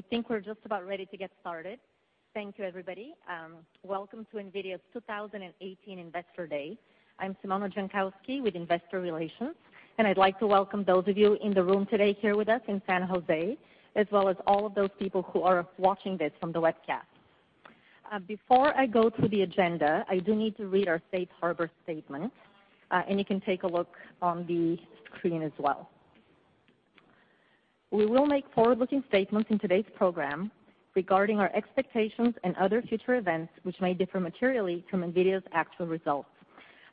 I think we're just about ready to get started. Thank you, everybody. Welcome to NVIDIA's 2018 Investor Day. I'm Simona Jankowski with Investor Relations, and I'd like to welcome those of you in the room today here with us in San Jose, as well as all of those people who are watching this from the webcast. Before I go through the agenda, I do need to read our safe harbor statement, and you can take a look on the screen as well. We will make forward-looking statements in today's program regarding our expectations and other future events, which may differ materially from NVIDIA's actual results.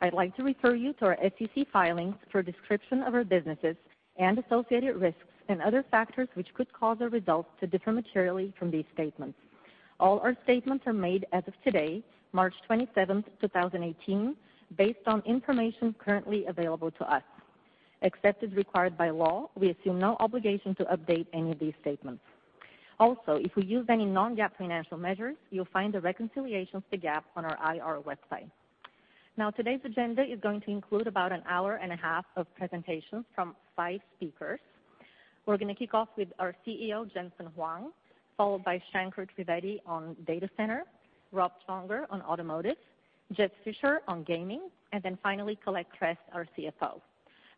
I'd like to refer you to our SEC filings for a description of our businesses and associated risks, and other factors which could cause our results to differ materially from these statements. All our statements are made as of today, March 27th, 2018, based on information currently available to us. Except as required by law, we assume no obligation to update any of these statements. Also, if we use any non-GAAP financial measures, you'll find the reconciliations to GAAP on our IR website. Today's agenda is going to include about an hour and a half of presentations from five speakers. We're going to kick off with our CEO, Jensen Huang, followed by Shanker Trivedi on Data Center, Rob Csongor on Automotive, Jeff Fisher on Gaming, and then finally Colette Kress, our CFO.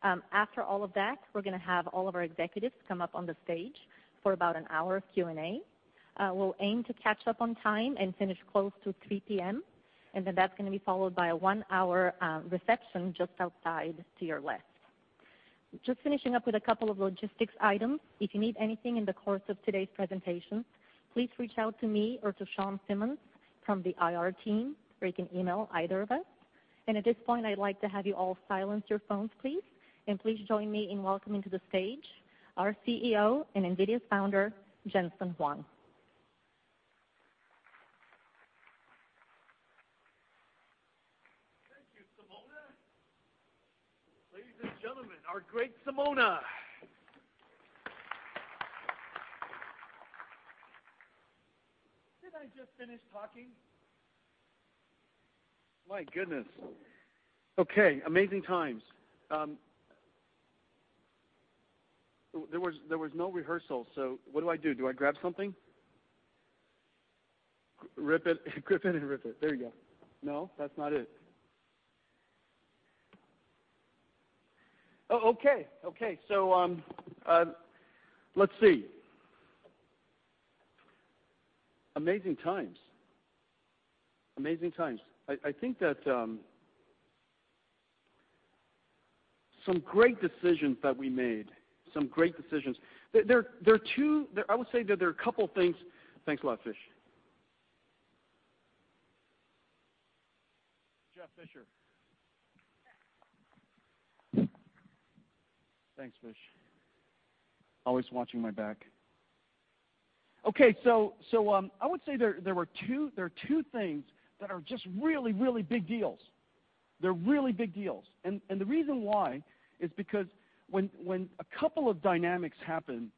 After all of that, we're going to have all of our executives come up on the stage for about an hour of Q&A. We'll aim to catch up on time and finish close to 3:00 P.M., and then that's going to be followed by a one-hour reception just outside to your left. Just finishing up with a couple of logistics items. If you need anything in the course of today's presentation, please reach out to me or to Shawn Simmons from the IR team, or you can email either of us. At this point, I'd like to have you all silence your phones, please, and please join me in welcoming to the stage our CEO and NVIDIA's founder, Jensen Huang. Thank you, Simona. Ladies and gentlemen, our great Simona. Didn't I just finish talking? My goodness. Okay, amazing times. There was no rehearsal, what do I do? Do I grab something? Grip it and rip it. There you go. No, that's not it. Okay, let's see. Amazing times. I think that some great decisions that we made. I would say that there are a couple of things. Thanks a lot, Fish. Jeff Fisher. Thanks, Fish. Always watching my back. Okay, I would say there are two things that are just really, really big deals. They're really big deals. The reason why is because when a couple of dynamics happen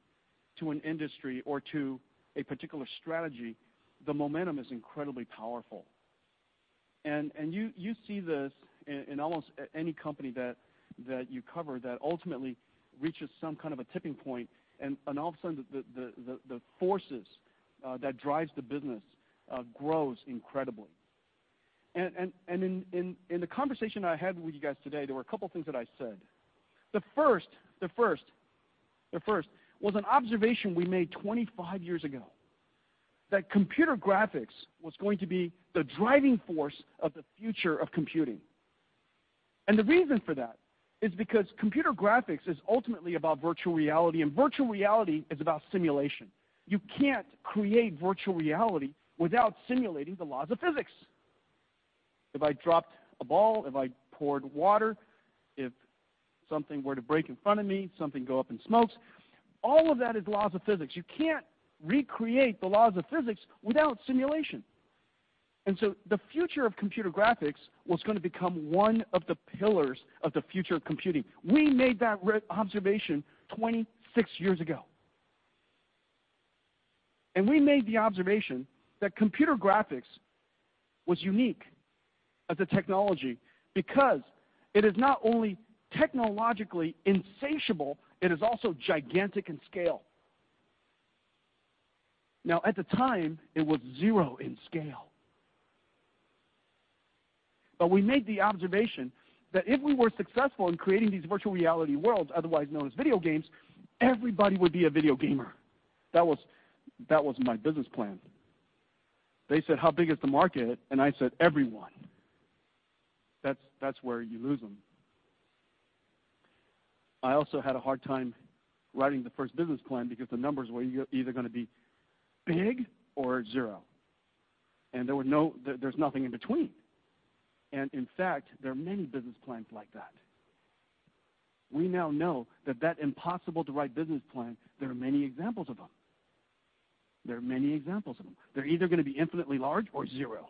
to an industry or to a particular strategy, the momentum is incredibly powerful. You see this in almost any company that you cover that ultimately reaches some kind of a tipping point, all of a sudden the forces that drives the business grows incredibly. In the conversation I had with you guys today, there were a couple of things that I said. The first was an observation we made 25 years ago that computer graphics was going to be the driving force of the future of computing. The reason for that is because computer graphics is ultimately about virtual reality, and virtual reality is about simulation. You can't create virtual reality without simulating the laws of physics. If I dropped a ball, if I poured water, if something were to break in front of me, something go up in smokes, all of that is laws of physics. You can't recreate the laws of physics without simulation. The future of computer graphics was going to become one of the pillars of the future of computing. We made that observation 26 years ago, we made the observation that computer graphics was unique as a technology because it is not only technologically insatiable, it is also gigantic in scale. Now, at the time, it was zero in scale. We made the observation that if we were successful in creating these virtual reality worlds, otherwise known as video games, everybody would be a video gamer. That was my business plan. They said, "How big is the market?" I said, "Everyone." That's where you lose them. I also had a hard time writing the first business plan because the numbers were either going to be big or zero, there's nothing in between. In fact, there are many business plans like that. We now know that that impossible-to-write business plan, there are many examples of them. There are many examples of them. They're either going to be infinitely large or zero.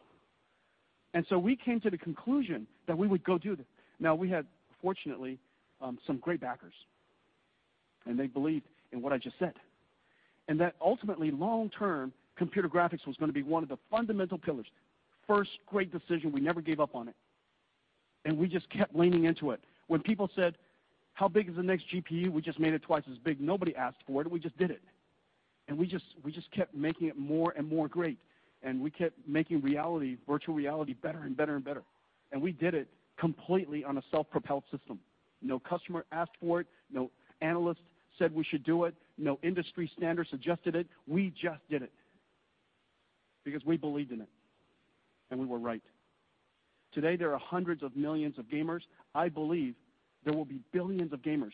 We came to the conclusion that we would go do this. Now, we had, fortunately, some great backers. They believed in what I just said. That ultimately, long-term, computer graphics was going to be one of the fundamental pillars. First great decision, we never gave up on it, we just kept leaning into it. When people said, "How big is the next GPU?" We just made it twice as big. Nobody asked for it, we just did it. We just kept making it more and more great. We kept making virtual reality better and better. We did it completely on a self-propelled system. No customer asked for it, no analyst said we should do it, no industry standard suggested it. We just did it because we believed in it, we were right. Today, there are hundreds of millions of gamers. I believe there will be billions of gamers.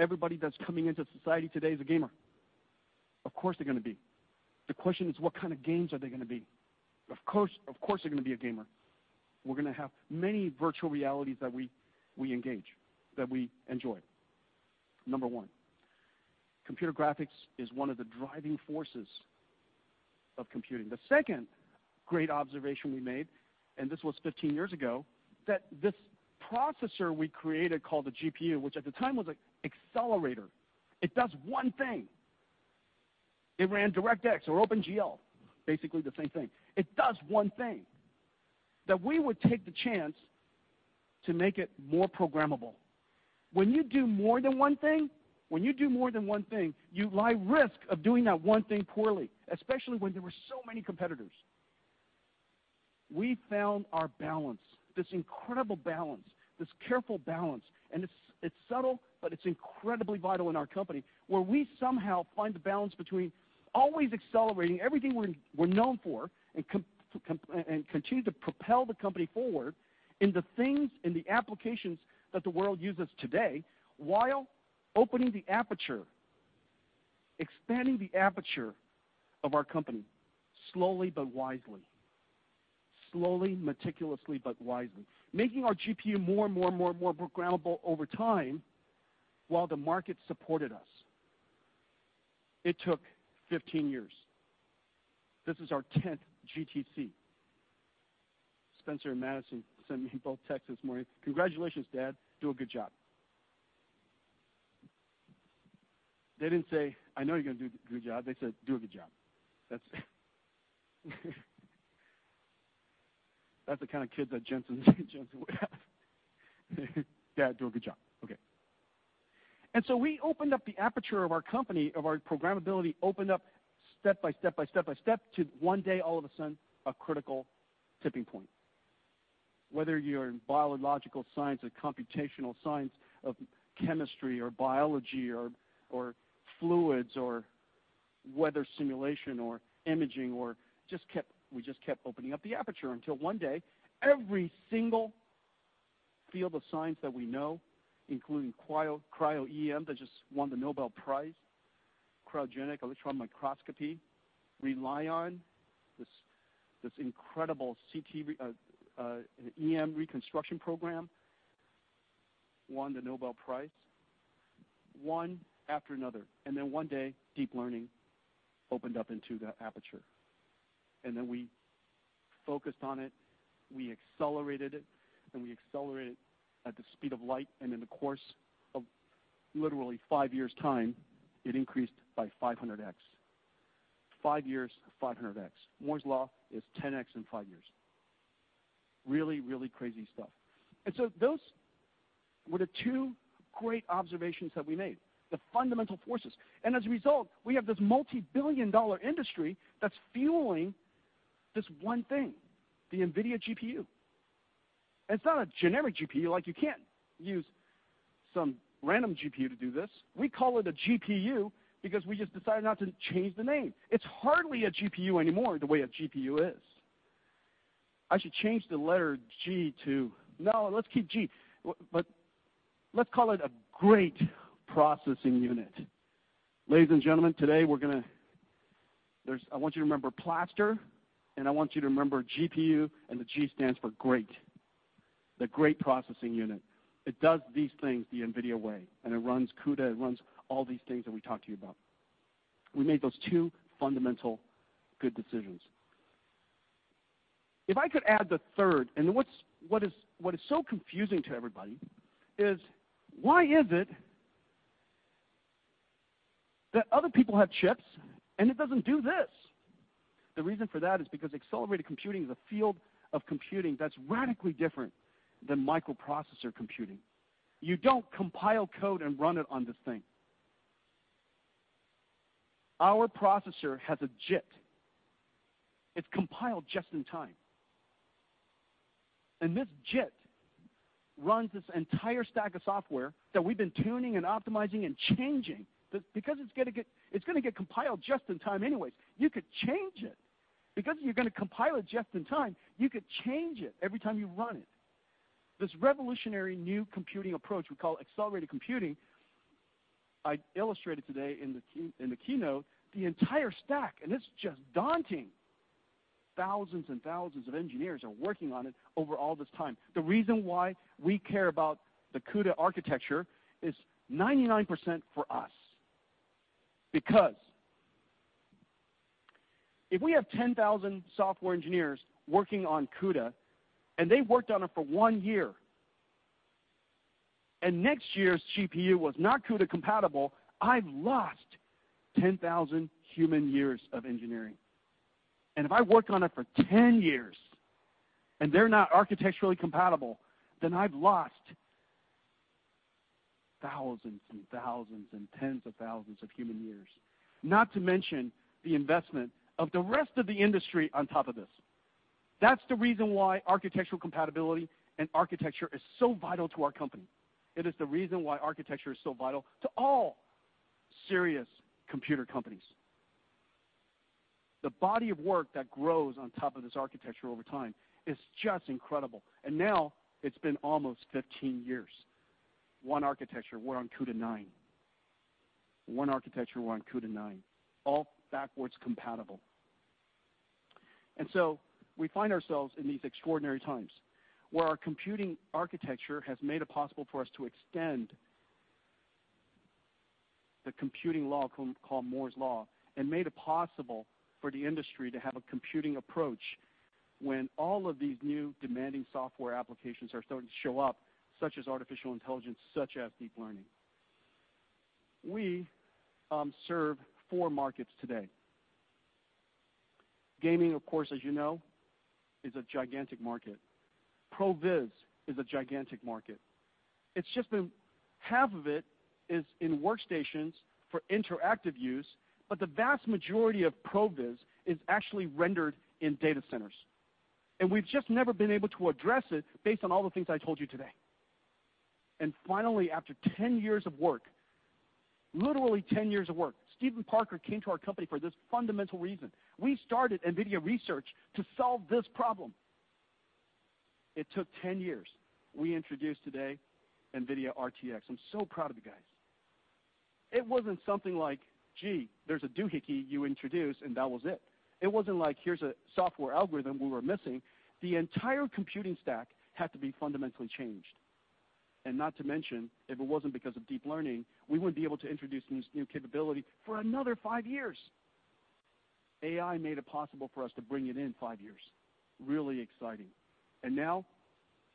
Everybody that's coming into society today is a gamer. Of course, they're going to be. The question is, what kind of games are they going to be? Of course, they're going to be a gamer. We're going to have many virtual realities that we engage, that we enjoy. Number one, computer graphics is one of the driving forces of computing. The second great observation we made, this was 15 years ago, that this processor we created called the GPU, which at the time was an accelerator. It does one thing. It ran DirectX or OpenGL, basically the same thing. It does one thing. We would take the chance to make it more programmable. When you do more than one thing, you run the risk of doing that one thing poorly, especially when there were so many competitors. We found our balance, this incredible balance, this careful balance. It's subtle, but it's incredibly vital in our company, where we somehow find the balance between always accelerating everything we're known for and continue to propel the company forward in the things, in the applications that the world uses today, while opening the aperture, expanding the aperture of our company, slowly but wisely. Slowly, meticulously, but wisely. Making our GPU more and more programmable over time while the market supported us. It took 15 years. This is our 10th GTC. Spencer and Madison sent me both texts this morning. "Congratulations, Dad. Do a good job." They didn't say, "I know you're going to do a good job." They said, "Do a good job." That's the kind of kids that Jensen would have. "Dad, do a good job." We opened up the aperture of our company, of our programmability, opened up step by step to one day, all of a sudden, a critical tipping point. Whether you're in biological science or computational science of chemistry or biology or fluids or weather simulation or imaging, we just kept opening up the aperture until one day, every single field of science that we know, including cryo-EM, that just won the Nobel Prize, cryogenic electron microscopy, rely on this incredible EM reconstruction program, won the Nobel Prize. One after another, one day, deep learning opened up into the aperture, we focused on it, we accelerated it, we accelerated at the speed of light, in the course of literally five years time, it increased by 500x. Five years, 500x. Moore's Law is 10x in five years. Really, really crazy stuff. Those were the two great observations that we made, the fundamental forces. As a result, we have this multi-billion dollar industry that's fueling this one thing, the NVIDIA GPU. It's not a generic GPU. You can't use some random GPU to do this. We call it a GPU because we just decided not to change the name. It's hardly a GPU anymore, the way a GPU is. I should change the letter G to let's keep G. Let's call it a great processing unit. Ladies and gentlemen, today, I want you to remember PLASTER, I want you to remember GPU and the G stands for great, the great processing unit. It does these things the NVIDIA way. It runs CUDA, it runs all these things that we talked to you about. We made those two fundamental good decisions. If I could add the third, what is so confusing to everybody is why is it that other people have chips and it doesn't do this? The reason for that is because accelerated computing is a field of computing that's radically different than microprocessor computing. You don't compile code and run it on this thing. Our processor has a JIT. It's compiled just in time. This JIT runs this entire stack of software that we've been tuning and optimizing and changing. Because it's going to get compiled just in time anyways, you could change it. Because you're going to compile it just in time, you could change it every time you run it. This revolutionary new computing approach we call accelerated computing, I illustrated today in the keynote, the entire stack, and it's just daunting. Thousands and thousands of engineers are working on it over all this time. The reason why we care about the CUDA architecture is 99% for us. If we have 10,000 software engineers working on CUDA, and they've worked on it for one year, and next year's GPU was not CUDA compatible, I've lost 10,000 human years of engineering. If I worked on it for 10 years, and they're not architecturally compatible, then I've lost thousands and thousands and tens of thousands of human years, not to mention the investment of the rest of the industry on top of this. That's the reason why architectural compatibility and architecture is so vital to our company. It is the reason why architecture is so vital to all serious computer companies. The body of work that grows on top of this architecture over time is just incredible. Now it's been almost 15 years. One architecture, we're on CUDA nine. One architecture, we're on CUDA nine, all backwards compatible. We find ourselves in these extraordinary times where our computing architecture has made it possible for us to extend the computing law called Moore's Law and made it possible for the industry to have a computing approach when all of these new demanding software applications are starting to show up, such as artificial intelligence, such as deep learning. We serve four markets today. Gaming, of course, as you know, is a gigantic market. Pro Viz is a gigantic market. It's just been half of it is in workstations for interactive use, but the vast majority of Pro Viz is actually rendered in data centers. We've just never been able to address it based on all the things I told you today. Finally, after 10 years of work, literally 10 years of work, Steven Parker came to our company for this fundamental reason. We started NVIDIA Research to solve this problem. It took 10 years. We introduced today NVIDIA RTX. I'm so proud of you guys. It wasn't something like, gee, there's a doohickey you introduce, and that was it. It wasn't like here's a software algorithm we were missing. The entire computing stack had to be fundamentally changed. Not to mention, if it wasn't because of deep learning, we wouldn't be able to introduce this new capability for another five years. AI made it possible for us to bring it in five years. Really exciting. Now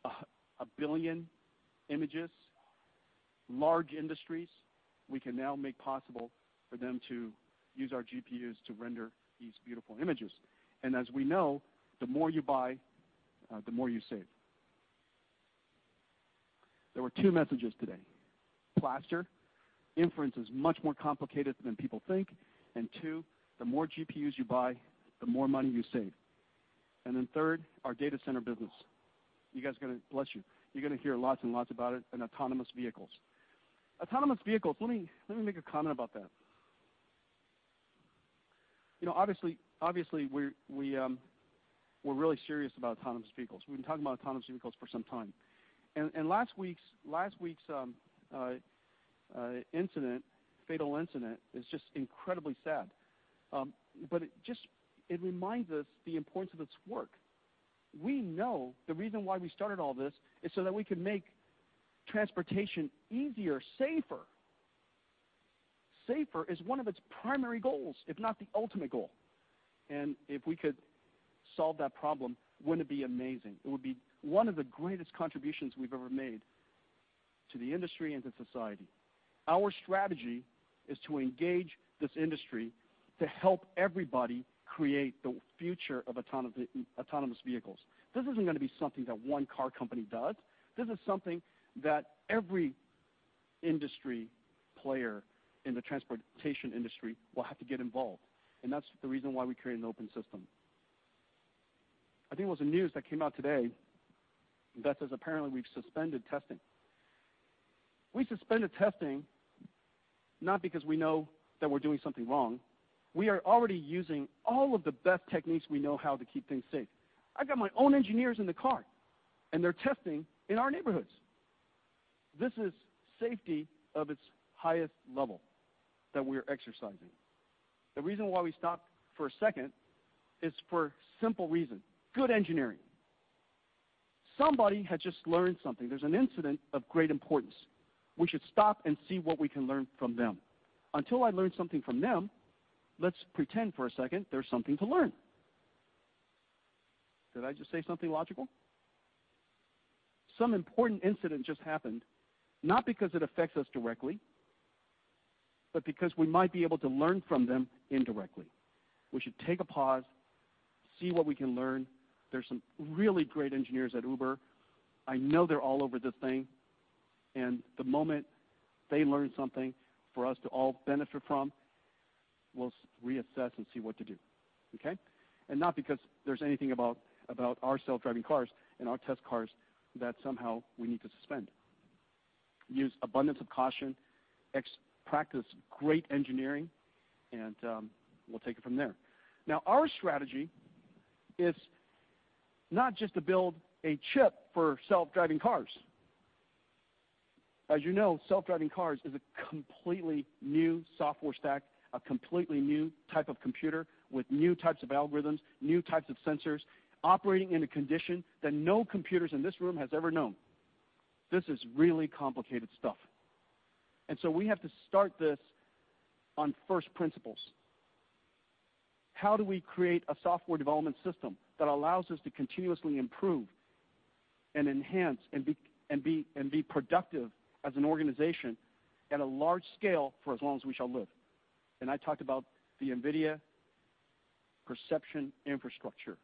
a billion images, large industries, we can now make possible for them to use our GPUs to render these beautiful images. As we know, the more you buy, the more you save. There were two messages today. PLASTER inference is much more complicated than people think. Two, the more GPUs you buy, the more money you save. Then third, our data center business. Bless you. You're going to hear lots and lots about it in autonomous vehicles. Autonomous vehicles, let me make a comment about that. Obviously, we're really serious about autonomous vehicles. We've been talking about autonomous vehicles for some time. Last week's incident, fatal incident, is just incredibly sad. It reminds us the importance of this work. We know the reason why we started all this is so that we can make transportation easier, safer. Safer is one of its primary goals, if not the ultimate goal. If we could solve that problem, wouldn't it be amazing? It would be one of the greatest contributions we've ever made to the industry and to society. Our strategy is to engage this industry to help everybody create the future of autonomous vehicles. This isn't going to be something that one car company does. This is something that every industry player in the transportation industry will have to get involved, and that's the reason why we created an open system. I think it was the news that came out today that says apparently we've suspended testing. We suspended testing not because we know that we're doing something wrong. We are already using all of the best techniques we know how to keep things safe. I've got my own engineers in the car, and they're testing in our neighborhoods. This is safety of its highest level that we are exercising. The reason why we stopped for a second is for a simple reason, good engineering. Somebody had just learned something. There's an incident of great importance. We should stop and see what we can learn from them. Until I learn something from them, let's pretend for a second there's something to learn. Did I just say something logical? Some important incident just happened, not because it affects us directly, but because we might be able to learn from them indirectly. We should take a pause, see what we can learn. There's some really great engineers at Uber. I know they're all over this thing, and the moment they learn something for us to all benefit from, we'll reassess and see what to do. Okay? Not because there's anything about our self-driving cars and our test cars that somehow we need to suspend. Use abundance of caution, practice great engineering, and we'll take it from there. Now, our strategy is not just to build a chip for self-driving cars. As you know, self-driving cars is a completely new software stack, a completely new type of computer with new types of algorithms, new types of sensors, operating in a condition that no computers in this room has ever known. This is really complicated stuff. So we have to start this on first principles. How do we create a software development system that allows us to continuously improve and enhance and be productive as an organization at a large scale for as long as we shall live? I talked about the NVIDIA perception infrastructure.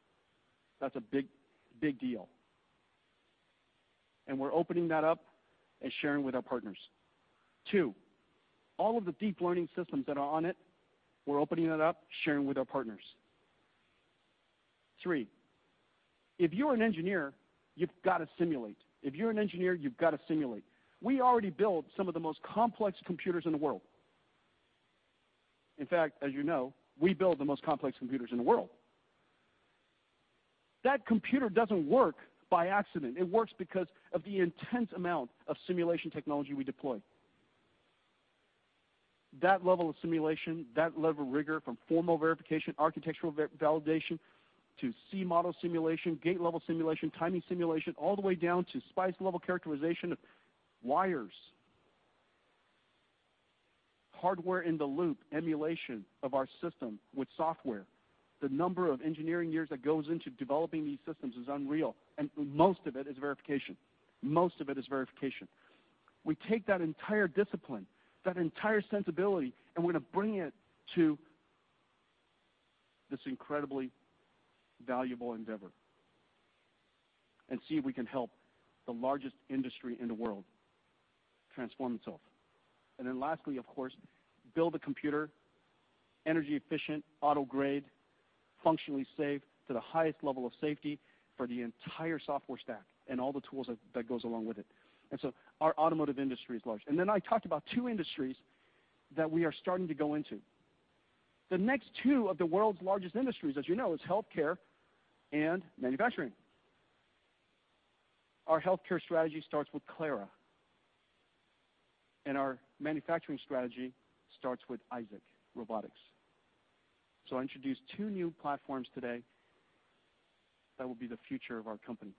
That's a big deal, and we're opening that up and sharing with our partners. Two, all of the deep learning systems that are on it, we're opening it up, sharing with our partners. Three, if you are an engineer, you've got to simulate. If you're an engineer, you've got to simulate. We already build some of the most complex computers in the world. In fact, as you know, we build the most complex computers in the world. That computer doesn't work by accident. It works because of the intense amount of simulation technology we deploy. That level of simulation, that level of rigor from formal verification, architectural validation, to C model simulation, gate level simulation, timing simulation, all the way down to SPICE level characterization of wires, hardware in the loop emulation of our system with software. The number of engineering years that goes into developing these systems is unreal, and most of it is verification. Most of it is verification. We take that entire discipline, that entire sensibility, and we're going to bring it to this incredibly valuable endeavor and see if we can help the largest industry in the world transform itself. Lastly, of course, build a computer, energy efficient, auto-grade, functionally safe to the highest level of safety for the entire software stack and all the tools that goes along with it. Our automotive industry is large. I talked about two industries that we are starting to go into. The next two of the world's largest industries, as you know, is healthcare and manufacturing. Our healthcare strategy starts with Clara, and our manufacturing strategy starts with Isaac Robotics. I introduced two new platforms today that will be the future of our company.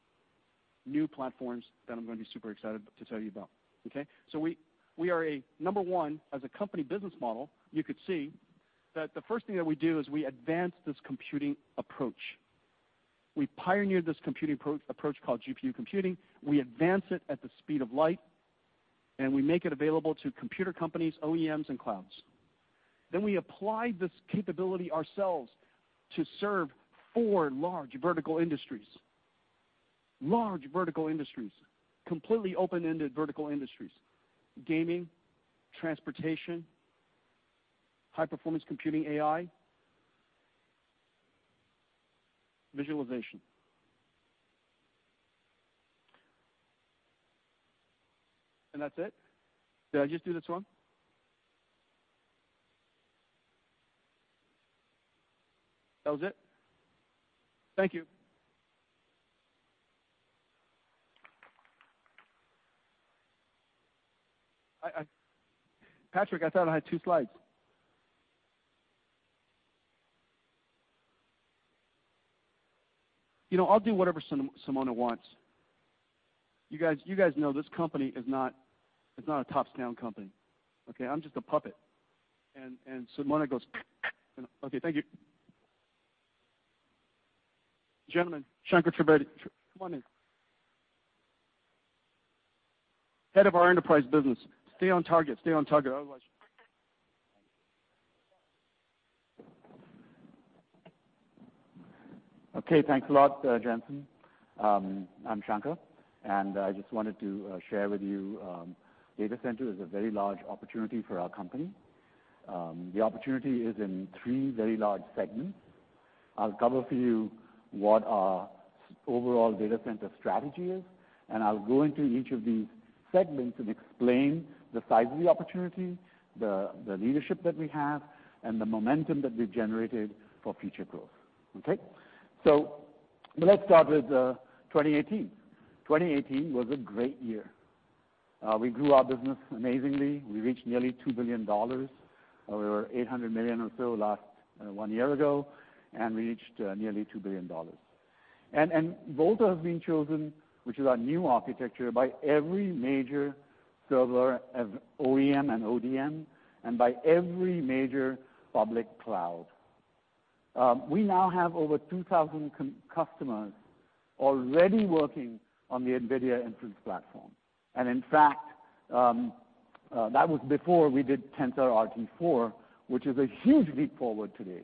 New platforms that I'm going to be super excited to tell you about. Okay? We are a number one as a company business model, you could see that the first thing that we do is we advance this computing approach. We pioneered this computing approach called GPU computing. We advance it at the speed of light, we make it available to computer companies, OEMs, and clouds. We apply this capability ourselves to serve four large vertical industries. Large vertical industries, completely open-ended vertical industries, gaming, transportation, high-performance computing AI, visualization. That's it. Did I just do this one? That was it. Thank you. Patrick, I thought I had two slides. You know, I'll do whatever Simona wants. You guys know this company is not a tops down company, okay? I'm just a puppet, Simona goes and Okay, thank you. Gentlemen, Shanker Trivedi, come on in. Head of our enterprise business. Stay on target. Stay on target, otherwise Okay, thanks a lot, Jensen. I'm Shanker, I just wanted to share with you, data center is a very large opportunity for our company. The opportunity is in three very large segments. I'll cover for you what our overall data center strategy is, I'll go into each of these segments and explain the size of the opportunity, the leadership that we have, the momentum that we've generated for future growth. Okay? Let's start with 2018. 2018 was a great year. We grew our business amazingly. We reached nearly $2 billion. We were $800 million or so one year ago, we reached nearly $2 billion. Volta has been chosen, which is our new architecture, by every major server as OEM and ODM, by every major public cloud. We now have over 2,000 customers already working on the NVIDIA inference platform. In fact, that was before we did TensorRT 4, which is a huge leap forward today.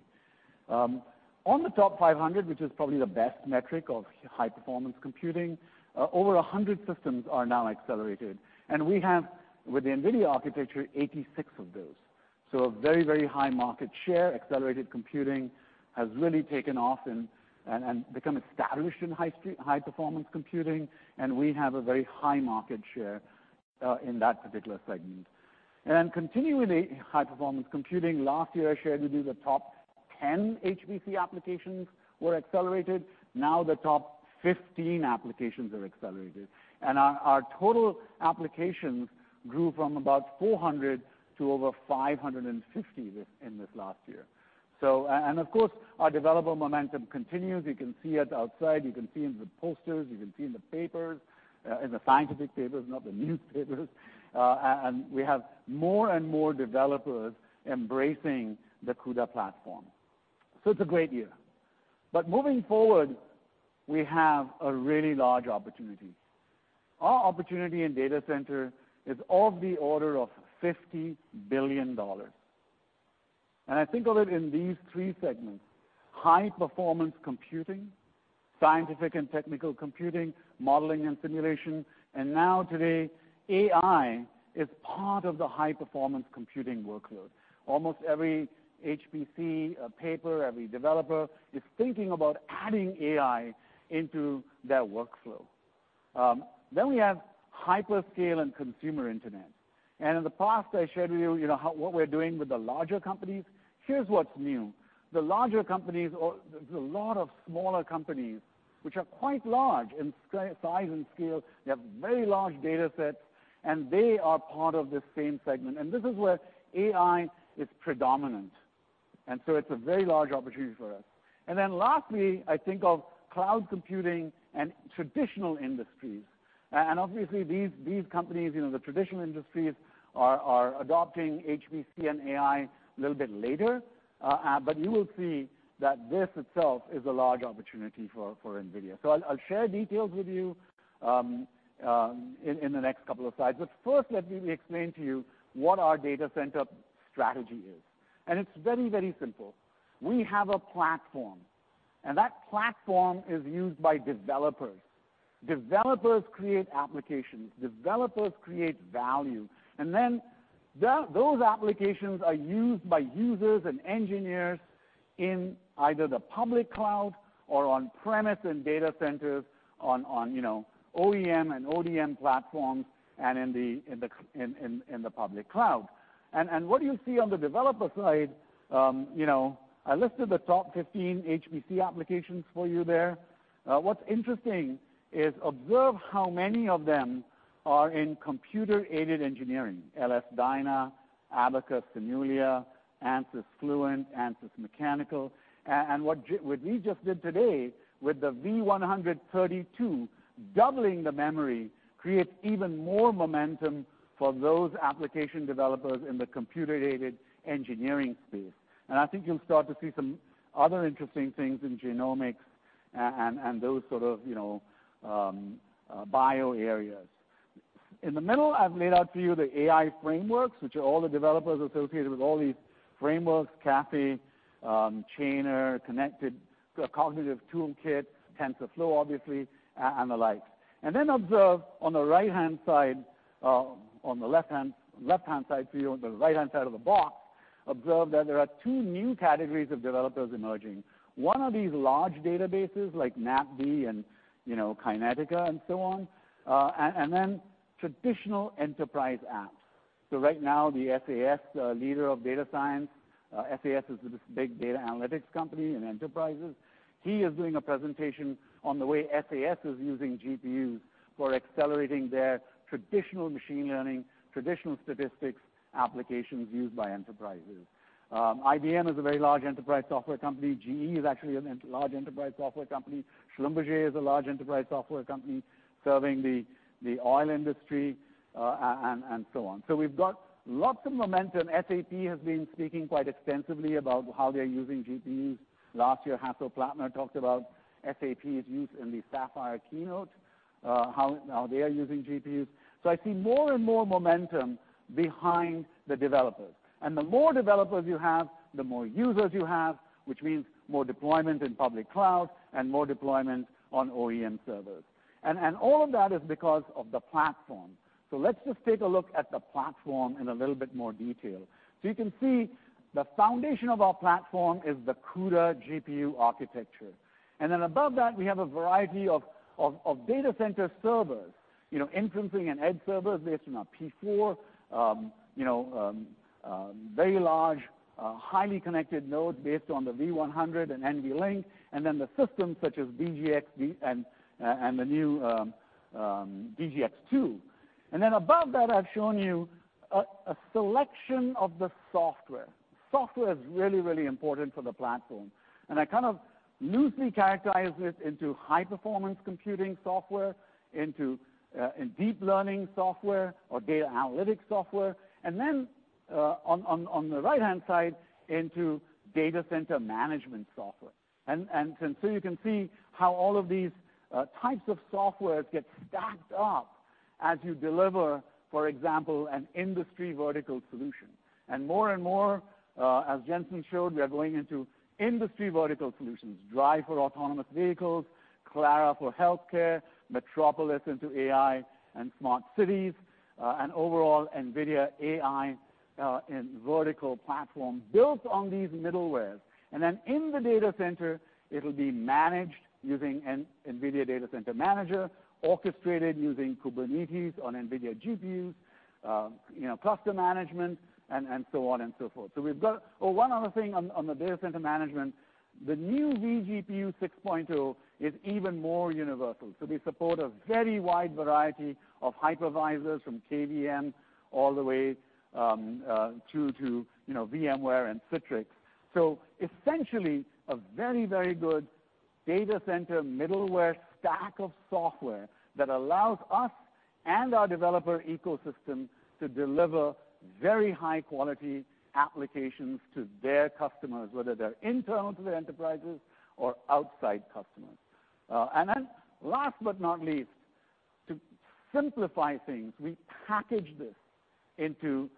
On the top 500, which is probably the best metric of high-performance computing, over 100 systems are now accelerated. We have, with the NVIDIA architecture, 86 of those. A very high market share. Accelerated computing has really taken off and become established in high-performance computing, and we have a very high market share, in that particular segment. Continuing with high-performance computing, last year I shared with you the top 10 HPC applications were accelerated. Now the top 15 applications are accelerated. Our total applications grew from about 400 to over 550 in this last year. Of course, our developer momentum continues. You can see it outside, you can see in the posters, you can see in the papers, in the scientific papers, not the newspapers. We have more and more developers embracing the CUDA platform. It's a great year. Moving forward, we have a really large opportunity. Our opportunity in data center is of the order of $50 billion. I think of it in these three segments: high-performance computing, scientific and technical computing, modeling and simulation, and now today, AI is part of the high-performance computing workload. Almost every HPC paper, every developer is thinking about adding AI into their workflow. We have hyperscale and consumer internet. In the past, I shared with you what we're doing with the larger companies. Here's what's new. The larger companies, or there's a lot of smaller companies, which are quite large in size and scale. They have very large data sets, and they are part of this same segment. This is where AI is predominant. It's a very large opportunity for us. Lastly, I think of cloud computing and traditional industries. Obviously these companies, the traditional industries, are adopting HPC and AI a little bit later. You will see that this itself is a large opportunity for NVIDIA. I'll share details with you in the next couple of slides. First, let me explain to you what our data center strategy is. It's very simple. We have a platform, that platform is used by developers. Developers create applications. Developers create value. Then those applications are used by users and engineers in either the public cloud or on premise in data centers, on OEM and ODM platforms, and in the public cloud. What you see on the developer side, I listed the top 15 HPC applications for you there. What's interesting is observe how many of them are in computer-aided engineering, LS-DYNA, Abaqus, SIMULIA, Ansys Fluent, Ansys Mechanical. What we just did today with the V100 32, doubling the memory creates even more momentum for those application developers in the computer-aided engineering space. I think you'll start to see some other interesting things in genomics and those sort of bio areas. In the middle, I've laid out for you the AI frameworks, which are all the developers associated with all these frameworks, Caffe, Chainer, Microsoft Cognitive Toolkit, TensorFlow, obviously, and the like. Then observe on the right-hand side-- on the left-hand side for you, on the right-hand side of the box, observe that there are two new categories of developers emerging. One are these large databases like MapD and Kinetica and so on, and then traditional enterprise apps. Right now, the SAS leader of data science, SAS is this big data analytics company in enterprises. He is doing a presentation on the way SAS is using GPUs for accelerating their traditional machine learning, traditional statistics applications used by enterprises. IBM is a very large enterprise software company. GE is actually a large enterprise software company. Schlumberger is a large enterprise software company serving the oil industry, and so on. We've got lots of momentum. SAP has been speaking quite extensively about how they're using GPUs. Last year, Hasso Plattner talked about SAP's use in the Sapphire keynote, how they are using GPUs. I see more and more momentum behind the developers. The more developers you have, the more users you have, which means more deployment in public cloud and more deployment on OEM servers. All of that is because of the platform. Let's just take a look at the platform in a little bit more detail. You can see the foundation of our platform is the CUDA GPU architecture. Above that, we have a variety of data center servers, inferencing and edge servers based on our P4, very large, highly connected nodes based on the V100 and NVLink, and then the systems such as DGX and the new DGX 2. Above that, I've shown you a selection of the software. Software is really important for the platform. I kind of loosely characterize it into high-performance computing software, into deep learning software or data analytics software, and then on the right-hand side, into data center management software. You can see how all of these types of software get stacked up as you deliver, for example, an industry vertical solution. More and more, as Jensen showed, we are going into industry vertical solutions, DRIVE for autonomous vehicles, Clara for healthcare, Metropolis into AI and smart cities, and overall NVIDIA AI and vertical platform built on these middlewares. In the data center, it'll be managed using NVIDIA Data Center GPU Manager, orchestrated using Kubernetes on NVIDIA GPUs, cluster management, and so on and so forth. We've got-- Oh, one other thing on the data center management. The new vGPU 6.0 is even more universal. We support a very wide variety of hypervisors from KVM all the way through to VMware and Citrix. Essentially a very, very good data center middleware stack of software that allows us and our developer ecosystem to deliver very high-quality applications to their customers, whether they're internal to their enterprises or outside customers. Last but not least, to simplify things, we package this into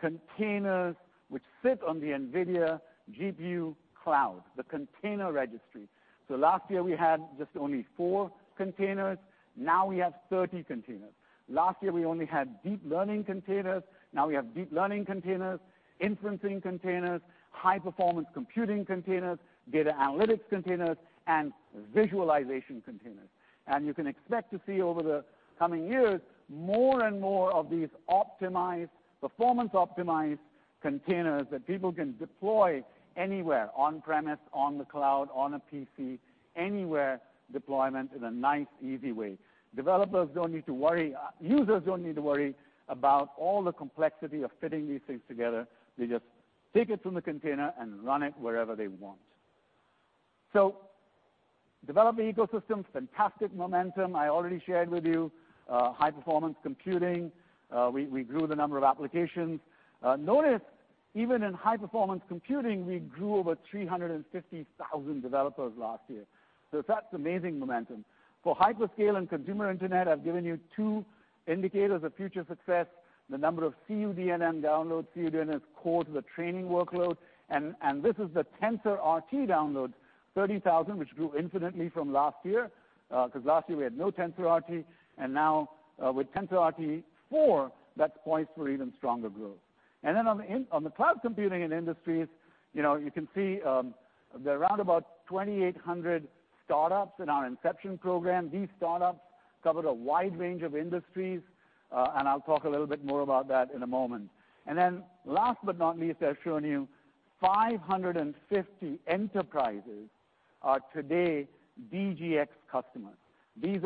containers which sit on the NVIDIA GPU Cloud, the container registry. Last year we had just only 4 containers. Now we have 30 containers. Last year we only had deep learning containers. Now we have deep learning containers, inferencing containers, high-performance computing containers, data analytics containers, and visualization containers. You can expect to see over the coming years more and more of these performance-optimized containers that people can deploy anywhere, on premise, on the cloud, on a PC, anywhere deployment in a nice, easy way. Users don't need to worry about all the complexity of fitting these things together. They just take it from the container and run it wherever they want. Developer ecosystem, fantastic momentum. I already shared with you high-performance computing. We grew the number of applications. Notice even in high-performance computing, we grew over 350,000 developers last year. That's amazing momentum. For hyperscale and consumer internet, I've given you two indicators of future success, the number of cuDNN downloads, cuDNN is core to the training workload. This is the TensorRT downloads, 30,000, which grew infinitely from last year, because last year we had no TensorRT, and now with TensorRT 4, that points for even stronger growth. On the cloud computing and industries, you can see there are around about 2,800 startups in our Inception program. These startups covered a wide range of industries, and I'll talk a little bit more about that in a moment. Last but not least, I've shown you 550 enterprises are today DGX customers. These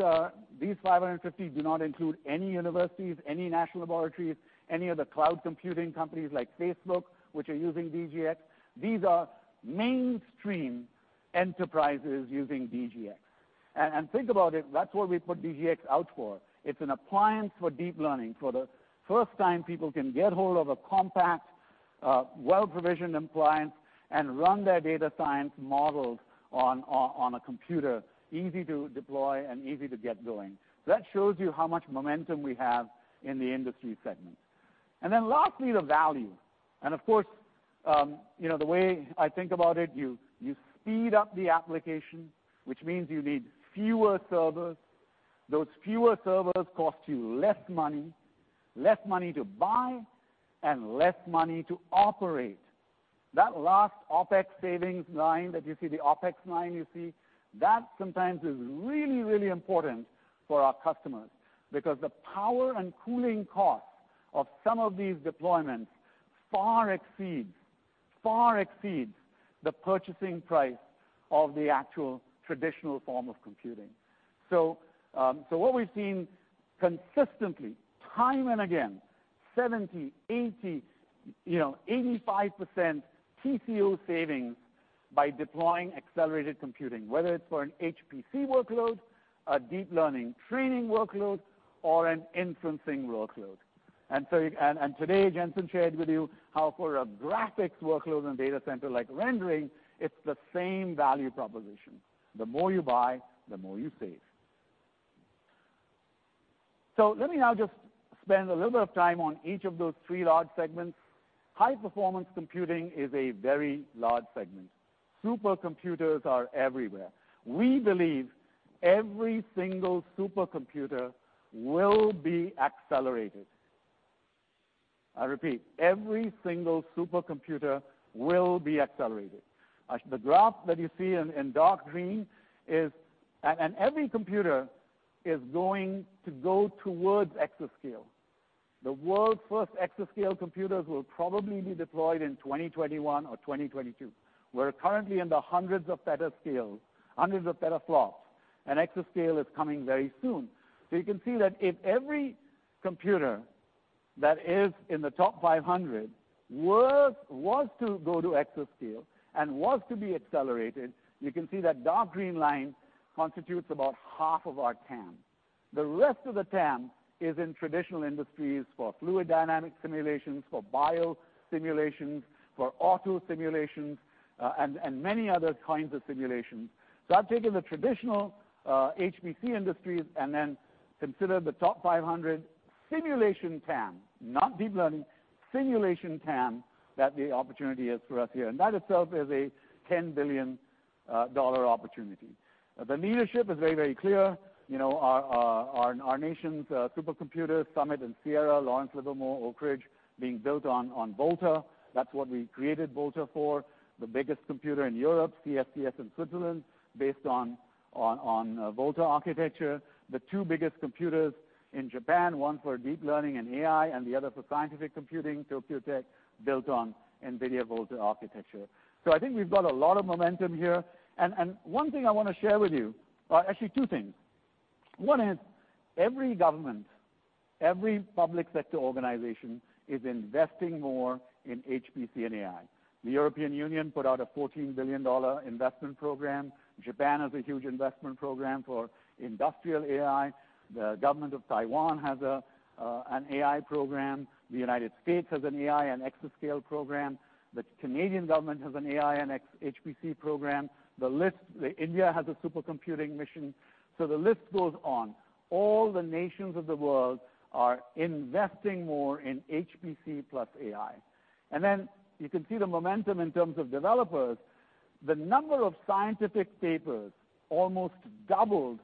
550 do not include any universities, any national laboratories, any of the cloud computing companies like Facebook, which are using DGX. These are mainstream enterprises using DGX. Think about it, that's what we put DGX out for. It's an appliance for deep learning. For the first time, people can get hold of a compact, well-provisioned appliance and run their data science models on a computer, easy to deploy and easy to get going. That shows you how much momentum we have in the industry segment. Lastly, the value. Of course, the way I think about it, you speed up the application, which means you need fewer servers. Those fewer servers cost you less money, less money to buy and less money to operate. That last OpEx savings line that you see, the OpEx line you see, that sometimes is really, really important for our customers because the power and cooling costs of some of these deployments far exceeds the purchasing price of the actual traditional form of computing. What we've seen consistently time and again, 70%, 80%, 85% TCO savings by deploying accelerated computing, whether it's for an HPC workload, a deep learning training workload, or an inferencing workload. Today, Jensen shared with you how for a graphics workload in a data center like rendering, it's the same value proposition. The more you buy, the more you save. Let me now just spend a little bit of time on each of those three large segments. High-performance computing is a very large segment. Supercomputers are everywhere. We believe every single supercomputer will be accelerated. I repeat, every single supercomputer will be accelerated. The graph that you see in dark green, every computer is going to go towards exascale. The world's first exascale computers will probably be deployed in 2021 or 2022. We're currently in the hundreds of petaflop, exascale is coming very soon. You can see that if every computer that is in the top 500 was to go to exascale and was to be accelerated, you can see that dark green line constitutes about half of our TAM. The rest of the TAM is in traditional industries for fluid dynamic simulations, for bio simulations, for auto simulations, and many other kinds of simulations. I've taken the traditional HPC industries and then considered the top 500 simulation TAM, not deep learning, simulation TAM that the opportunity is for us here. That itself is a $10 billion opportunity. The leadership is very, very clear. Our nation's supercomputers, Summit and Sierra, Lawrence Livermore, Oak Ridge, being built on Volta. That's what we created Volta for. The biggest computer in Europe, CSCS in Switzerland, based on Volta architecture. The two biggest computers in Japan, one for deep learning and AI, and the other for scientific computing, Tokyo Tech, built on NVIDIA Volta architecture. I think we've got a lot of momentum here. One thing I want to share with you, actually two things. One is every government, every public sector organization is investing more in HPC and AI. The European Union put out a $14 billion investment program. Japan has a huge investment program for industrial AI. The government of Taiwan has an AI program. The United States has an AI and exascale program. The Canadian government has an AI and HPC program. India has a Supercomputing Mission, the list goes on. All the nations of the world are investing more in HPC plus AI. Then you can see the momentum in terms of developers. The number of scientific papers almost doubled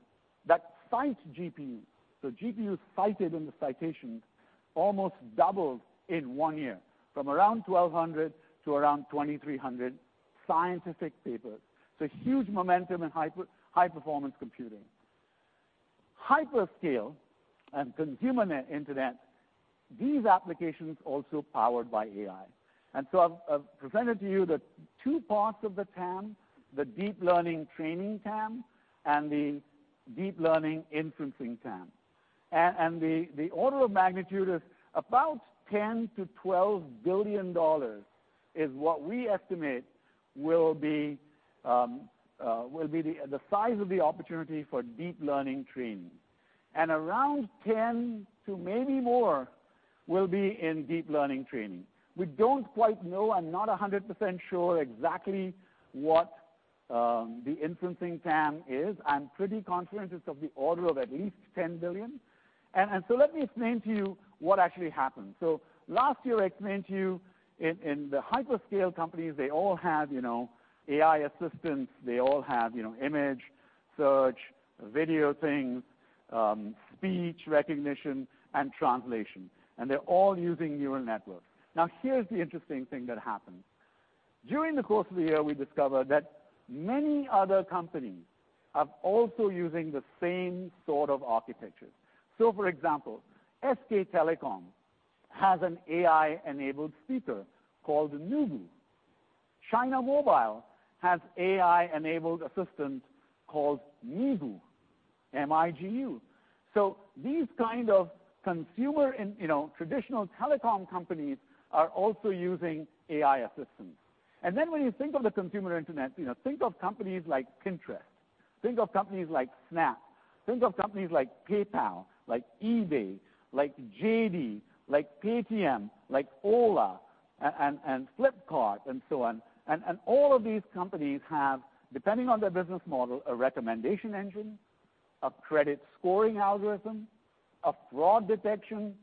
that cite GPUs. GPUs cited in the citations almost doubled in one year from around 1,200 to around 2,300 scientific papers. Huge momentum in high performance computing. Hyperscale and consumer internet, these applications also powered by AI. I've presented to you the two parts of the TAM, the deep learning training TAM and the deep learning inferencing TAM. The order of magnitude is about $10 billion-$12 billion is what we estimate will be the size of the opportunity for deep learning training. Around 10 to maybe more will be in deep learning training. We don't quite know. I'm not 100% sure exactly what the inferencing TAM is. I'm pretty confident it's of the order of at least $10 billion. Let me explain to you what actually happened. Last year I explained to you in the hyperscale companies, they all have AI assistants. They all have image search, video things, speech recognition, and translation. They're all using neural networks. Here's the interesting thing that happened. During the course of the year, we discovered that many other companies are also using the same sort of architecture. For example, SK Telecom has an AI-enabled speaker called NUGU. China Mobile has AI-enabled assistant called Migu, M-I-G-U. These kind of consumer and traditional telecom companies are also using AI assistants. Then when you think of the consumer internet, think of companies like Pinterest. Think of companies like Snap. Think of companies like PayPal, like eBay, like JD, like Paytm, like Ola, and Flipkart, and so on. All of these companies have, depending on their business model, a recommendation engine, a credit scoring algorithm, a fraud detection,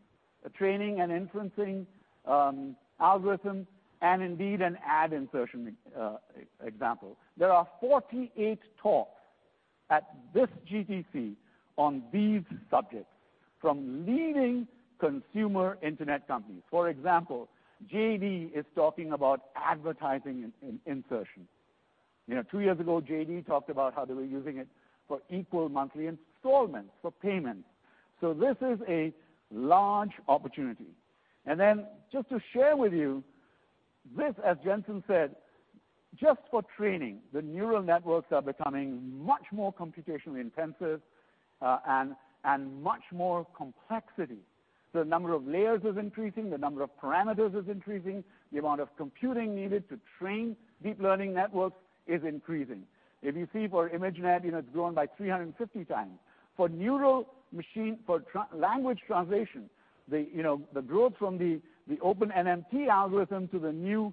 a training and inferencing algorithm, and indeed an ad insertion example. There are 48 talks at this GTC on these subjects from leading consumer internet companies. For example, JD is talking about advertising and insertion. Two years ago, JD talked about how they were using it for equal monthly installments for payments. This is a large opportunity. Just to share with you this, as Jensen said, just for training, the neural networks are becoming much more computationally intensive, and much more complexity. The number of layers is increasing. The number of parameters is increasing. The amount of computing needed to train deep learning networks is increasing. If you see for ImageNet, it has grown by 350 times. For neural machine, for language translation, the growth from the open NMT algorithm to the new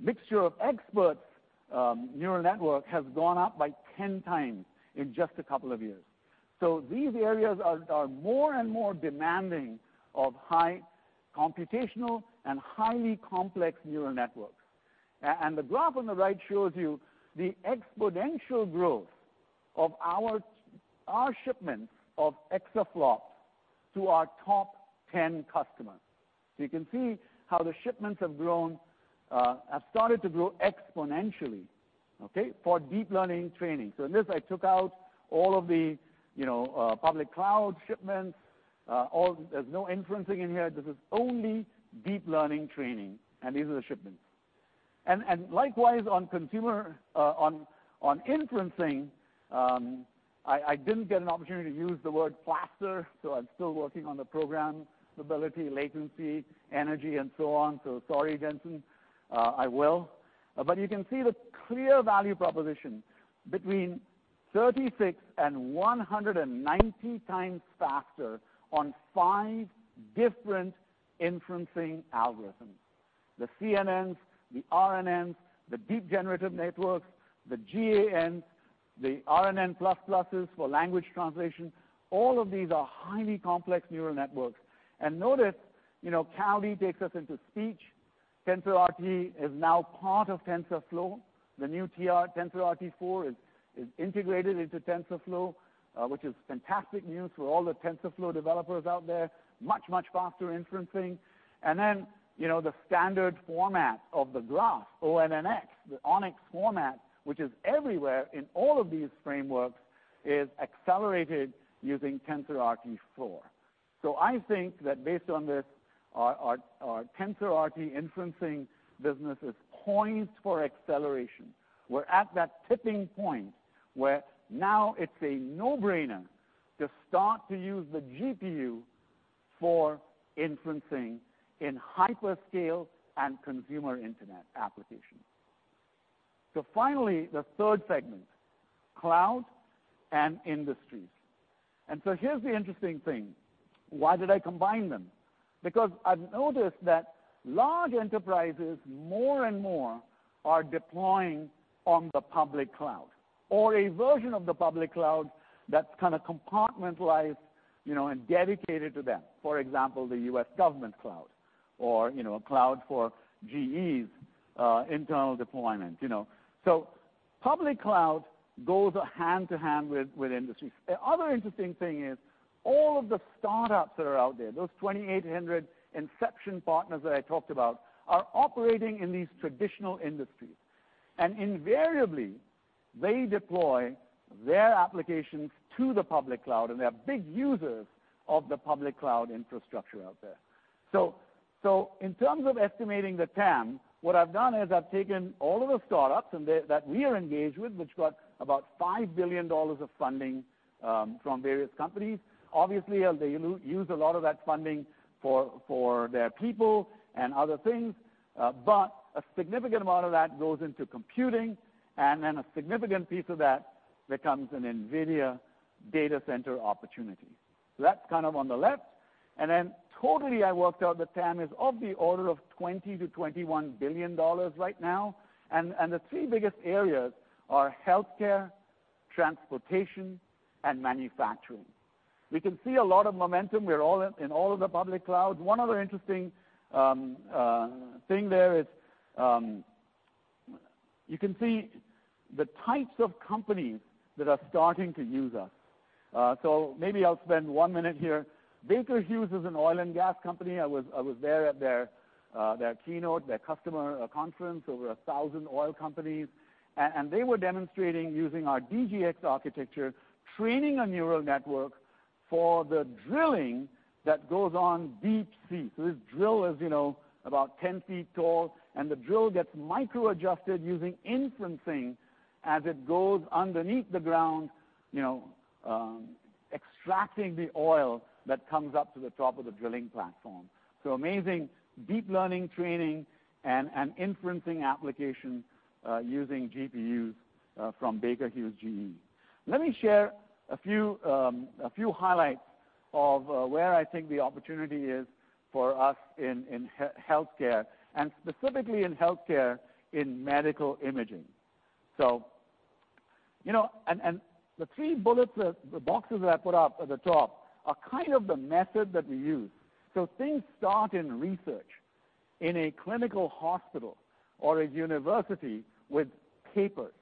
mixture of experts neural network has gone up by 10 times in just a couple of years. These areas are more and more demanding of high computational and highly complex neural networks. The graph on the right shows you the exponential growth of our shipments of exaFLOPS to our top 10 customers. You can see how the shipments have started to grow exponentially, okay, for deep learning training. In this, I took out all of the public cloud shipments. There is no inferencing in here. This is only deep learning training, and these are the shipments. Likewise, on consumer, on inferencing, I did not get an opportunity to use the word faster, so I am still working on the programmability, latency, energy, and so on. Sorry, Jensen. I will. You can see the clear value proposition between 36 and 190 times faster on five different inferencing algorithms. The CNNs, the RNNs, the deep generative networks, the GANs, the RNN++s for language translation, all of these are highly complex neural networks. Notice, Kaldi takes us into speech. TensorRT is now part of TensorFlow. The new TensorRT 4 is integrated into TensorFlow, which is fantastic news for all the TensorFlow developers out there. Much, much faster inferencing. The standard format of the graph, ONNX, the ONNX format, which is everywhere in all of these frameworks, is accelerated using TensorRT 4. I think that based on this, our TensorRT inferencing business is poised for acceleration. We are at that tipping point where now it is a no-brainer to start to use the GPU for inferencing in hyperscale and consumer internet applications. Finally, the third segment, cloud and industries. Here is the interesting thing. Why did I combine them? Because I have noticed that large enterprises more and more are deploying on the public cloud or a version of the public cloud that is kind of compartmentalized and dedicated to them, for example, the U.S. government cloud or a cloud for GE's internal deployment. Public cloud goes hand-to-hand with industries. The other interesting thing is all of the startups that are out there, those 2,800 Inception partners that I talked about, are operating in these traditional industries. Invariably, they deploy their applications to the public cloud, and they are big users of the public cloud infrastructure out there. In terms of estimating the TAM, what I have done is I have taken all of the startups that we are engaged with, which got about $5 billion of funding from various companies. Obviously, they use a lot of that funding for their people and other things. A significant amount of that goes into computing, and then a significant piece of that becomes an NVIDIA data center opportunity. That is kind of on the left. Totally I worked out the TAM is of the order of $20 billion-$21 billion right now, and the three biggest areas are healthcare, transportation, and manufacturing. We can see a lot of momentum in all of the public clouds. One other interesting thing there is you can see the types of companies that are starting to use us. Maybe I will spend one minute here. Baker Hughes is an oil and gas company. I was there at their keynote, their customer conference, over 1,000 oil companies. They were demonstrating using our DGX architecture, training a neural network for the drilling that goes on deep sea. This drill is about 10 feet tall, and the drill gets micro adjusted using inferencing as it goes underneath the ground, extracting the oil that comes up to the top of the drilling platform. Amazing deep learning training and inferencing application using GPUs from Baker Hughes GE. Let me share a few highlights of where I think the opportunity is for us in healthcare, and specifically in healthcare in medical imaging. The three boxes that I put up at the top are kind of the method that we use. Things start in research in a clinical hospital or a university with papers.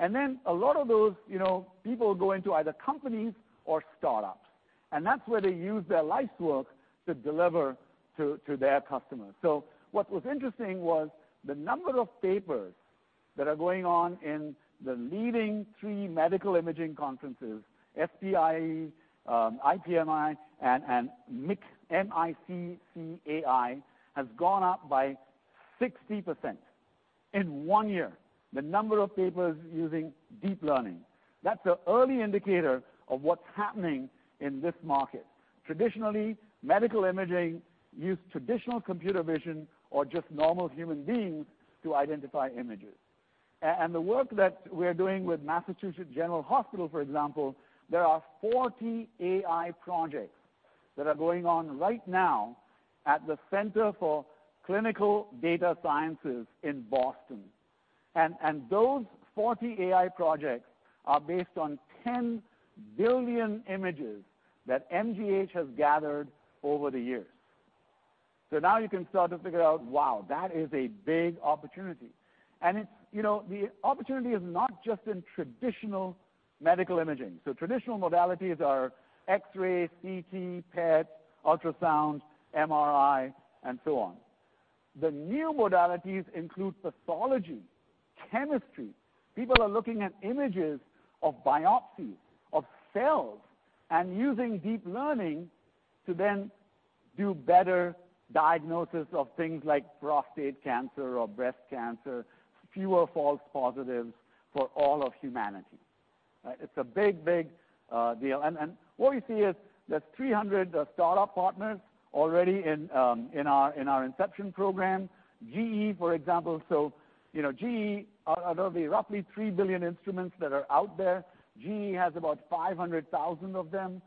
A lot of those people go into either companies or startups, and that's where they use their life's work to deliver to their customers. What was interesting was the number of papers that are going on in the leading three medical imaging conferences, SPIE, IPMI, and MICCAI, has gone up by 60% in one year, the number of papers using deep learning. That's an early indicator of what's happening in this market. Traditionally, medical imaging used traditional computer vision or just normal human beings to identify images. The work that we're doing with Massachusetts General Hospital, for example, there are 40 AI projects that are going on right now at the Center for Clinical Data Sciences in Boston. Those 40 AI projects are based on 10 billion images that MGH has gathered over the years. Now you can start to figure out, wow, that is a big opportunity. The opportunity is not just in traditional medical imaging. Traditional modalities are X-ray, CT, PET, ultrasound, MRI, and so on. The new modalities include pathology, chemistry. People are looking at images of biopsies of cells and using deep learning to then do better diagnosis of things like prostate cancer or breast cancer, fewer false positives for all of humanity. It's a big, big deal. What we see is there's 300 startup partners already in our Inception program. GE, for example, GE, there'll be roughly 3 billion instruments that are out there. GE has about 500,000 of them.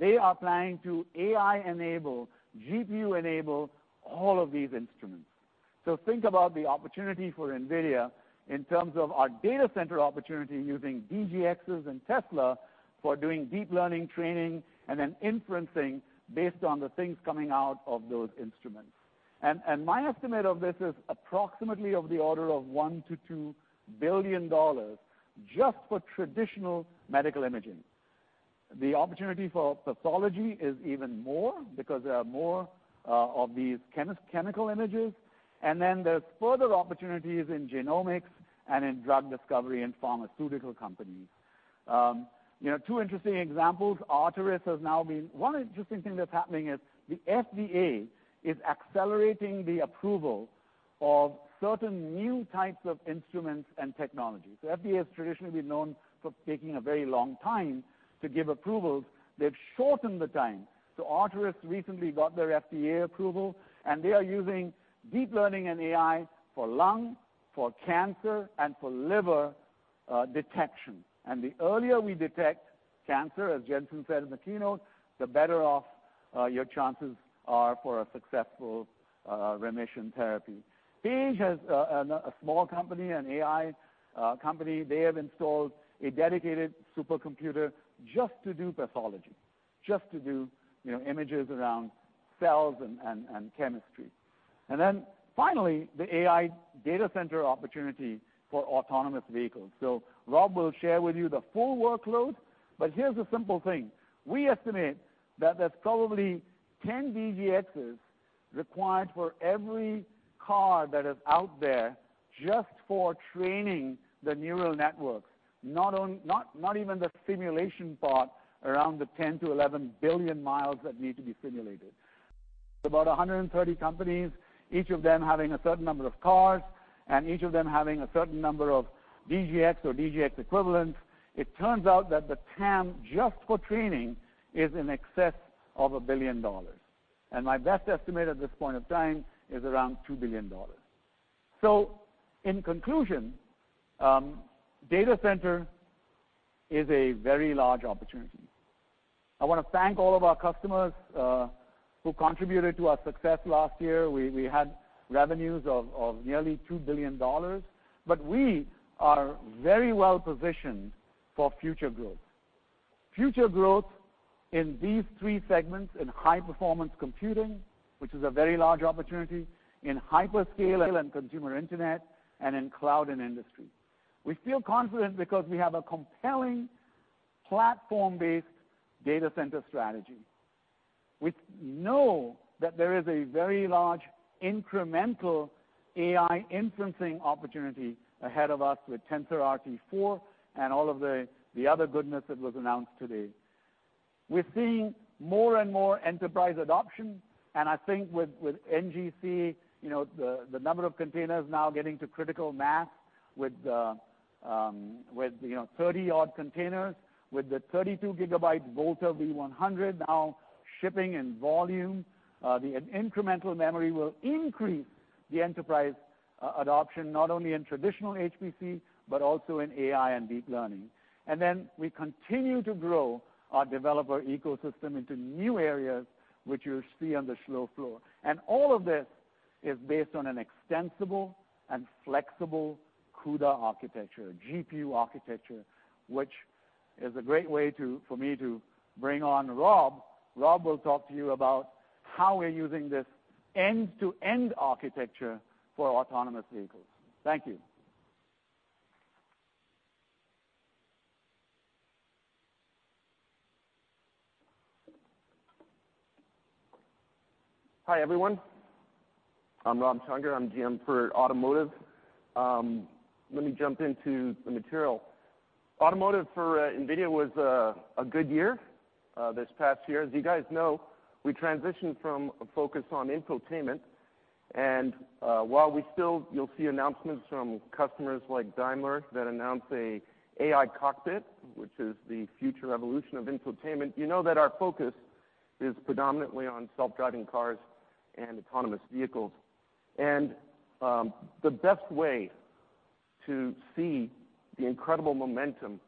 They are planning to AI enable, GPU enable all of these instruments. Think about the opportunity for NVIDIA in terms of our data center opportunity using DGXs and Tesla for doing deep learning training, and then inferencing based on the things coming out of those instruments. My estimate of this is approximately of the order of $1 billion-$2 billion just for traditional medical imaging. The opportunity for pathology is even more because there are more of these chemical images, and then there's further opportunities in genomics and in drug discovery in pharmaceutical companies. Two interesting examples. Arterys has now been. One interesting thing that's happening is the FDA is accelerating the approval of certain new types of instruments and technologies. The FDA has traditionally been known for taking a very long time to give approvals. They've shortened the time. Arterys recently got their FDA approval, they are using deep learning and AI for lung, for cancer, and for liver detection. The earlier we detect cancer, as Jensen said in the keynote, the better off your chances are for a successful remission therapy. Paige is a small company, an AI company. They have installed a dedicated supercomputer just to do pathology, just to do images around cells and chemistry. Finally, the AI data center opportunity for autonomous vehicles. Rob will share with you the full workload, here's a simple thing. We estimate that there's probably 10 DGXs required for every car that is out there just for training the neural networks, not even the simulation part around the 10 to 11 billion miles that need to be simulated. About 130 companies, each of them having a certain number of cars, each of them having a certain number of DGX or DGX equivalents. It turns out that the TAM just for training is in excess of $1 billion. My best estimate at this point of time is around $2 billion. In conclusion, data center is a very large opportunity. I want to thank all of our customers who contributed to our success last year. We had revenues of nearly $2 billion, we are very well-positioned for future growth. Future growth in these three segments in high-performance computing, which is a very large opportunity, in hyperscale and consumer internet, and in cloud and industry. We feel confident because we have a compelling platform-based data center strategy. We know that there is a very large incremental AI inferencing opportunity ahead of us with TensorRT 4 and all of the other goodness that was announced today. We're seeing more and more enterprise adoption, I think with NGC, the number of containers now getting to critical mass with 30 odd containers, with the 32 GB Volta V100 now shipping in volume, the incremental memory will increase the enterprise adoption, not only in traditional HPC, but also in AI and deep learning. We continue to grow our developer ecosystem into new areas which you'll see on the show floor. All of this is based on an extensible and flexible CUDA architecture, GPU architecture, which is a great way for me to bring on Rob. Rob will talk to you about how we're using this end-to-end architecture for autonomous vehicles. Thank you. Hi, everyone. I'm Rob Csongor. I'm GM for automotive. Let me jump into the material. Automotive for NVIDIA was a good year this past year. As you guys know, we transitioned from a focus on infotainment. While we still, you'll see announcements from customers like Daimler that announce an AI cockpit, which is the future evolution of infotainment, you know that our focus is predominantly on self-driving cars and autonomous vehicles. The best way to see the incredible momentum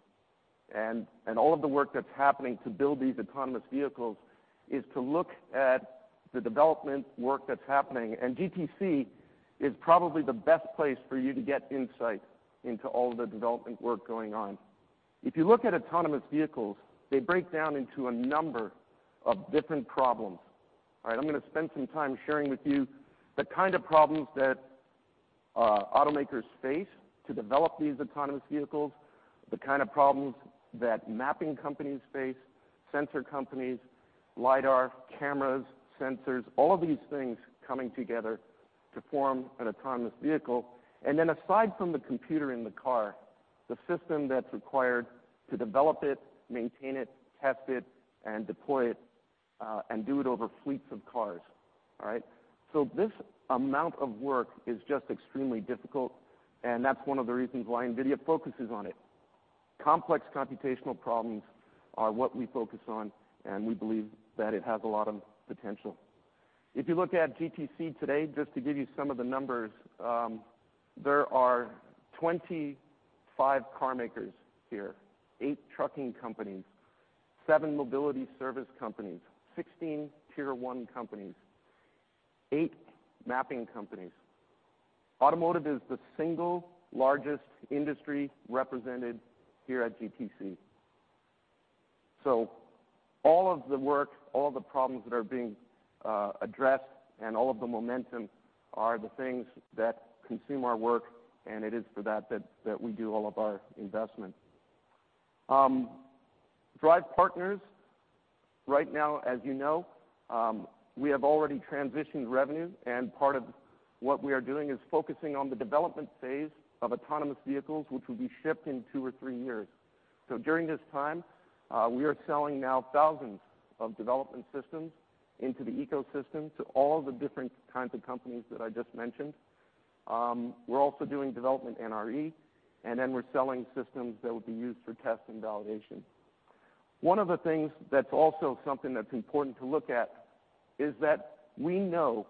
and all of the work that's happening to build these autonomous vehicles is to look at the development work that's happening. GTC is probably the best place for you to get insight into all of the development work going on. If you look at autonomous vehicles, they break down into a number of different problems. I'm going to spend some time sharing with you the kind of problems that automakers face to develop these autonomous vehicles, the kind of problems that mapping companies face, sensor companies, lidar, cameras, sensors, all of these things coming together to form an autonomous vehicle. Aside from the computer in the car, the system that's required to develop it, maintain it, test it, and deploy it, and do it over fleets of cars. This amount of work is just extremely difficult, and that's one of the reasons why NVIDIA focuses on it. Complex computational problems are what we focus on, and we believe that it has a lot of potential. If you look at GTC today, just to give you some of the numbers, there are 25 car makers here, 8 trucking companies, 7 mobility service companies, 16 tier 1 companies, 8 mapping companies. Automotive is the single largest industry represented here at GTC. All of the work, all of the problems that are being addressed, and all of the momentum are the things that consume our work, and it is for that we do all of our investment. Drive partners, right now, as you know, we have already transitioned revenue, and part of what we are doing is focusing on the development phase of autonomous vehicles, which will be shipped in 2 or 3 years. During this time, we are selling now thousands of development systems into the ecosystem to all the different kinds of companies that I just mentioned. We're also doing development NRE, and then we're selling systems that will be used for test and validation. One of the things that's also something that's important to look at is that we know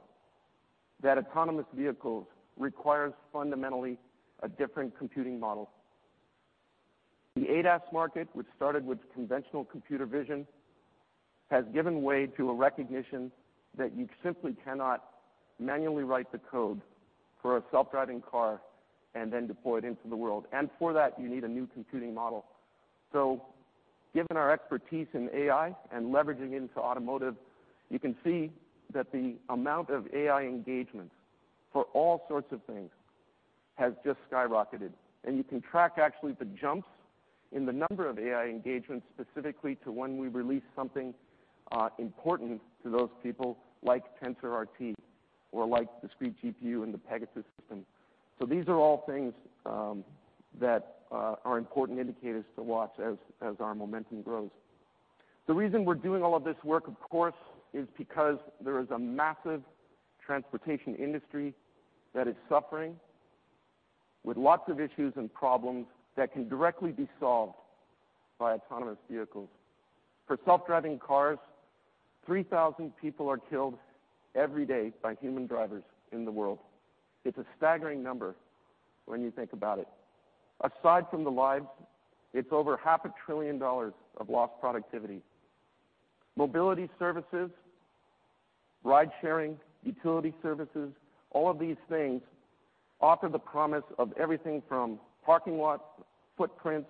that autonomous vehicles requires fundamentally a different computing model. The ADAS market, which started with conventional computer vision, has given way to a recognition that you simply cannot manually write the code for a self-driving car and then deploy it into the world. For that, you need a new computing model. Given our expertise in AI and leveraging into automotive, you can see that the amount of AI engagement for all sorts of things has just skyrocketed, and you can track actually the jumps in the number of AI engagements specifically to when we release something important to those people like TensorRT or like discrete GPU and the Pegasus system. These are all things that are important indicators to watch as our momentum grows. The reason we're doing all of this work, of course, is because there is a massive transportation industry that is suffering with lots of issues and problems that can directly be solved by autonomous vehicles. For self-driving cars, 3,000 people are killed every day by human drivers in the world. It's a staggering number when you think about it. Aside from the lives, it's over half a trillion dollars of lost productivity. Mobility services, ride-sharing, utility services, all of these things offer the promise of everything from parking lot footprints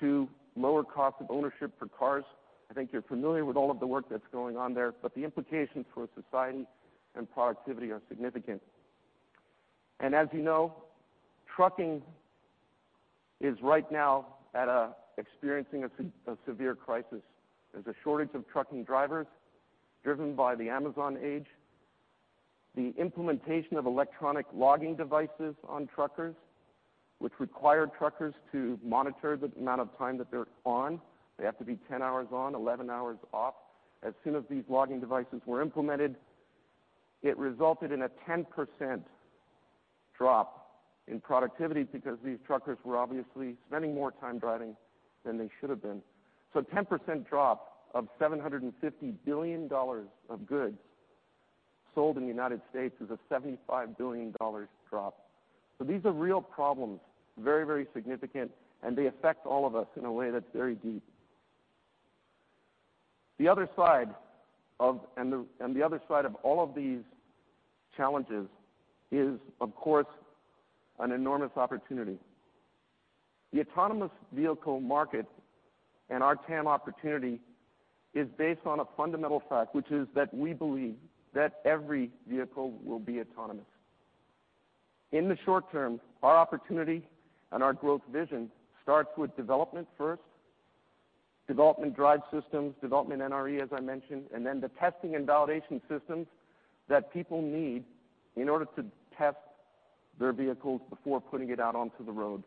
to lower cost of ownership for cars. I think you're familiar with all of the work that's going on there, but the implications for society and productivity are significant. As you know, trucking is right now experiencing a severe crisis. There's a shortage of trucking drivers driven by the Amazon age, the implementation of electronic logging devices on truckers, which require truckers to monitor the amount of time that they're on. They have to be 10 hours on, 11 hours off. As soon as these logging devices were implemented, it resulted in a 10% drop in productivity because these truckers were obviously spending more time driving than they should have been. A 10% drop of $750 billion of goods sold in the United States is a $75 billion drop. These are real problems, very, very significant, and they affect all of us in a way that's very deep. The other side of all of these challenges is, of course, an enormous opportunity. The autonomous vehicle market and our TAM opportunity is based on a fundamental fact, which is that we believe that every vehicle will be autonomous. In the short term, our opportunity and our growth vision starts with development first, development drive systems, development NRE, as I mentioned, and then the testing and validation systems that people need in order to test their vehicles before putting it out onto the road.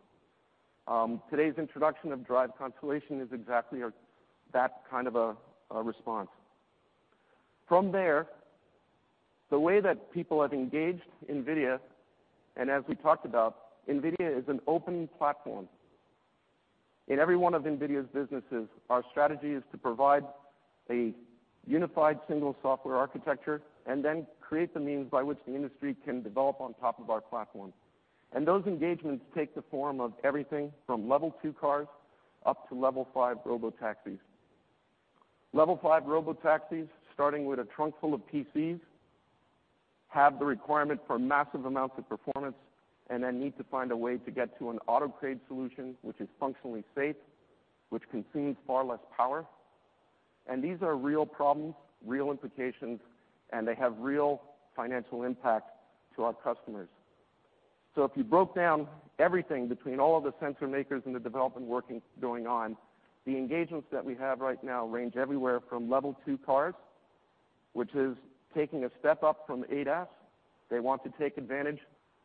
Today's introduction of DRIVE Constellation is exactly that kind of a response. The way that people have engaged NVIDIA, and as we talked about, NVIDIA is an open platform. In every one of NVIDIA's businesses, our strategy is to provide a unified single software architecture and then create the means by which the industry can develop on top of our platform. Those engagements take the form of everything from level 2 cars up to level 5 robotaxis. Level 5 robotaxis, starting with a trunk full of PCs, have the requirement for massive amounts of performance and then need to find a way to get to an auto-grade solution which is functionally safe, which consumes far less power. These are real problems, real implications, and they have real financial impact to our customers. If you broke down everything between all of the sensor makers and the development work going on, the engagements that we have right now range everywhere from level 2 cars, which is taking a step up from ADAS. They want to take advantage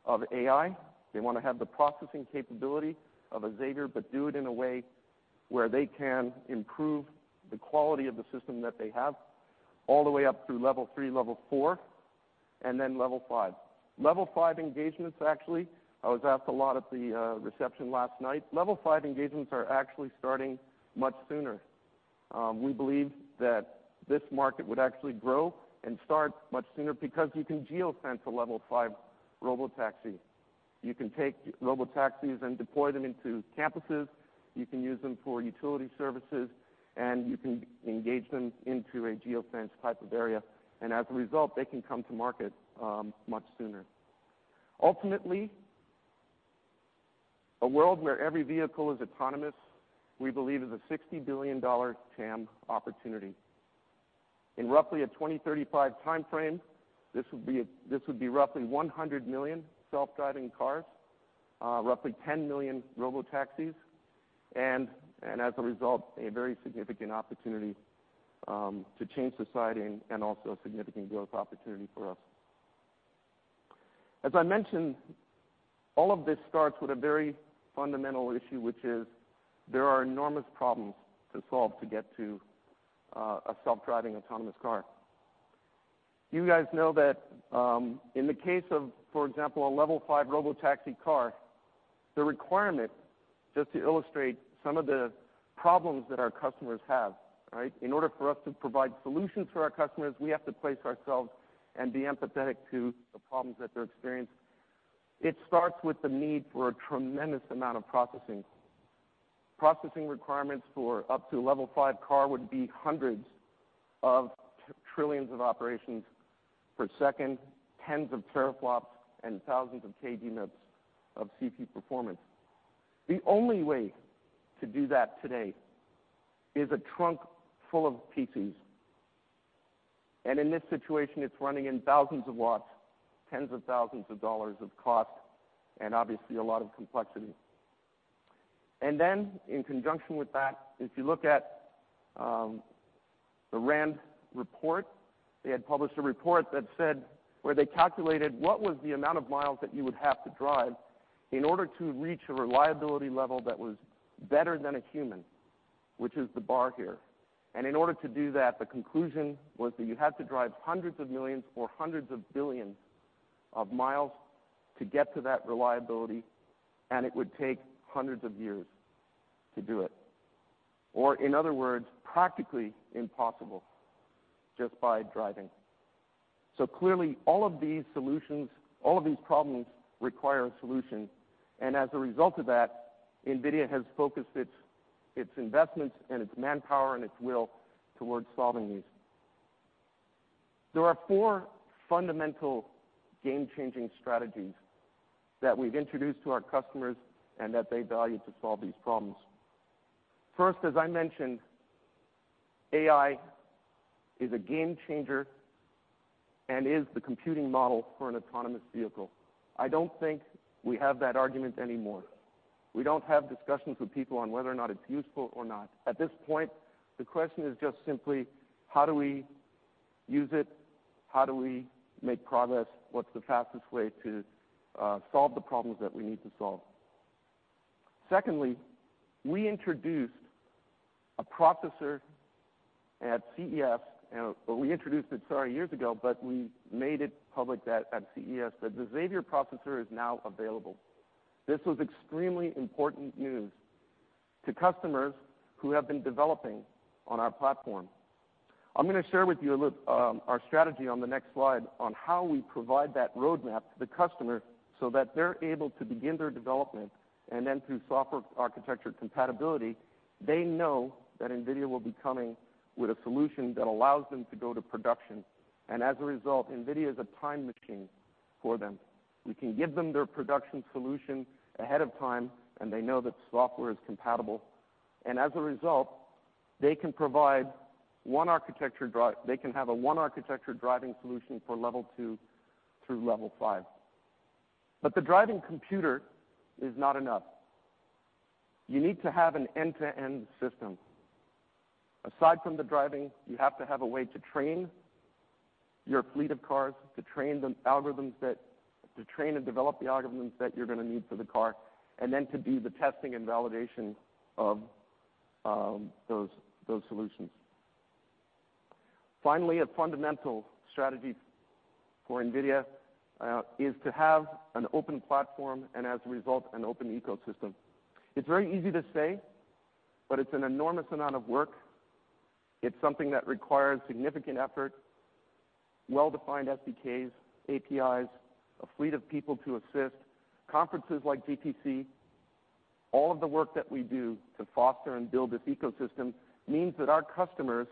of AI. They want to have the processing capability of a Xavier, but do it in a way where they can improve the quality of the system that they have all the way up through level 3, level 4, and then level 5. Level 5 engagements, actually, I was asked a lot at the reception last night. Level 5 engagements are actually starting much sooner. We believe that this market would actually grow and start much sooner because you can geofence a level 5 robotaxi. You can take robotaxis and deploy them into campuses. You can use them for utility services, and you can engage them into a geofence type of area. As a result, they can come to market much sooner. Ultimately, a world where every vehicle is autonomous, we believe, is a $60 billion TAM opportunity. In roughly a 2035 timeframe, this would be roughly 100 million self-driving cars, roughly 10 million robotaxis, and as a result, a very significant opportunity to change society and also a significant growth opportunity for us. As I mentioned, all of this starts with a very fundamental issue, which is there are enormous problems to solve to get to a self-driving autonomous car. You guys know that in the case of, for example, a level 5 robotaxi car, the requirement, just to illustrate some of the problems that our customers have. In order for us to provide solutions for our customers, we have to place ourselves and be empathetic to the problems that they're experiencing. It starts with the need for a tremendous amount of processing. Processing requirements for up to a level 5 car would be hundreds of trillions of operations per second, tens of teraflops, and thousands of [K GNIPS] of CP performance. The only way to do that today is a trunk full of PCs. In this situation, it's running in thousands of watts, tens of thousands of dollars of cost, and obviously a lot of complexity. In conjunction with that, if you look at the RAND report, they had published a report where they calculated what was the amount of miles that you would have to drive in order to reach a reliability level that was better than a human, which is the bar here. In order to do that, the conclusion was that you have to drive hundreds of millions or hundreds of billions of miles to get to that reliability, and it would take hundreds of years to do it. In other words, practically impossible just by driving. Clearly, all of these problems require a solution. As a result of that, NVIDIA has focused its investments and its manpower, and its will towards solving these. There are four fundamental game-changing strategies that we've introduced to our customers and that they value to solve these problems. First, as I mentioned, AI is a game-changer and is the computing model for an autonomous vehicle. I don't think we have that argument anymore. We don't have discussions with people on whether or not it's useful or not. At this point, the question is just simply how do we use it? How do we make progress? What's the fastest way to solve the problems that we need to solve? Secondly, we introduced a processor at CES, we introduced it, sorry, years ago, but we made it public that at CES that the Xavier processor is now available. This was extremely important news to customers who have been developing on our platform. I'm going to share with you a little our strategy on the next slide on how we provide that roadmap to the customer so that they're able to begin their development, then through software architecture compatibility, they know that NVIDIA will be coming with a solution that allows them to go to production. As a result, NVIDIA is a time machine for them. We can give them their production solution ahead of time, and they know that the software is compatible. As a result, they can have a one architecture driving solution for level 2 through level 5. The driving computer is not enough. You need to have an end-to-end system. Aside from the driving, you have to have a way to train your fleet of cars, to train and develop the algorithms that you're going to need for the car, and then to do the testing and validation of those solutions. Finally, a fundamental strategy for NVIDIA is to have an open platform and as a result, an open ecosystem. It's very easy to say, but it's an enormous amount of work. It's something that requires significant effort, well-defined SDKs, APIs, a fleet of people to assist, conferences like GTC. All of the work that we do to foster and build this ecosystem means that our customers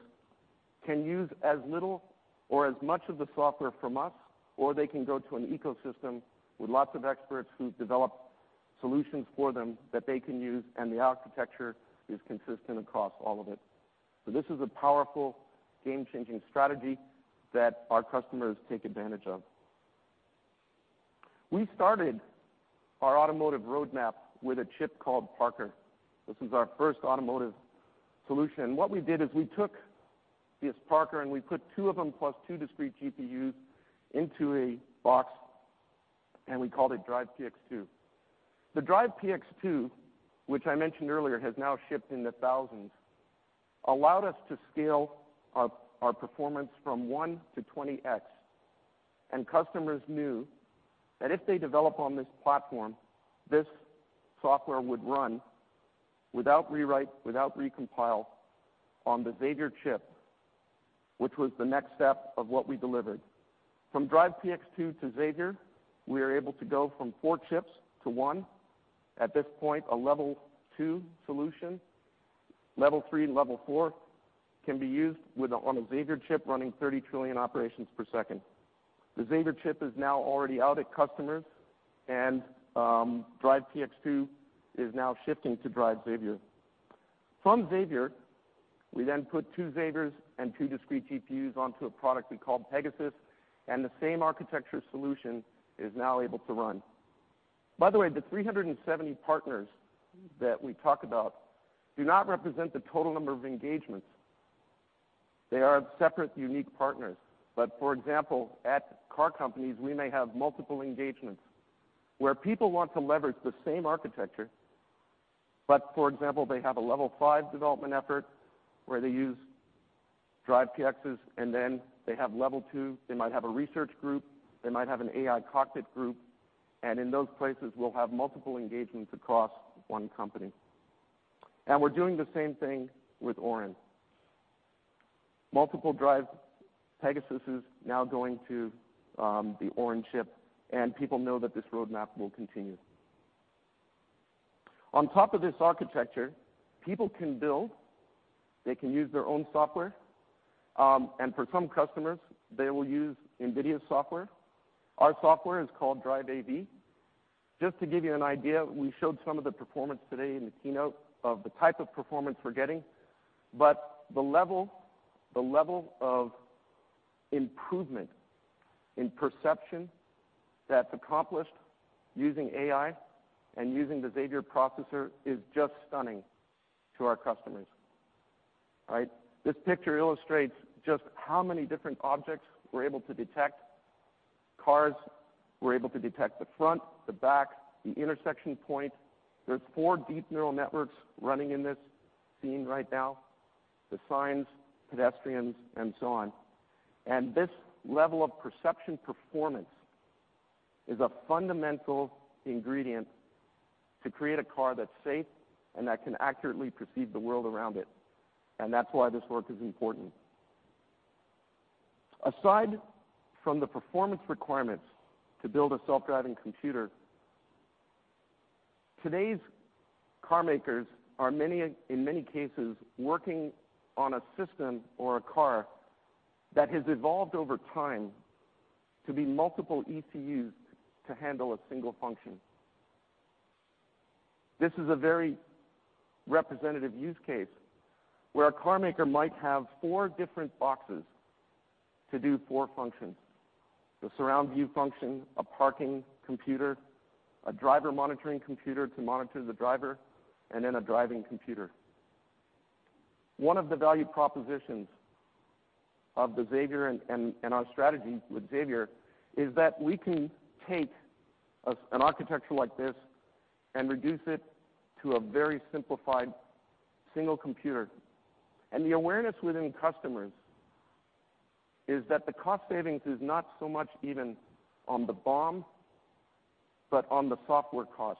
can use as little or as much of the software from us, or they can go to an ecosystem with lots of experts who develop solutions for them that they can use, and the architecture is consistent across all of it. This is a powerful game-changing strategy that our customers take advantage of. We started our automotive roadmap with a chip called Parker. This was our first automotive solution. What we did is we took this Parker, and we put two of them plus two discrete GPUs into a box, and we called it Drive PX2. The Drive PX2, which I mentioned earlier, has now shipped in the thousands, allowed us to scale our performance from one to 20X. Customers knew that if they develop on this platform, this software would run without rewrite, without recompile on the Xavier chip, which was the next step of what we delivered. From Drive PX2 to Xavier, we are able to go from four chips to one. At this point, a level 2 solution, level 3 and level 4 can be used on a Xavier chip running 30 trillion operations per second. From Xavier, we then put two Xaviers and two discrete GPUs onto a product we call Pegasus, the same architecture solution is now able to run. By the way, the 370 partners that we talk about do not represent the total number of engagements. They are separate, unique partners. For example, at car companies, we may have multiple engagements where people want to leverage the same architecture, for example, they have a level 5 development effort where they use Drive Pegasuses, then they have level 2. They might have a research group, they might have an AI cockpit group, and in those places, we'll have multiple engagements across one company. We're doing the same thing with Orin. Multiple Drive Pegasuses now going to the Orin chip, people know that this roadmap will continue. On top of this architecture, people can build, they can use their own software, and for some customers, they will use NVIDIA software. Our software is called Drive AV. Just to give you an idea, we showed some of the performance today in the keynote of the type of performance we're getting, but the level of improvement in perception that's accomplished using AI and using the Xavier processor is just stunning to our customers. All right? This picture illustrates just how many different objects we're able to detect. Cars, we're able to detect the front, the back, the intersection point. There's four deep neural networks running in this scene right now, the signs, pedestrians, and so on. This level of perception performance is a fundamental ingredient to create a car that's safe and that can accurately perceive the world around it. That's why this work is important. Aside from the performance requirements to build a self-driving computer, today's car makers are, in many cases, working on a system or a car that has evolved over time to be multiple ECUs to handle a single function. This is a very representative use case where a car maker might have four different boxes to do four functions. A surround view function, a parking computer, a driver monitoring computer to monitor the driver, a driving computer. One of the value propositions of the Xavier and our strategy with Xavier is that we can take an architecture like this and reduce it to a very simplified single computer. The awareness within customers is that the cost savings is not so much even on the BOM, but on the software cost.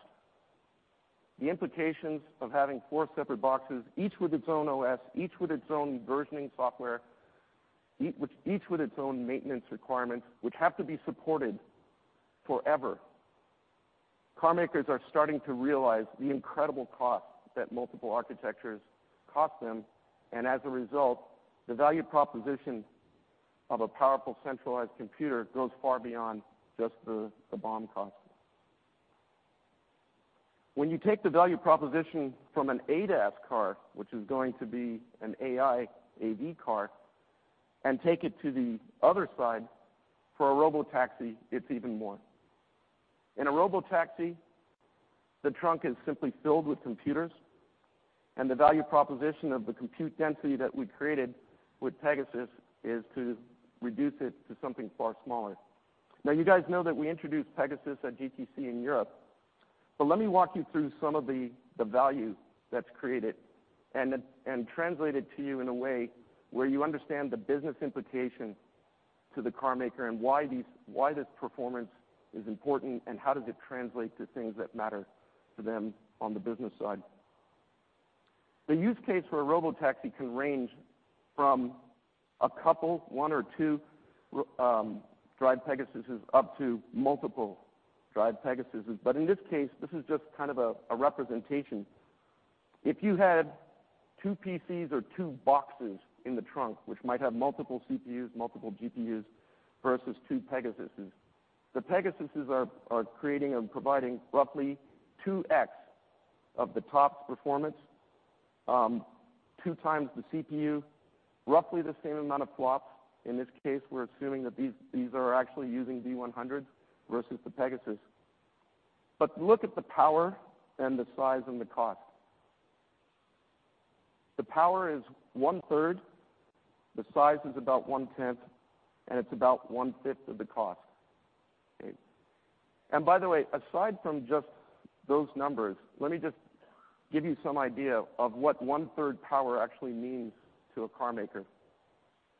The implications of having four separate boxes, each with its own OS, each with its own versioning software, each with its own maintenance requirements, which have to be supported forever. Car makers are starting to realize the incredible cost that multiple architectures cost them, as a result, the value proposition of a powerful centralized computer goes far beyond just the BOM cost. When you take the value proposition from an ADAS car, which is going to be an AI AV car, take it to the other side for a robotaxi, it's even more. In a robotaxi, the trunk is simply filled with computers, the value proposition of the compute density that we created with Pegasus is to reduce it to something far smaller. You guys know that we introduced Pegasus at GTC in Europe. Let me walk you through some of the value that's created and translate it to you in a way where you understand the business implication to the car maker and why this performance is important, how does it translate to things that matter to them on the business side. The use case for a robotaxi can range from a couple, one or two DRIVE Pegasuses, up to multiple DRIVE Pegasuses. In this case, this is just kind of a representation. If you had two PCs or two boxes in the trunk, which might have multiple CPUs, multiple GPUs versus two Pegasuses. The Pegasuses are creating and providing roughly 2X of the top performance, two times the CPU, roughly the same amount of flops. In this case, we're assuming that these are actually using V100 versus the Pegasus. Look at the power and the size and the cost. The power is one-third, the size is about one-tenth, it's about one-fifth of the cost. Okay. By the way, aside from just those numbers, let me just give you some idea of what one-third power actually means to a car maker.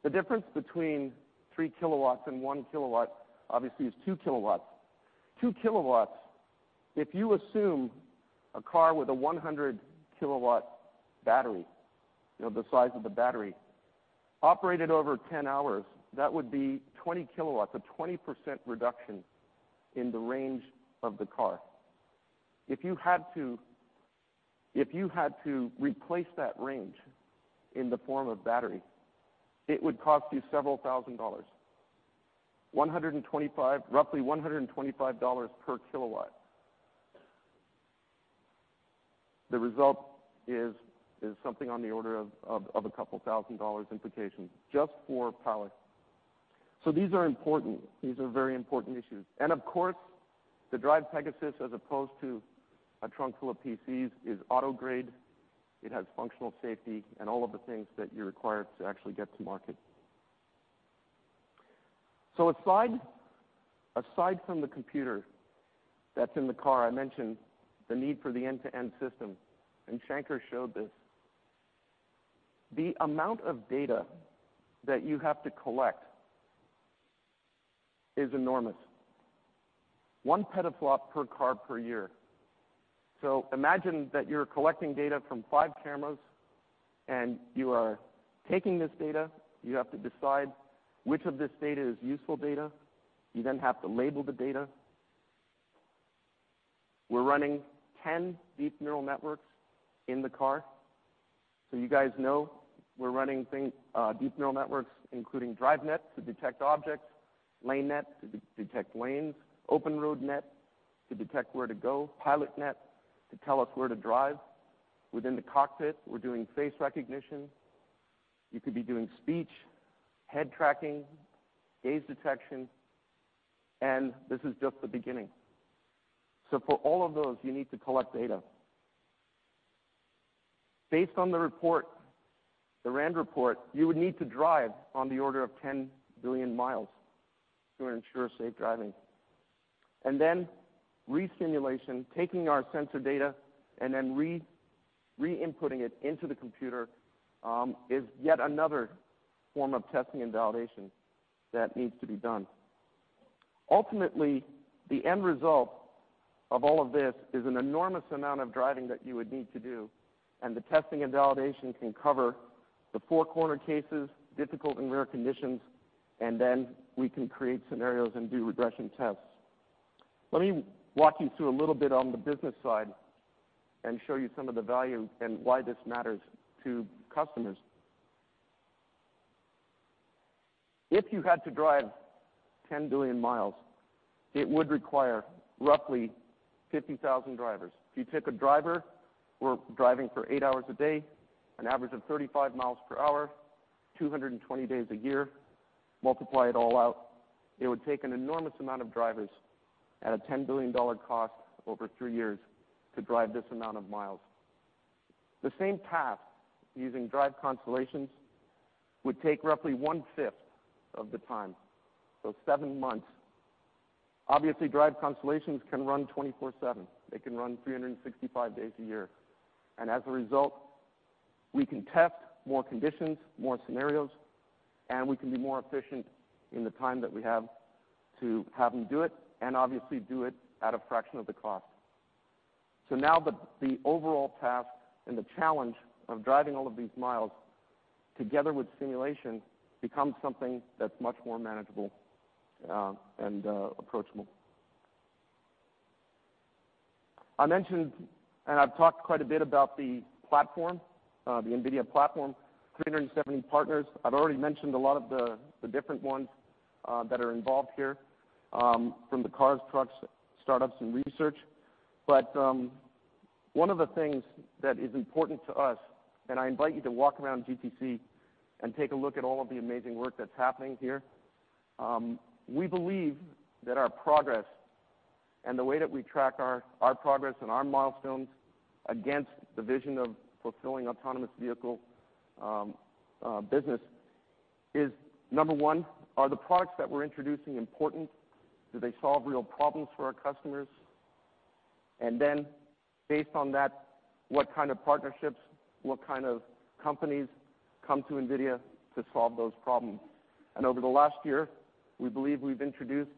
The difference between three kilowatts and one kilowatt obviously is two kilowatts. Two kilowatts, if you assume a car with a 100-kilowatt battery, the size of the battery, operated over 10 hours, that would be 20 kilowatts, a 20% reduction in the range of the car. If you had to replace that range in the form of battery, it would cost you several thousand dollars. Roughly $125 per kilowatt. The result is something on the order of a couple thousand dollars implication just for power. These are important. These are very important issues. Of course, the DRIVE Pegasus, as opposed to a trunk full of PCs, is auto-grade. It has functional safety and all of the things that you require to actually get to market. Aside from the computer that's in the car, I mentioned the need for the end-to-end system, and Shanker showed this. The amount of data that you have to collect is enormous. One petabyte per car per year. Imagine that you're collecting data from five cameras, and you are taking this data. You have to decide which of this data is useful data. You then have to label the data. We're running 10 deep neural networks in the car. You guys know we're running deep neural networks, including DriveNet to detect objects, LaneNet to detect lanes, OpenRoadNet to detect where to go, PilotNet to tell us where to drive. Within the cockpit, we're doing face recognition. You could be doing speech, head tracking, gaze detection, and this is just the beginning. For all of those, you need to collect data. Based on the report, the RAND report, you would need to drive on the order of 10 billion miles to ensure safe driving. Then resimulation, taking our sensor data, and then re-inputting it into the computer is yet another form of testing and validation that needs to be done. Ultimately, the end result of all of this is an enormous amount of driving that you would need to do, and the testing and validation can cover the four corner cases, difficult and rare conditions, and then we can create scenarios and do regression tests. Let me walk you through a little bit on the business side and show you some of the value and why this matters to customers. If you had to drive 10 billion miles, it would require roughly 50,000 drivers. If you took a driver who are driving for eight hours a day, an average of 35 miles per hour, 220 days a year, multiply it all out, it would take an enormous amount of drivers at a $10 billion cost over three years to drive this amount of miles. The same path using DRIVE Constellations would take roughly one-fifth of the time, so seven months. Obviously, DRIVE Constellations can run 24/7. They can run 365 days a year. As a result, we can test more conditions, more scenarios, and we can be more efficient in the time that we have to have them do it, and obviously do it at a fraction of the cost. Now the overall task and the challenge of driving all of these miles together with simulation becomes something that's much more manageable and approachable. I mentioned, and I've talked quite a bit about the platform, the NVIDIA platform, 370 partners. I've already mentioned a lot of the different ones that are involved here from the cars, trucks, startups, and research. One of the things that is important to us, and I invite you to walk around GTC and take a look at all of the amazing work that's happening here. We believe that our progress and the way that we track our progress and our milestones against the vision of fulfilling autonomous vehicle business is, number one, are the products that we're introducing important? Do they solve real problems for our customers? Based on that, what kind of partnerships, what kind of companies come to NVIDIA to solve those problems? Over the last year, we believe we've introduced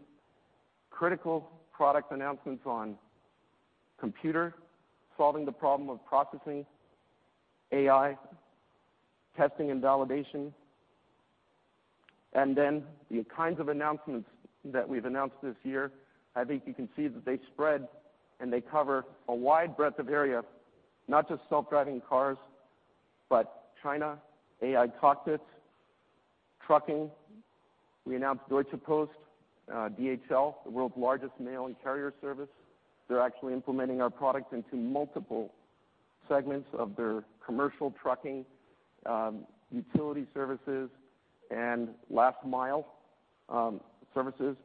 critical product announcements on computer, solving the problem of processing, AI, testing and validation. The kinds of announcements that we've announced this year, I think you can see that they spread, and they cover a wide breadth of area, not just self-driving cars, but China, AI cockpits, trucking. We announced Deutsche Post, DHL, the world's largest mail and carrier service. They're actually implementing our products into multiple segments of their commercial trucking, utility services, and last-mile services.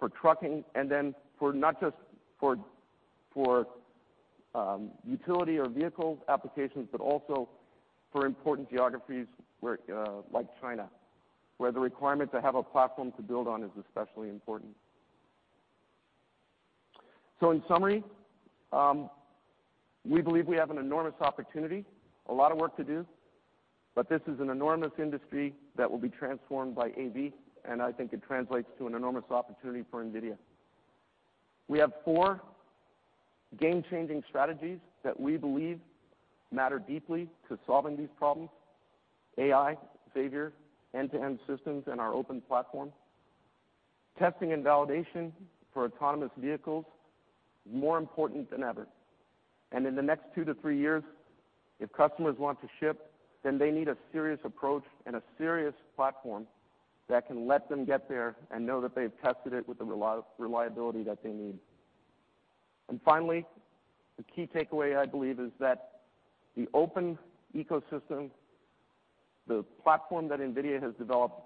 For trucking, and then for not just for utility or vehicle applications, but also for important geographies like China, where the requirement to have a platform to build on is especially important. In summary, we believe we have an enormous opportunity, a lot of work to do, but this is an enormous industry that will be transformed by AV, I think it translates to an enormous opportunity for NVIDIA. We have four game-changing strategies that we believe matter deeply to solving these problems: AI, Xavier, end-to-end systems, and our open platform. Testing and validation for autonomous vehicles, more important than ever. In the next two to three years, if customers want to ship, then they need a serious approach and a serious platform that can let them get there and know that they've tested it with the reliability that they need. Finally, the key takeaway, I believe, is that the open ecosystem, the platform that NVIDIA has developed,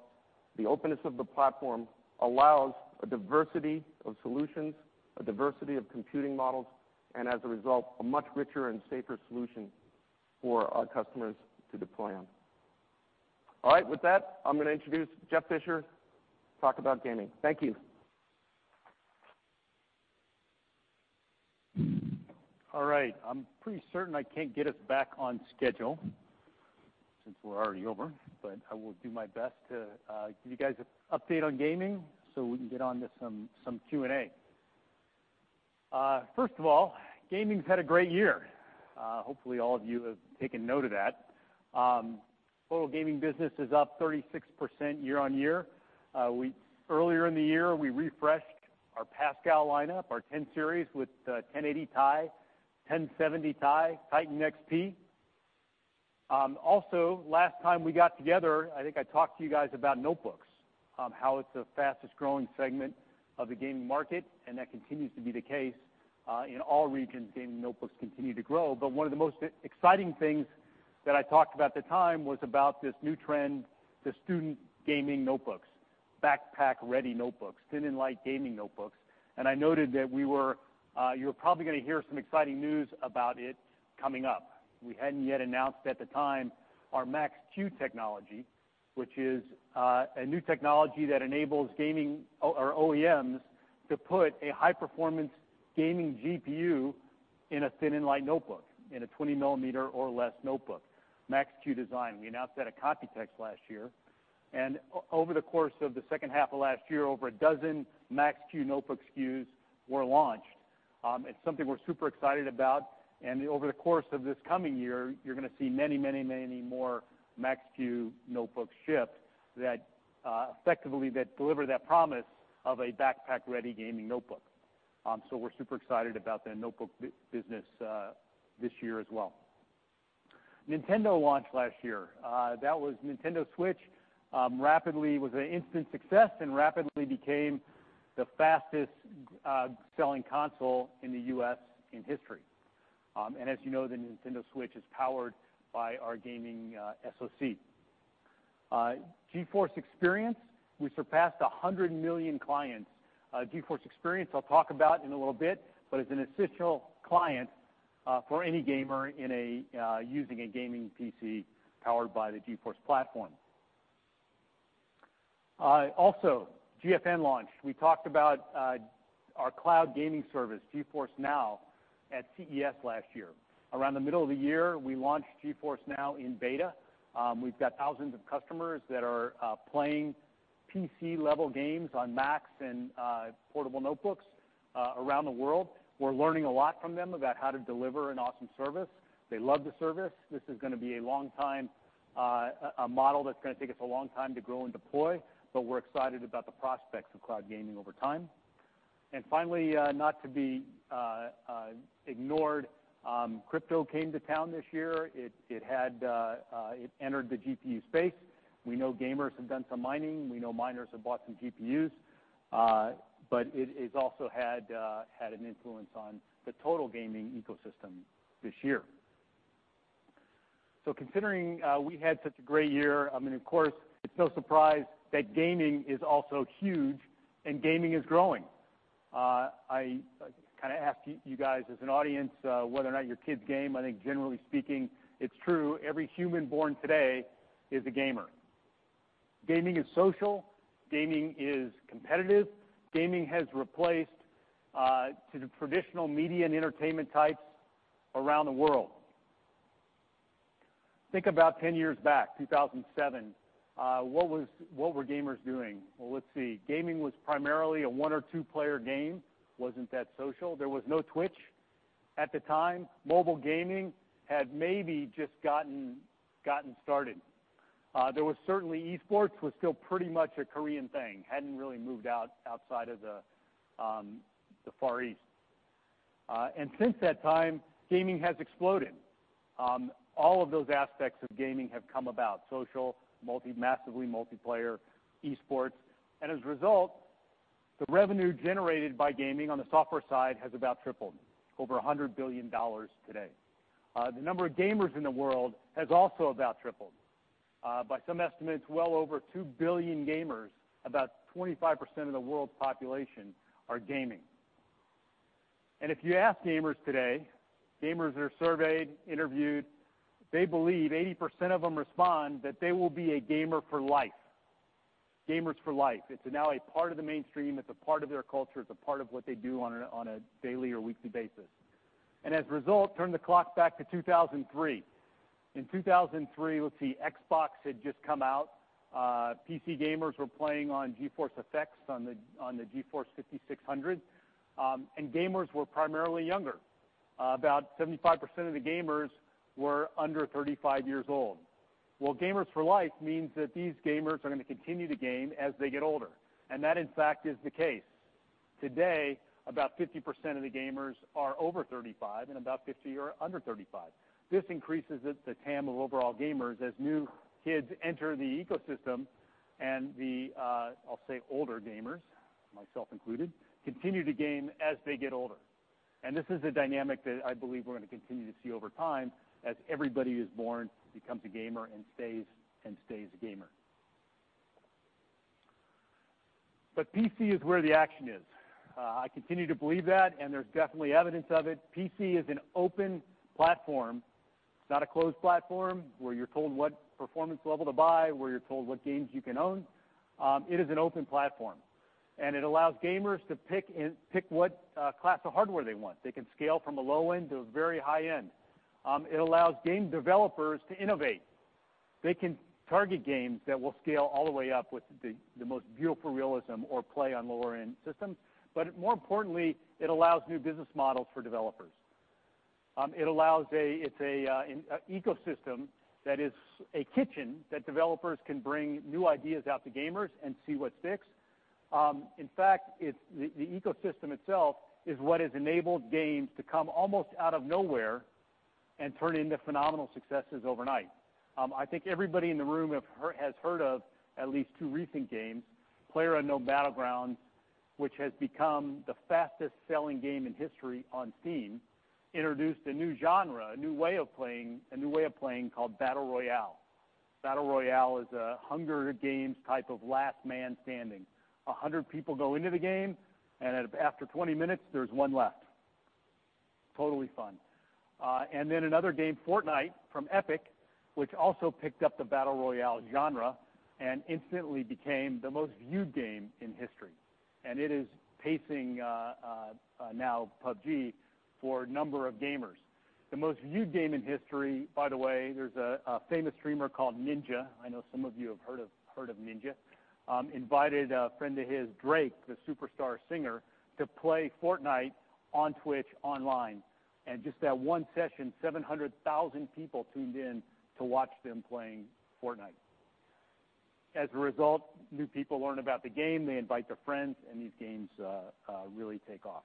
the openness of the platform allows a diversity of solutions, a diversity of computing models, and as a result, a much richer and safer solution for our customers to deploy on. All right, with that, I'm going to introduce Jeff Fisher to talk about gaming. Thank you. All right. I'm pretty certain I can't get us back on schedule since we're already over, but I will do my best to give you guys an update on gaming so we can get on to some Q&A. First of all, gaming's had a great year. Hopefully, all of you have taken note of that. Total gaming business is up 36% year-over-year. Earlier in the year, we refreshed our Pascal lineup, our 10 Series, with 1080 Ti, 1070 Ti, TITAN Xp. Last time we got together, I think I talked to you guys about notebooks, how it's the fastest-growing segment of the gaming market, and that continues to be the case. In all regions, gaming notebooks continue to grow. One of the most exciting things that I talked about at the time was about this new trend, the student gaming notebooks, backpack-ready notebooks, thin and light gaming notebooks, and I noted that you're probably going to hear some exciting news about it coming up. We hadn't yet announced at the time our Max-Q technology, which is a new technology that enables OEMs to put a high-performance gaming GPU in a thin and light notebook, in a 20-millimeter or less notebook, Max-Q design. We announced that at Computex last year, and over the course of the second half of last year, over a dozen Max-Q notebook SKUs were launched. It's something we're super excited about, over the course of this coming year, you're going to see many more Max-Q notebooks ship that effectively deliver that promise of a backpack-ready gaming notebook. We're super excited about the notebook business this year as well. Nintendo launched last year. That was Nintendo Switch. It was an instant success and rapidly became the fastest-selling console in the U.S. in history. As you know, the Nintendo Switch is powered by our gaming SoC. GeForce Experience, we surpassed 100 million clients. GeForce Experience, I'll talk about in a little bit, but it's an essential client for any gamer using a gaming PC powered by the GeForce platform. Also, GFN launched. We talked about our cloud gaming service, GeForce NOW, at CES last year. Around the middle of the year, we launched GeForce NOW in beta. We've got thousands of customers that are playing PC-level games on Macs and portable notebooks around the world. We're learning a lot from them about how to deliver an awesome service. They love the service. This is a model that's going to take us a long time to grow and deploy, we're excited about the prospects of cloud gaming over time. Finally, not to be ignored, crypto came to town this year. It entered the GPU space. We know gamers have done some mining. We know miners have bought some GPUs. It has also had an influence on the total gaming ecosystem this year. Considering we had such a great year, and of course, it's no surprise that gaming is also huge, and gaming is growing. I kind of asked you guys as an audience whether or not your kids game. I think generally speaking, it's true, every human born today is a gamer. Gaming is social. Gaming is competitive. Gaming has replaced the traditional media and entertainment types around the world. Think about 10 years back, 2007. What were gamers doing? Well, let's see. Gaming was primarily a one or two-player game. It wasn't that social. There was no Twitch at the time. Mobile gaming had maybe just gotten started. Certainly, esports was still pretty much a Korean thing, hadn't really moved outside of the Far East. Since that time, gaming has exploded. All of those aspects of gaming have come about, social, massively multiplayer, esports, and as a result, the revenue generated by gaming on the software side has about tripled, over $100 billion today. The number of gamers in the world has also about tripled. By some estimates, well over two billion gamers, about 25% of the world's population, are gaming. If you ask gamers today, gamers that are surveyed, interviewed, they believe 80% of them respond that they will be a gamer for life. Gamers for life. It's now a part of the mainstream. It's a part of their culture. It's a part of what they do on a daily or weekly basis. As a result, turn the clock back to 2003. In 2003, let's see, Xbox had just come out. PC gamers were playing on GeForce FX, on the GeForce 5600, and gamers were primarily younger. About 75% of the gamers were under 35 years old. Well, gamers for life means that these gamers are going to continue to game as they get older, and that, in fact, is the case. Today, about 50% of the gamers are over 35, and about 50% are under 35. This increases the TAM of overall gamers as new kids enter the ecosystem. The, I'll say, older gamers, myself included, continue to game as they get older. This is a dynamic that I believe we're going to continue to see over time as everybody who's born becomes a gamer and stays a gamer. PC is where the action is. I continue to believe that, and there's definitely evidence of it. PC is an open platform, not a closed platform where you're told what performance level to buy, where you're told what games you can own. It is an open platform, and it allows gamers to pick what class of hardware they want. They can scale from a low end to a very high end. It allows game developers to innovate. They can target games that will scale all the way up with the most beautiful realism or play on lower-end systems. More importantly, it allows new business models for developers. It's an ecosystem that is a kitchen that developers can bring new ideas out to gamers and see what sticks. In fact, the ecosystem itself is what has enabled games to come almost out of nowhere and turn into phenomenal successes overnight. I think everybody in the room has heard of at least two recent games. PlayerUnknown's Battlegrounds, which has become the fastest-selling game in history on Steam, introduced a new genre, a new way of playing called battle royale. Battle royale is a Hunger Games type of last man standing. 100 people go into the game, and after 20 minutes, there's one left. Totally fun. Then another game, Fortnite, from Epic, which also picked up the battle royale genre and instantly became the most-viewed game in history. It is pacing now PUBG for number of gamers. The most-viewed game in history, by the way, there's a famous streamer called Ninja. I know some of you have heard of Ninja. Invited a friend of his, Drake, the superstar singer, to play Fortnite on Twitch online. Just that one session, 700,000 people tuned in to watch them playing Fortnite. As a result, new people learn about the game, they invite their friends, and these games really take off.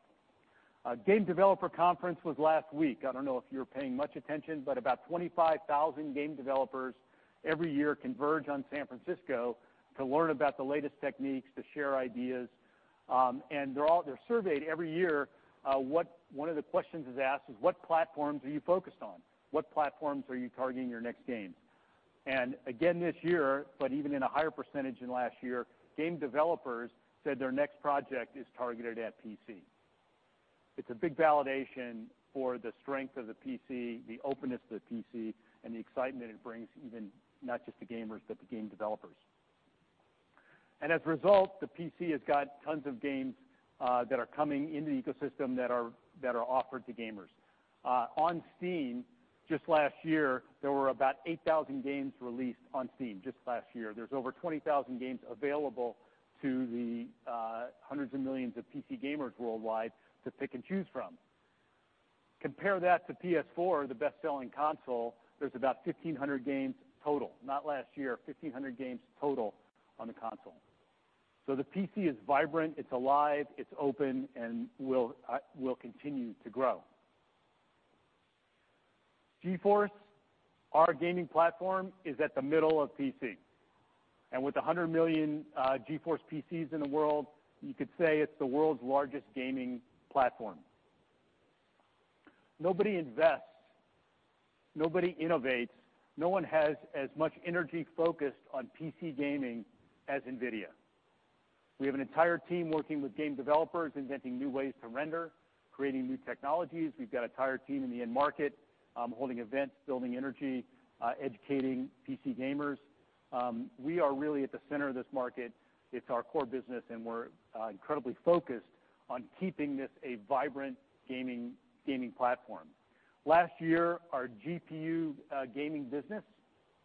Game Developer Conference was last week. I don't know if you were paying much attention, but about 25,000 game developers every year converge on San Francisco to learn about the latest techniques, to share ideas. They're surveyed every year. One of the questions is asked is what platforms are you focused on? What platforms are you targeting your next games? Again this year, even in a higher percentage than last year, game developers said their next project is targeted at PC. It's a big validation for the strength of the PC, the openness of the PC, and the excitement it brings, even not just to gamers, but to game developers. As a result, the PC has got tons of games that are coming in the ecosystem that are offered to gamers. On Steam, just last year, there were about 8,000 games released on Steam just last year. There's over 20,000 games available to the hundreds of millions of PC gamers worldwide to pick and choose from. Compare that to PS4, the best-selling console, there's about 1,500 games total. Not last year, 1,500 games total on the console. The PC is vibrant, it's alive, it's open, and will continue to grow. GeForce, our gaming platform, is at the middle of PC. With 100 million GeForce PCs in the world, you could say it's the world's largest gaming platform. Nobody invests, nobody innovates, no one has as much energy focused on PC gaming as NVIDIA. We have an entire team working with game developers, inventing new ways to render, creating new technologies. We've got an entire team in the end market, holding events, building energy, educating PC gamers. We are really at the center of this market. It's our core business, and we're incredibly focused on keeping this a vibrant gaming platform. Last year, our GPU gaming business,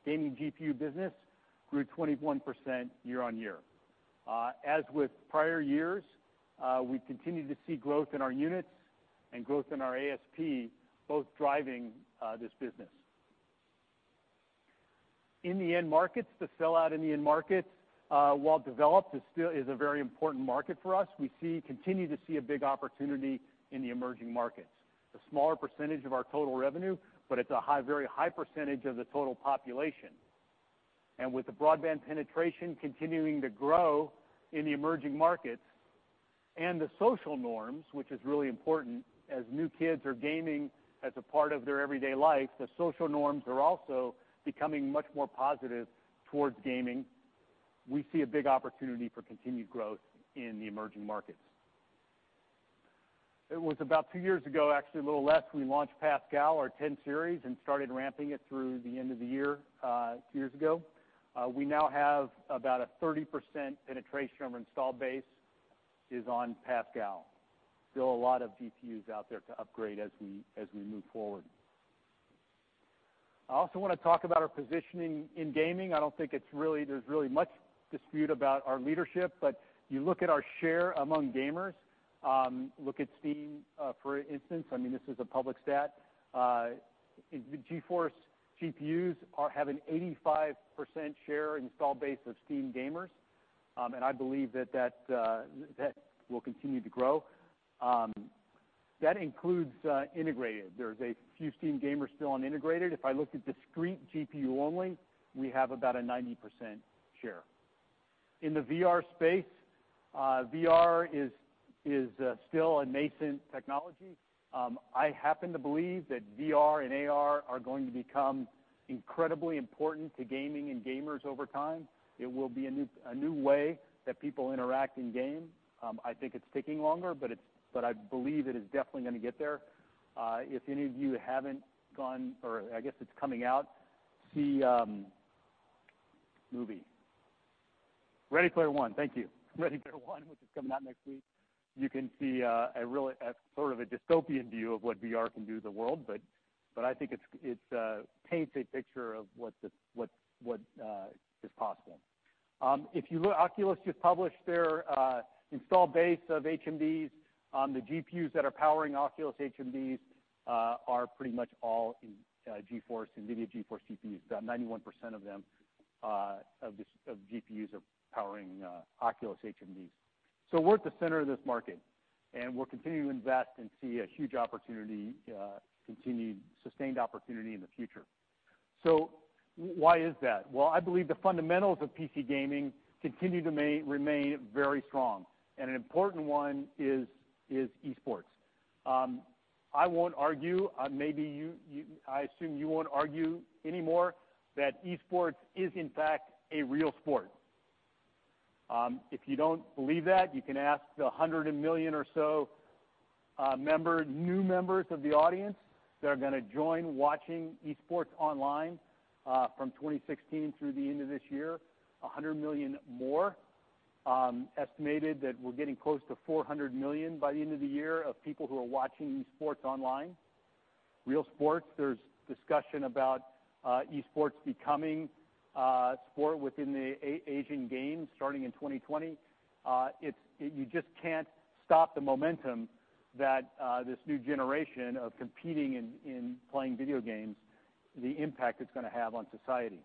gaming GPU business, grew 21% year-over-year. As with prior years, we continue to see growth in our units and growth in our ASP, both driving this business. In the end markets, the sell-out in the end markets, while developed, is a very important market for us. We continue to see a big opportunity in the emerging markets. It's a smaller percentage of our total revenue, but it's a very high percentage of the total population. With the broadband penetration continuing to grow in the emerging markets and the social norms, which is really important, as new kids are gaming as a part of their everyday life, the social norms are also becoming much more positive towards gaming. We see a big opportunity for continued growth in the emerging markets. It was about two years ago, actually a little less, we launched Pascal, our 10 series, and started ramping it through the end of the year, two years ago. We now have about a 30% penetration of our install base is on Pascal. Still a lot of GPUs out there to upgrade as we move forward. I also want to talk about our positioning in gaming. I don't think there's really much dispute about our leadership, but you look at our share among gamers, look at Steam for instance, I mean, this is a public stat. GeForce GPUs have an 85% share install base of Steam gamers. I believe that will continue to grow. That includes integrated. There's a few Steam gamers still on integrated. If I look at discrete GPU only, we have about a 90% share. In the VR space, VR is still a nascent technology. I happen to believe that VR and AR are going to become incredibly important to gaming and gamers over time. It will be a new way that people interact in game. I think it's taking longer, but I believe it is definitely going to get there. If any of you haven't gone, or I guess it's coming out, see movie. "Ready Player One." Thank you. "Ready Player One," which is coming out next week. You can see sort of a dystopian view of what VR can do to the world, but I think it paints a picture of what is possible. If you look, Oculus just published their install base of HMDs. The GPUs that are powering Oculus HMDs are pretty much all NVIDIA GeForce GPUs. About 91% of GPUs are powering Oculus HMDs. We're at the center of this market, and we'll continue to invest and see a huge opportunity, continued sustained opportunity in the future. Why is that? Well, I believe the fundamentals of PC gaming continue to remain very strong. An important one is esports. I won't argue, I assume you won't argue anymore, that esports is in fact a real sport. If you don't believe that, you can ask the 100 million or so new members of the audience that are going to join watching esports online from 2016 through the end of this year, 100 million more. Estimated that we're getting close to 400 million by the end of the year of people who are watching esports online. Real sports, there's discussion about esports becoming a sport within the Asian Games starting in 2020. You just can't stop the momentum that this new generation of competing in playing video games, the impact it's going to have on society.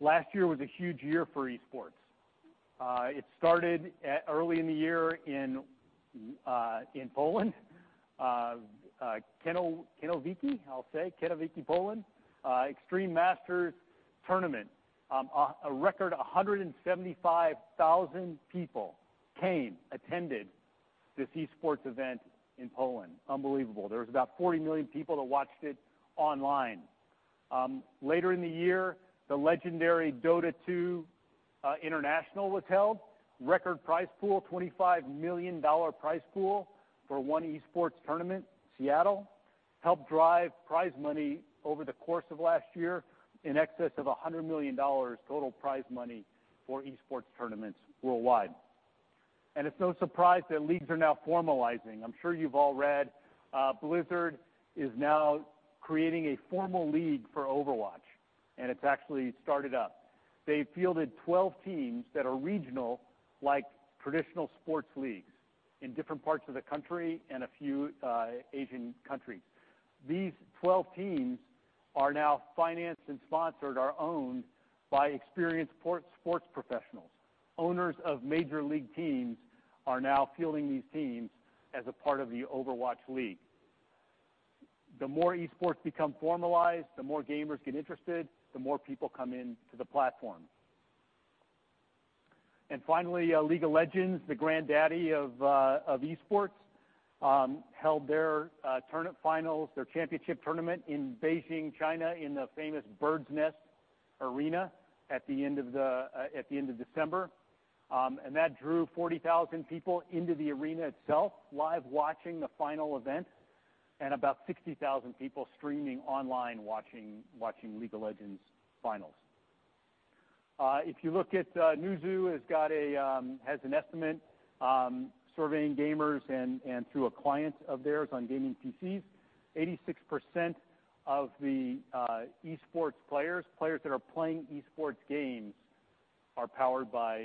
Last year was a huge year for esports. It started early in the year in Poland. Katowice? I'll say Katowice, Poland. Extreme Masters Tournament, a record 175,000 people came, attended this esports event in Poland. Unbelievable. There was about 40 million people that watched it online. Later in the year, the legendary The International was held. Record prize pool, $25 million prize pool for one esports tournament, Seattle. Helped drive prize money over the course of last year in excess of $100 million total prize money for esports tournaments worldwide. It's no surprise that leagues are now formalizing. I'm sure you've all read Blizzard is now creating a formal league for Overwatch, and it's actually started up. They fielded 12 teams that are regional, like traditional sports leagues in different parts of the country and a few Asian countries. These 12 teams are now financed and sponsored, are owned by experienced sports professionals. Owners of major league teams are now fielding these teams as a part of the Overwatch League. The more esports become formalized, the more gamers get interested, the more people come in to the platform. Finally, League of Legends, the granddaddy of esports, held their finals, their championship tournament in Beijing, China, in the famous Bird's Nest arena at the end of December. That drew 40,000 people into the arena itself, live watching the final event, and about 60,000 people streaming online watching League of Legends finals. If you look at Newzoo has an estimate, surveying gamers and through a client of theirs on gaming PCs, 86% of the esports players that are playing esports games, are powered by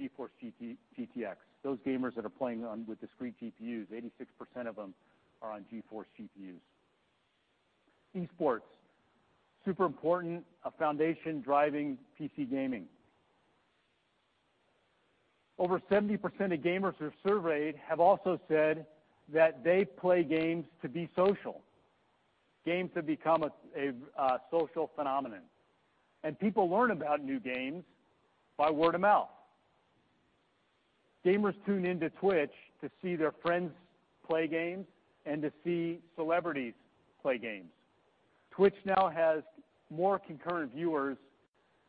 GeForce GTX. Those gamers that are playing with discrete GPUs, 86% of them are on GeForce GPUs. esports, super important, a foundation driving PC gaming. Over 70% of gamers who are surveyed have also said that they play games to be social. Games have become a social phenomenon, and people learn about new games by word of mouth. Gamers tune into Twitch to see their friends play games and to see celebrities play games. Twitch now has more concurrent viewers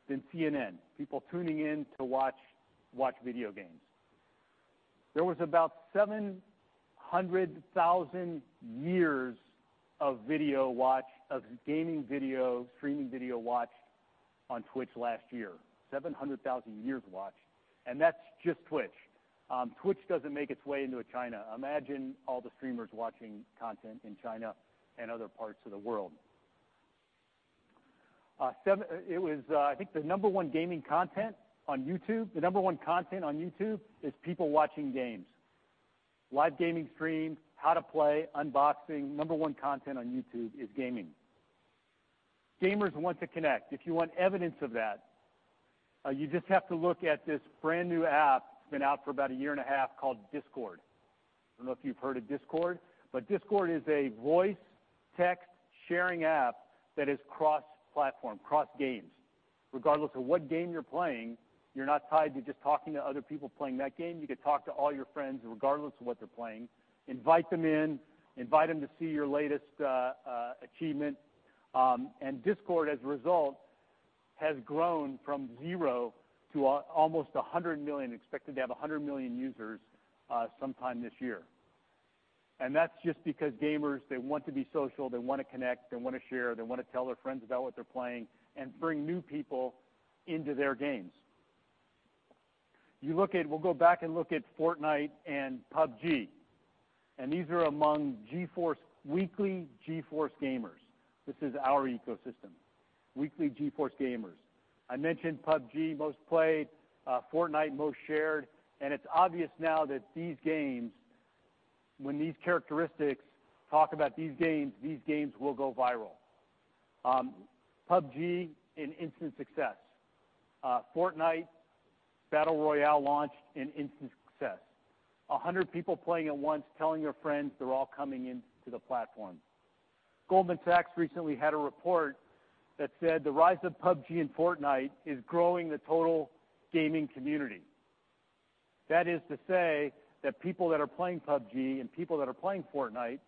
than CNN, people tuning in to watch video games. There was about 700,000 years of gaming video, streaming video watched on Twitch last year, 700,000 years watched, and that's just Twitch. Twitch doesn't make its way into China. Imagine all the streamers watching content in China and other parts of the world. I think the number one gaming content on YouTube, the number one content on YouTube is people watching games. Live gaming streams, how to play, unboxing. Number one content on YouTube is gaming. Gamers want to connect. If you want evidence of that, you just have to look at this brand-new app, it's been out for about a year and a half, called Discord. I don't know if you've heard of Discord. Discord is a voice text sharing app that is cross-platform, cross games. Regardless of what game you're playing, you're not tied to just talking to other people playing that game. You could talk to all your friends regardless of what they're playing, invite them in, invite them to see your latest achievement. Discord, as a result, has grown from zero to almost 100 million, expected to have 100 million users sometime this year. That's just because gamers, they want to be social, they want to connect, they want to share, they want to tell their friends about what they're playing, and bring new people into their games. We'll go back and look at Fortnite and PUBG, these are among weekly GeForce gamers. This is our ecosystem, weekly GeForce gamers. I mentioned PUBG most played, Fortnite most shared, it's obvious now that these games, when these characteristics talk about these games, these games will go viral. PUBG, an instant success. Fortnite Battle Royale launch, an instant success. 100 people playing at once, telling their friends, they're all coming into the platform. Goldman Sachs recently had a report that said the rise of PUBG and Fortnite is growing the total gaming community. That is to say that people that are playing PUBG and people that are playing Fortnite,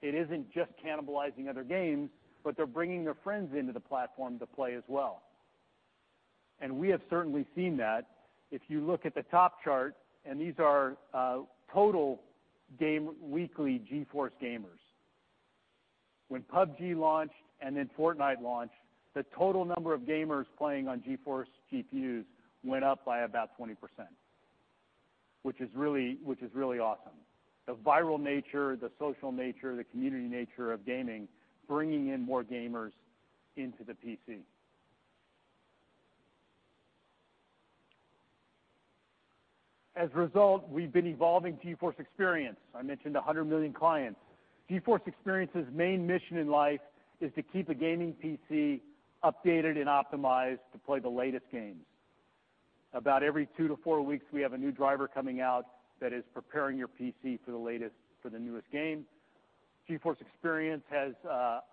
it isn't just cannibalizing other games, but they're bringing their friends into the platform to play as well. We have certainly seen that. If you look at the top chart, these are total weekly GeForce gamers. When PUBG launched and then Fortnite launched, the total number of gamers playing on GeForce GPUs went up by about 20%, which is really awesome. The viral nature, the social nature, the community nature of gaming, bringing in more gamers into the PC. As a result, we've been evolving GeForce Experience. I mentioned 100 million clients. GeForce Experience's main mission in life is to keep a gaming PC updated and optimized to play the latest games. About every 2-4 weeks, we have a new driver coming out that is preparing your PC for the newest game. GeForce Experience has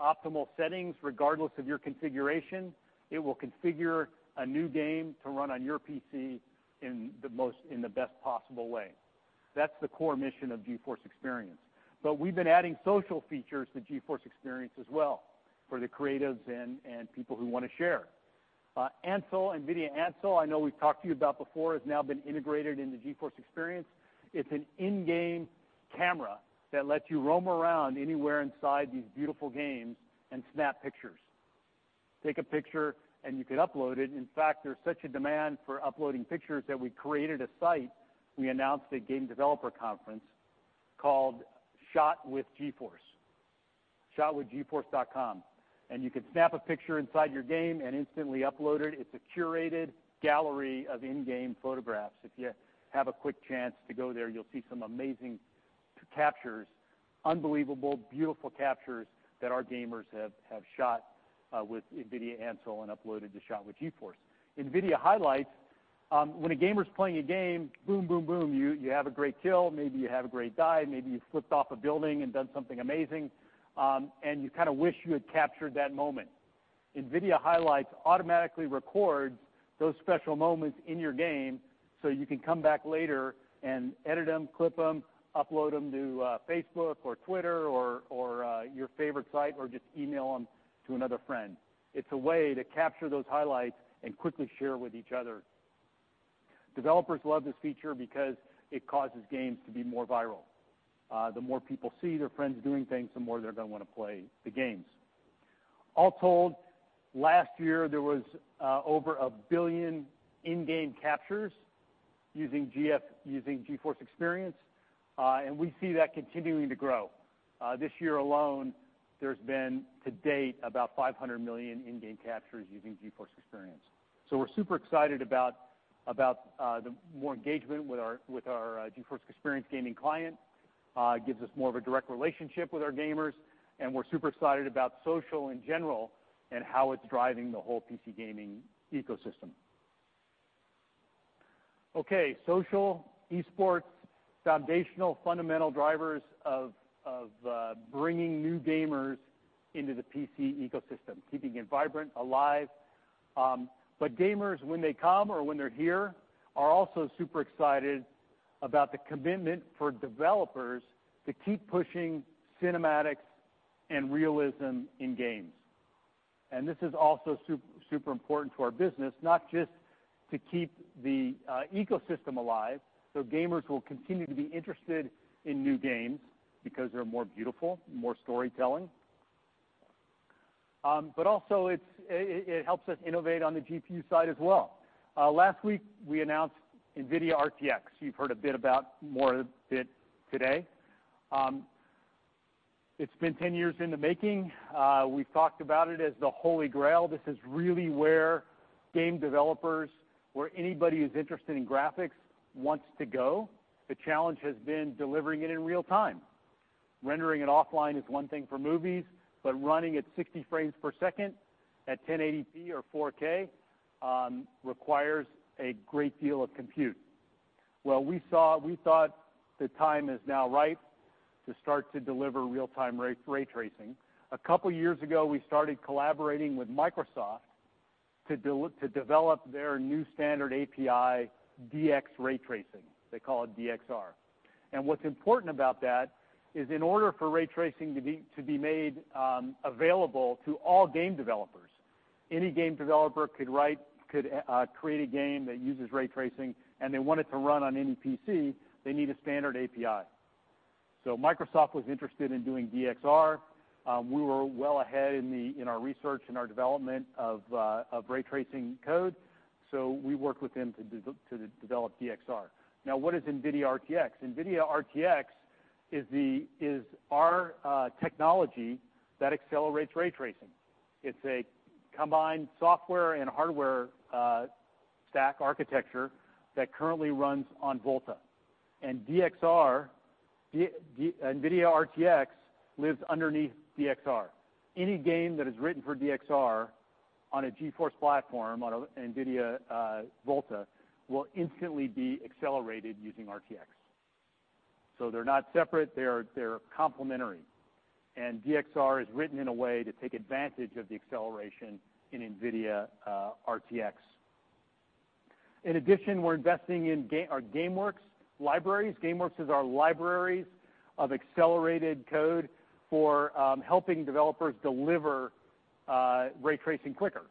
optimal settings regardless of your configuration. It will configure a new game to run on your PC in the best possible way. That's the core mission of GeForce Experience. We've been adding social features to GeForce Experience as well for the creatives and people who want to share. NVIDIA Ansel, I know we've talked to you about before, has now been integrated into GeForce Experience. It's an in-game camera that lets you roam around anywhere inside these beautiful games and snap pictures. Take a picture and you could upload it. In fact, there's such a demand for uploading pictures that we created a site, we announced at Game Developer Conference, called Shot With GeForce, shotwithgeforce.com. You can snap a picture inside your game and instantly upload it. It's a curated gallery of in-game photographs. If you have a quick chance to go there, you'll see some amazing captures. Unbelievable, beautiful captures that our gamers have shot with NVIDIA Ansel and uploaded to Shot With GeForce. NVIDIA Highlights. When a gamer's playing a game, boom, boom, you have a great kill, maybe you have a great die, maybe you flipped off a building and done something amazing, and you kind of wish you had captured that moment. NVIDIA Highlights automatically records those special moments in your game so you can come back later and edit them, clip them, upload them to Facebook or Twitter or your favorite site, or just email them to another friend. It's a way to capture those highlights and quickly share with each other. Developers love this feature because it causes games to be more viral. The more people see their friends doing things, the more they're going to want to play the games. All told, last year, there was over 1 billion in-game captures using GeForce Experience. We see that continuing to grow. This year alone, there's been, to date, about 500 million in-game captures using GeForce Experience. We're super excited about the more engagement with our GeForce Experience gaming client. Gives us more of a direct relationship with our gamers. We're super excited about social in general and how it's driving the whole PC gaming ecosystem. Okay, social, esports, foundational, fundamental drivers of bringing new gamers into the PC ecosystem, keeping it vibrant, alive. Gamers, when they come or when they're here, are also super excited about the commitment for developers to keep pushing cinematics and realism in games. This is also super important to our business, not just to keep the ecosystem alive so gamers will continue to be interested in new games because they're more beautiful, more storytelling. Also, it helps us innovate on the GPU side as well. Last week, we announced NVIDIA RTX. You've heard a bit about more of it today. It's been 10 years in the making. We've talked about it as the Holy Grail. This is really where game developers, where anybody who's interested in graphics wants to go. The challenge has been delivering it in real time. Rendering it offline is one thing for movies, but running at 60 frames per second at 1080p or 4K requires a great deal of compute. Well, we thought the time is now right to start to deliver real-time ray tracing. A couple years ago, we started collaborating with Microsoft to develop their new standard API, DX Raytracing. They call it DXR. What's important about that is in order for ray tracing to be made available to all game developers, any game developer could create a game that uses ray tracing, and they want it to run on any PC, they need a standard API. Microsoft was interested in doing DXR. We were well ahead in our research and our development of ray tracing code, we worked with them to develop DXR. What is NVIDIA RTX? NVIDIA RTX is our technology that accelerates ray tracing. It's a combined software and hardware stack architecture that currently runs on Volta. NVIDIA RTX lives underneath DXR. Any game that is written for DXR on a GeForce platform on a NVIDIA Volta will instantly be accelerated using RTX. They're not separate, they're complementary, and DXR is written in a way to take advantage of the acceleration in NVIDIA RTX. In addition, we're investing in our GameWorks libraries. GameWorks is our libraries of accelerated code for helping developers deliver ray tracing quicker.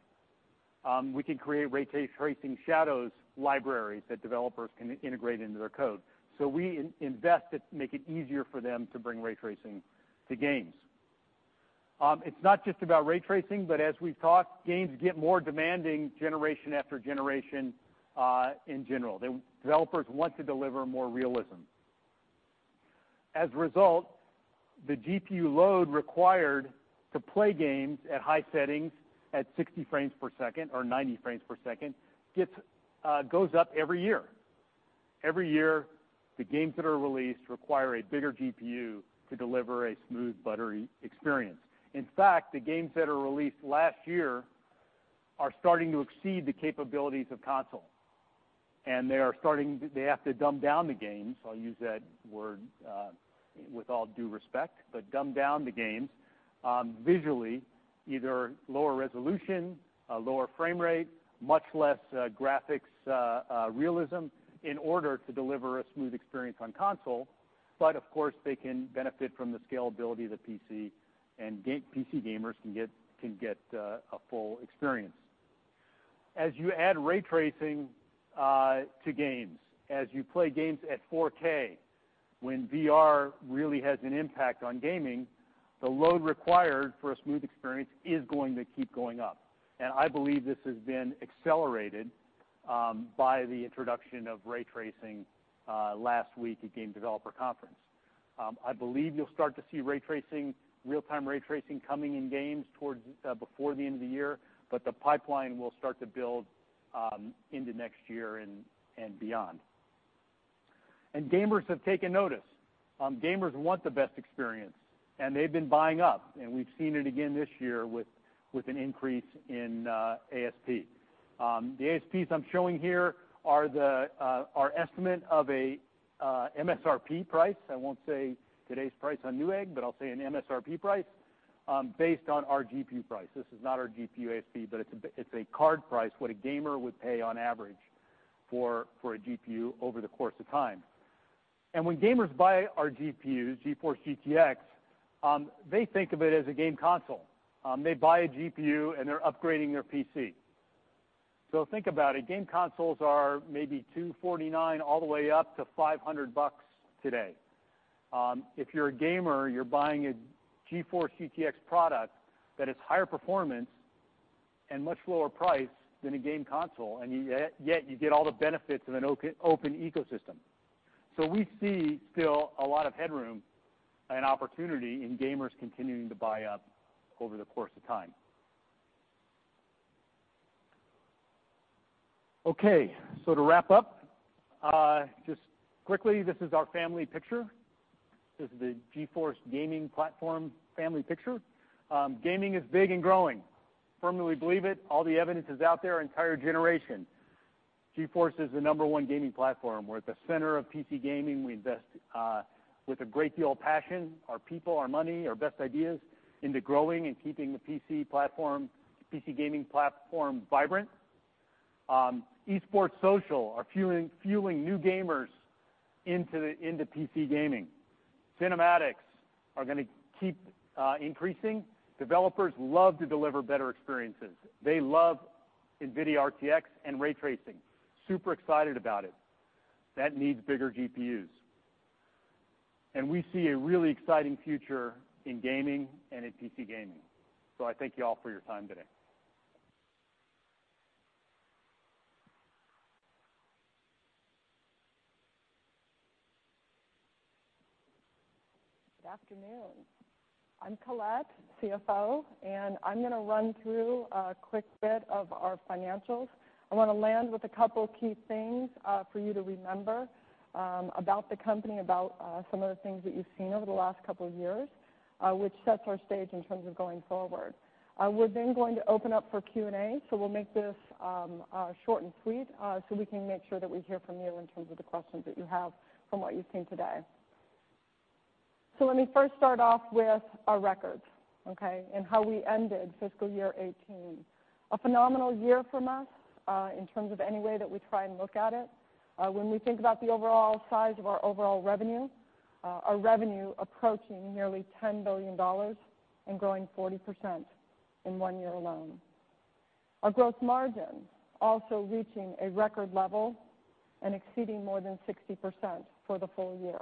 We can create ray tracing shadows libraries that developers can integrate into their code. We invest to make it easier for them to bring ray tracing to games. It's not just about ray tracing, but as we've talked, games get more demanding generation after generation in general. The developers want to deliver more realism. As a result, the GPU load required to play games at high settings at 60 frames per second or 90 frames per second goes up every year. Every year, the games that are released require a bigger GPU to deliver a smooth, buttery experience. In fact, the games that are released last year are starting to exceed the capabilities of console. They have to dumb down the games, I'll use that word with all due respect, but dumb down the games visually, either lower resolution, lower frame rate, much less graphics realism in order to deliver a smooth experience on console. Of course, they can benefit from the scalability of the PC, and PC gamers can get a full experience. As you add ray tracing to games, as you play games at 4K, when VR really has an impact on gaming, the load required for a smooth experience is going to keep going up. I believe this has been accelerated by the introduction of ray tracing last week at Game Developer Conference. I believe you'll start to see real-time ray tracing coming in games before the end of the year, but the pipeline will start to build into next year and beyond. Gamers have taken notice. Gamers want the best experience, and they've been buying up, and we've seen it again this year with an increase in ASP. The ASPs I'm showing here are our estimate of a MSRP price. I won't say today's price on Newegg, but I'll say an MSRP price based on our GPU price. This is not our GPU ASP, but it's a card price, what a gamer would pay on average for a GPU over the course of time. When gamers buy our GPUs, GeForce GTX, they think of it as a game console. They buy a GPU, and they're upgrading their PC. Think about it. Game consoles are maybe $249 all the way up to $500 today. If you're a gamer, you're buying a GeForce GTX product that is higher performance and much lower price than a game console, and yet you get all the benefits of an open ecosystem. We see still a lot of headroom and opportunity in gamers continuing to buy up over the course of time. To wrap up, just quickly, this is our family picture. This is the GeForce gaming platform family picture. Gaming is big and growing. Firmly believe it. All the evidence is out there, entire generation. GeForce is the number 1 gaming platform. We're at the center of PC gaming. We invest with a great deal of passion, our people, our money, our best ideas into growing and keeping the PC gaming platform vibrant. Esports social are fueling new gamers into PC gaming. Cinematics are going to keep increasing. Developers love to deliver better experiences. They love NVIDIA RTX and ray tracing. Super excited about it. That needs bigger GPUs. We see a really exciting future in gaming and in PC gaming. I thank you all for your time today. Good afternoon. I'm Colette, CFO, and I'm going to run through a quick bit of our financials. I want to land with a couple of key things for you to remember about the company, about some of the things that you've seen over the last couple of years, which sets our stage in terms of going forward. We're then going to open up for Q&A, so we'll make this short and sweet so we can make sure that we hear from you in terms of the questions that you have from what you've seen today. Let me first start off with our records, and how we ended fiscal year 2018. A phenomenal year from us, in terms of any way that we try and look at it. When we think about the overall size of our overall revenue, our revenue approaching nearly $10 billion and growing 40% in one year alone. Our growth margin also reaching a record level and exceeding more than 60% for the full year.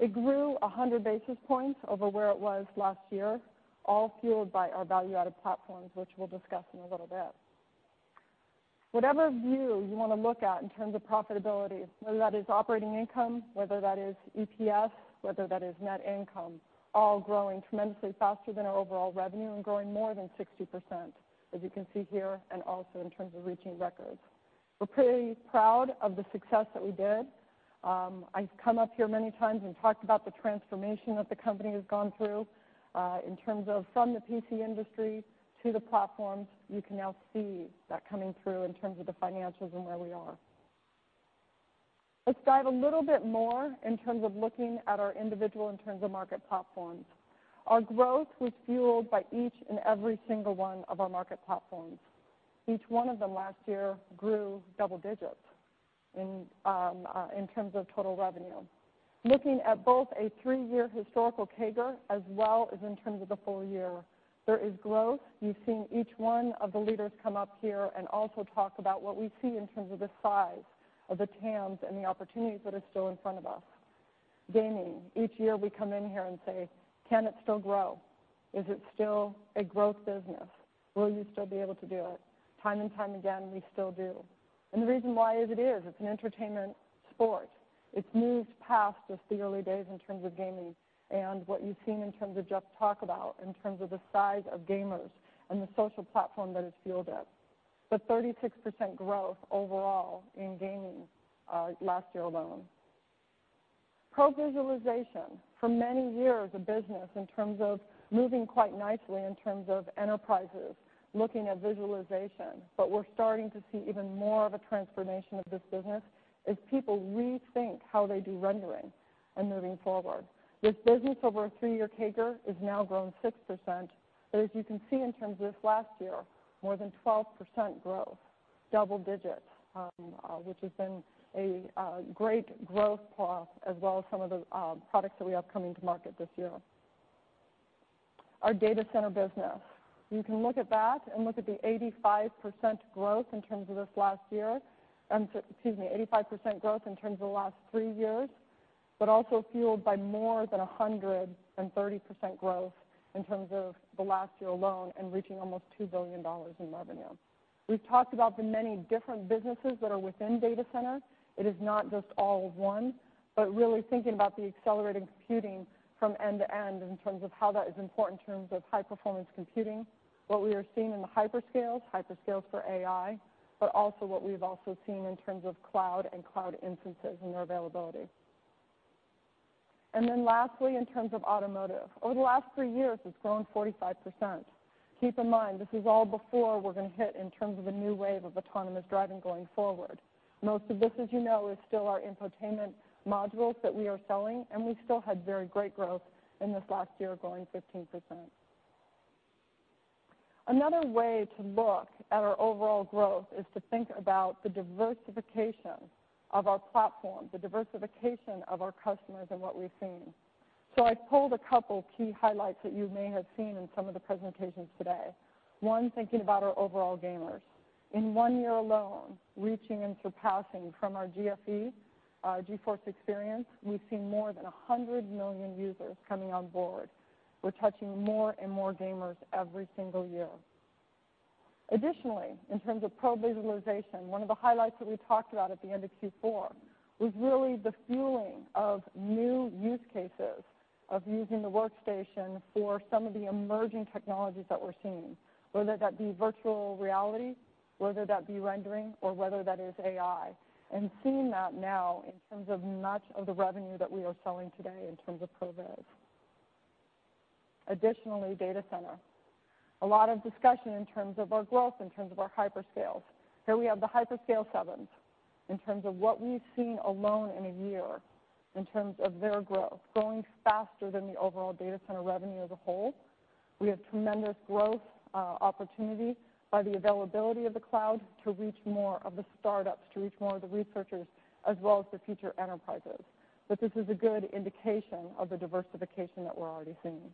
It grew 100 basis points over where it was last year, all fueled by our value-added platforms, which we'll discuss in a little bit. Whatever view you want to look at in terms of profitability, whether that is operating income, whether that is EPS, whether that is net income, all growing tremendously faster than our overall revenue and growing more than 60%, as you can see here, and also in terms of reaching records. We're pretty proud of the success that we did. I've come up here many times and talked about the transformation that the company has gone through, in terms of from the PC industry to the platforms. You can now see that coming through in terms of the financials and where we are. Let's dive a little bit more in terms of looking at our individual in terms of market platforms. Our growth was fueled by each and every single one of our market platforms. Each one of them last year grew double digits in terms of total revenue. Looking at both a three-year historical CAGR as well as in terms of the full year, there is growth. You've seen each one of the leaders come up here and also talk about what we see in terms of the size of the TAMs and the opportunities that are still in front of us. Gaming, each year we come in here and say, "Can it still grow? Is it still a growth business? Will you still be able to do it?" Time and time again, we still do. The reason why is it is. It's an entertainment sport. It's moved past just the early days in terms of gaming and what you've seen in terms of Jeff talk about in terms of the size of gamers and the social platform that has fueled it. 36% growth overall in gaming last year alone. Professional Visualization, for many years a business in terms of moving quite nicely in terms of enterprises looking at visualization, but we're starting to see even more of a transformation of this business as people rethink how they do rendering and moving forward. This business over a three-year CAGR has now grown 6%, as you can see in terms of this last year, more than 12% growth, double digits, which has been a great growth path, as well as some of the products that we have coming to market this year. Our data center business. You can look at that and look at the 85% growth in terms of this last year. Excuse me, 85% growth in terms of the last three years, but also fueled by more than 130% growth in terms of the last year alone and reaching almost $2 billion in revenue. We've talked about the many different businesses that are within data center. It is not just all of one, really thinking about the accelerating computing from end to end in terms of how that is important in terms of high-performance computing, what we are seeing in the hyperscales for AI, but also what we've also seen in terms of cloud and cloud instances and their availability. Lastly, in terms of automotive. Over the last three years, it's grown 45%. Keep in mind, this is all before we're going to hit in terms of a new wave of autonomous driving going forward. Most of this, as you know, is still our infotainment modules that we are selling, and we still had very great growth in this last year, growing 15%. Another way to look at our overall growth is to think about the diversification of our platform, the diversification of our customers, and what we've seen. I pulled a couple key highlights that you may have seen in some of the presentations today. One, thinking about our overall gamers. In one year alone, reaching and surpassing from our GFE, GeForce Experience, we have seen more than 100 million users coming on board. We are touching more and more gamers every single year. Additionally, in terms of pro visualization, one of the highlights that we talked about at the end of Q4 was really the fueling of new use cases of using the workstation for some of the emerging technologies that we are seeing, whether that be virtual reality, whether that be rendering, or whether that is AI, and seeing that now in terms of much of the revenue that we are selling today in terms of pro viz. Additionally, data center. A lot of discussion in terms of our growth, in terms of our hyperscales. Here we have the Hyperscale 7s in terms of what we have seen alone in a year in terms of their growth, growing faster than the overall data center revenue as a whole. We have tremendous growth opportunity by the availability of the cloud to reach more of the startups, to reach more of the researchers, as well as the future enterprises. This is a good indication of the diversification that we are already seeing.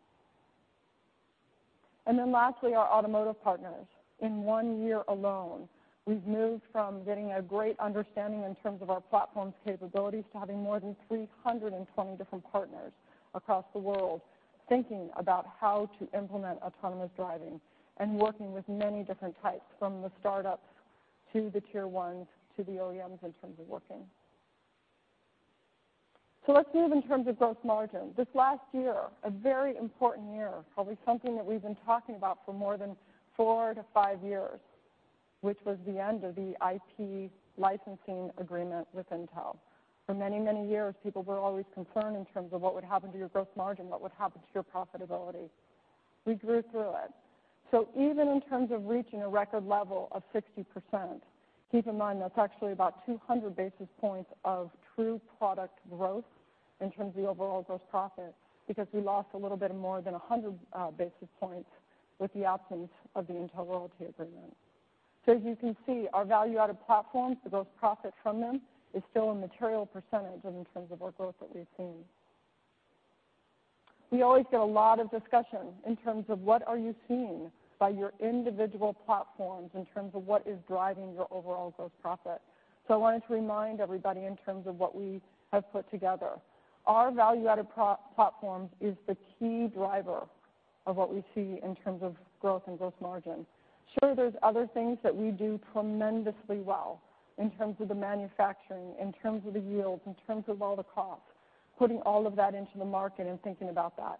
Lastly, our automotive partners. In one year alone, we have moved from getting a great understanding in terms of our platform's capabilities to having more than 320 different partners across the world thinking about how to implement autonomous driving and working with many different types, from the startups to the tier 1s to the OEMs in terms of working. Let's move in terms of gross margin. This last year, a very important year, probably something that we have been talking about for more than four to five years, which was the end of the IP licensing agreement with Intel. For many, many years, people were always concerned in terms of what would happen to your gross margin, what would happen to your profitability. We grew through it. Even in terms of reaching a record level of 60%, keep in mind that's actually about 200 basis points of true product growth in terms of the overall gross profit, because we lost a little bit more than 100 basis points with the absence of the Intel royalty agreement. As you can see, our value-added platforms, the gross profit from them, is still a material percentage in terms of our growth that we have seen. We always get a lot of discussion in terms of what are you seeing by your individual platforms in terms of what is driving your overall gross profit. I wanted to remind everybody in terms of what we have put together. Our value-added platforms is the key driver of what we see in terms of growth and gross margin. Sure, there's other things that we do tremendously well in terms of the manufacturing, in terms of the yields, in terms of all the costs, putting all of that into the market and thinking about that.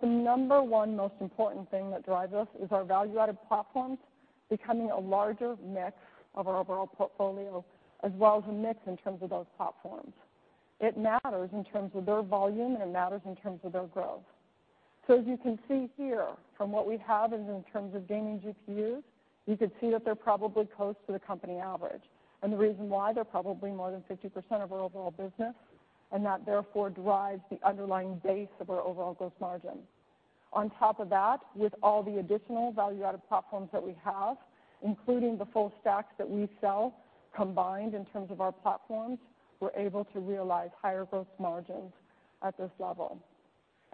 The number 1 most important thing that drives us is our value-added platforms becoming a larger mix of our overall portfolio, as well as a mix in terms of those platforms. It matters in terms of their volume, and it matters in terms of their growth. As you can see here from what we have in terms of gaming GPUs, you could see that they're probably close to the company average. The reason why they're probably more than 50% of our overall business, and that therefore drives the underlying base of our overall gross margin. On top of that, with all the additional value-added platforms that we have, including the full stacks that we sell combined in terms of our platforms, we're able to realize higher gross margins at this level.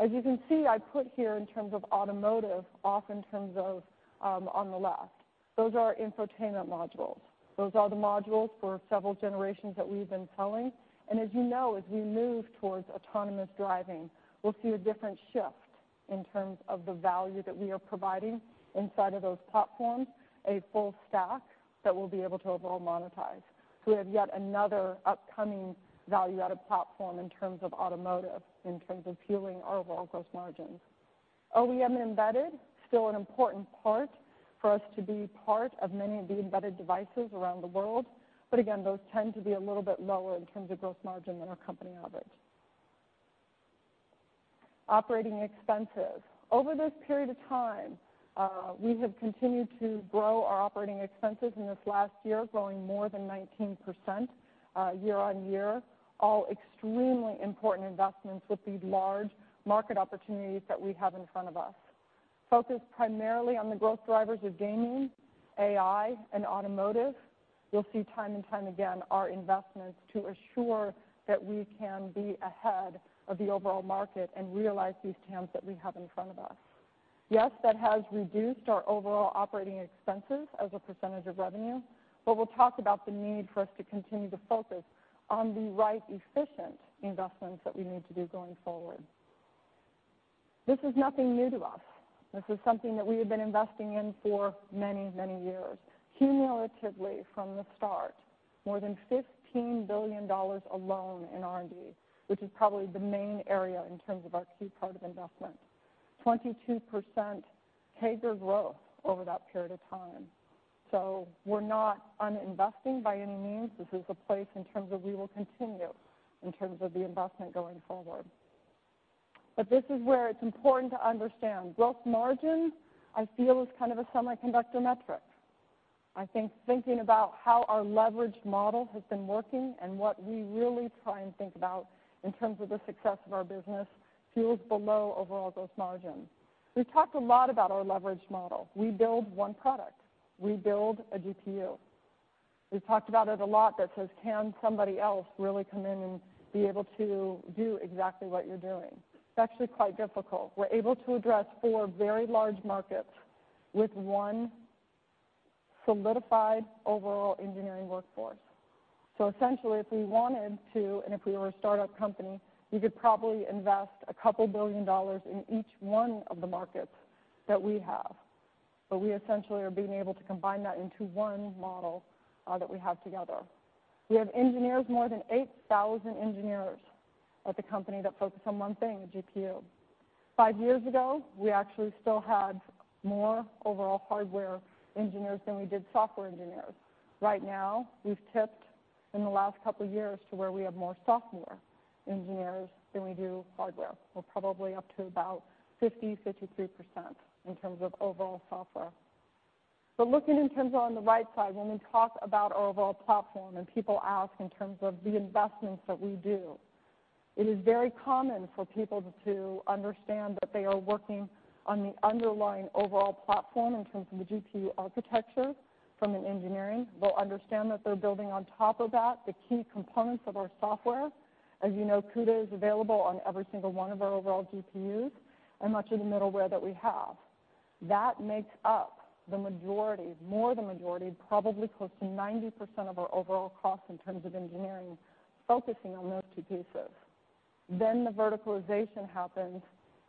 As you can see, I put here in terms of automotive off in terms of on the left. Those are our infotainment modules. Those are the modules for several generations that we've been selling. As you know, as we move towards autonomous driving, we'll see a different shift in terms of the value that we are providing inside of those platforms, a full stack that we'll be able to overall monetize. We have yet another upcoming value-added platform in terms of automotive, in terms of fueling our overall gross margins. OEM embedded, still an important part for us to be part of many of the embedded devices around the world. But again, those tend to be a little bit lower in terms of gross margin than our company average. Operating expenses. Over this period of time, we have continued to grow our operating expenses in this last year, growing more than 19% year-on-year. All extremely important investments with these large market opportunities that we have in front of us. Focused primarily on the growth drivers of gaming, AI, and automotive. You'll see time and time again our investments to assure that we can be ahead of the overall market and realize these TAMs that we have in front of us. Yes, that has reduced our overall operating expenses as a percentage of revenue, but we'll talk about the need for us to continue to focus on the right efficient investments that we need to do going forward. This is nothing new to us. This is something that we have been investing in for many, many years. Cumulatively, from the start, more than $15 billion alone in R&D, which is probably the main area in terms of our key part of investment. 22% CAGR growth over that period of time. We're not uninvesting by any means. This is a place in terms of we will continue in terms of the investment going forward. This is where it's important to understand gross margin, I feel, is kind of a semiconductor metric. I think thinking about how our leverage model has been working and what we really try and think about in terms of the success of our business fuels below overall gross margin. We've talked a lot about our leverage model. We build one product. We build a GPU. We've talked about it a lot that says, can somebody else really come in and be able to do exactly what you're doing? It's actually quite difficult. We're able to address four very large markets with one solidified overall engineering workforce. Essentially, if we wanted to, and if we were a startup company, you could probably invest a couple billion dollars in each one of the markets that we have. We essentially are being able to combine that into one model that we have together. We have engineers, more than 8,000 engineers at the company that focus on one thing, a GPU. Five years ago, we actually still had more overall hardware engineers than we did software engineers. Right now, we've tipped in the last couple of years to where we have more software engineers than we do hardware. We're probably up to about 50%, 53% in terms of overall software. Looking in terms on the right side, when we talk about our overall platform and people ask in terms of the investments that we do, it is very common for people to understand that they are working on the underlying overall platform in terms of the GPU architecture from an engineering. They'll understand that they're building on top of that the key components of our software. As you know, CUDA is available on every single one of our overall GPUs and much of the middleware that we have. That makes up the majority, probably close to 90% of our overall cost in terms of engineering focusing on those two pieces. The verticalization happens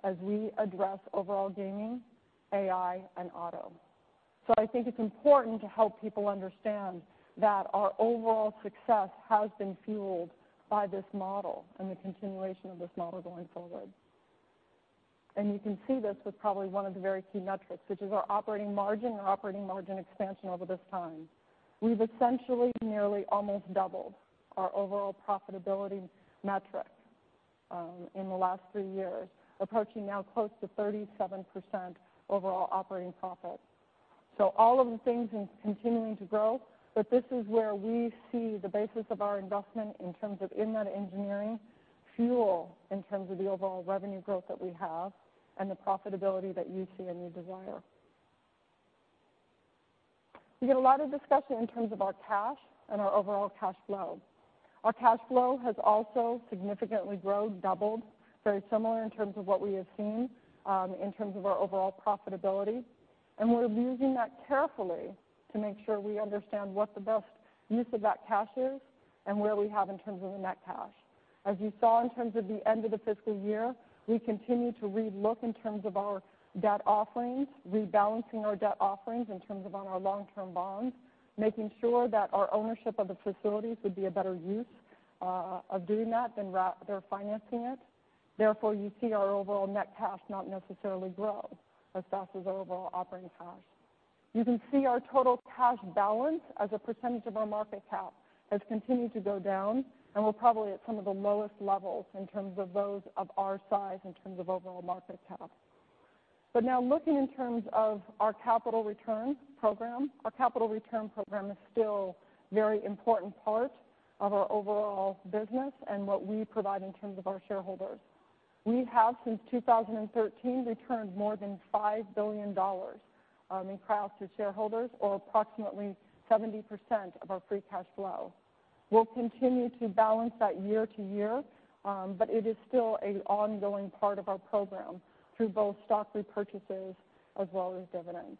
as we address overall gaming, AI, and auto. I think it's important to help people understand that our overall success has been fueled by this model and the continuation of this model going forward. You can see this with probably one of the very key metrics, which is our operating margin, our operating margin expansion over this time. We've essentially nearly almost doubled our overall profitability metric in the last three years, approaching now close to 37% overall operating profit. All of the things is continuing to grow, but this is where we see the basis of our investment in terms of in that engineering fuel, in terms of the overall revenue growth that we have and the profitability that you see and you desire. We get a lot of discussion in terms of our cash and our overall cash flow. Our cash flow has also significantly grown, doubled, very similar in terms of what we have seen in terms of our overall profitability. We're using that carefully to make sure we understand what the best use of that cash is and where we have in terms of the net cash. As you saw in terms of the end of the fiscal year, we continue to re-look in terms of our debt offerings, rebalancing our debt offerings in terms of on our long-term bonds, making sure that our ownership of the facilities would be a better use of doing that than financing it. Therefore, you see our overall net cash not necessarily grow as fast as overall operating cash. You can see our total cash balance as a percentage of our market cap has continued to go down, and we're probably at some of the lowest levels in terms of those of our size in terms of overall market cap. Now looking in terms of our capital return program, our capital return program is still very important part of our overall business and what we provide in terms of our shareholders. We have, since 2013, returned more than $5 billion in capital to shareholders or approximately 70% of our free cash flow. We'll continue to balance that year-to-year, but it is still an ongoing part of our program through both stock repurchases as well as dividends.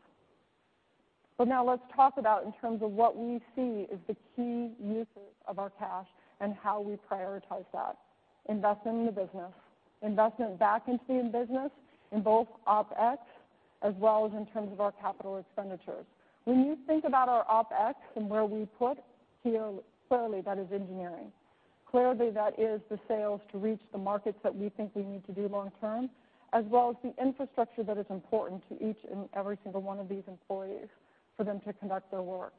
Now let's talk about in terms of what we see is the key uses of our cash and how we prioritize that. Investment in the business, investment back into the business in both OpEx as well as in terms of our capital expenditures. When you think about our OpEx and where we put, clearly that is engineering. Clearly that is the sales to reach the markets that we think we need to do long term, as well as the infrastructure that is important to each and every single one of these employees for them to conduct their work,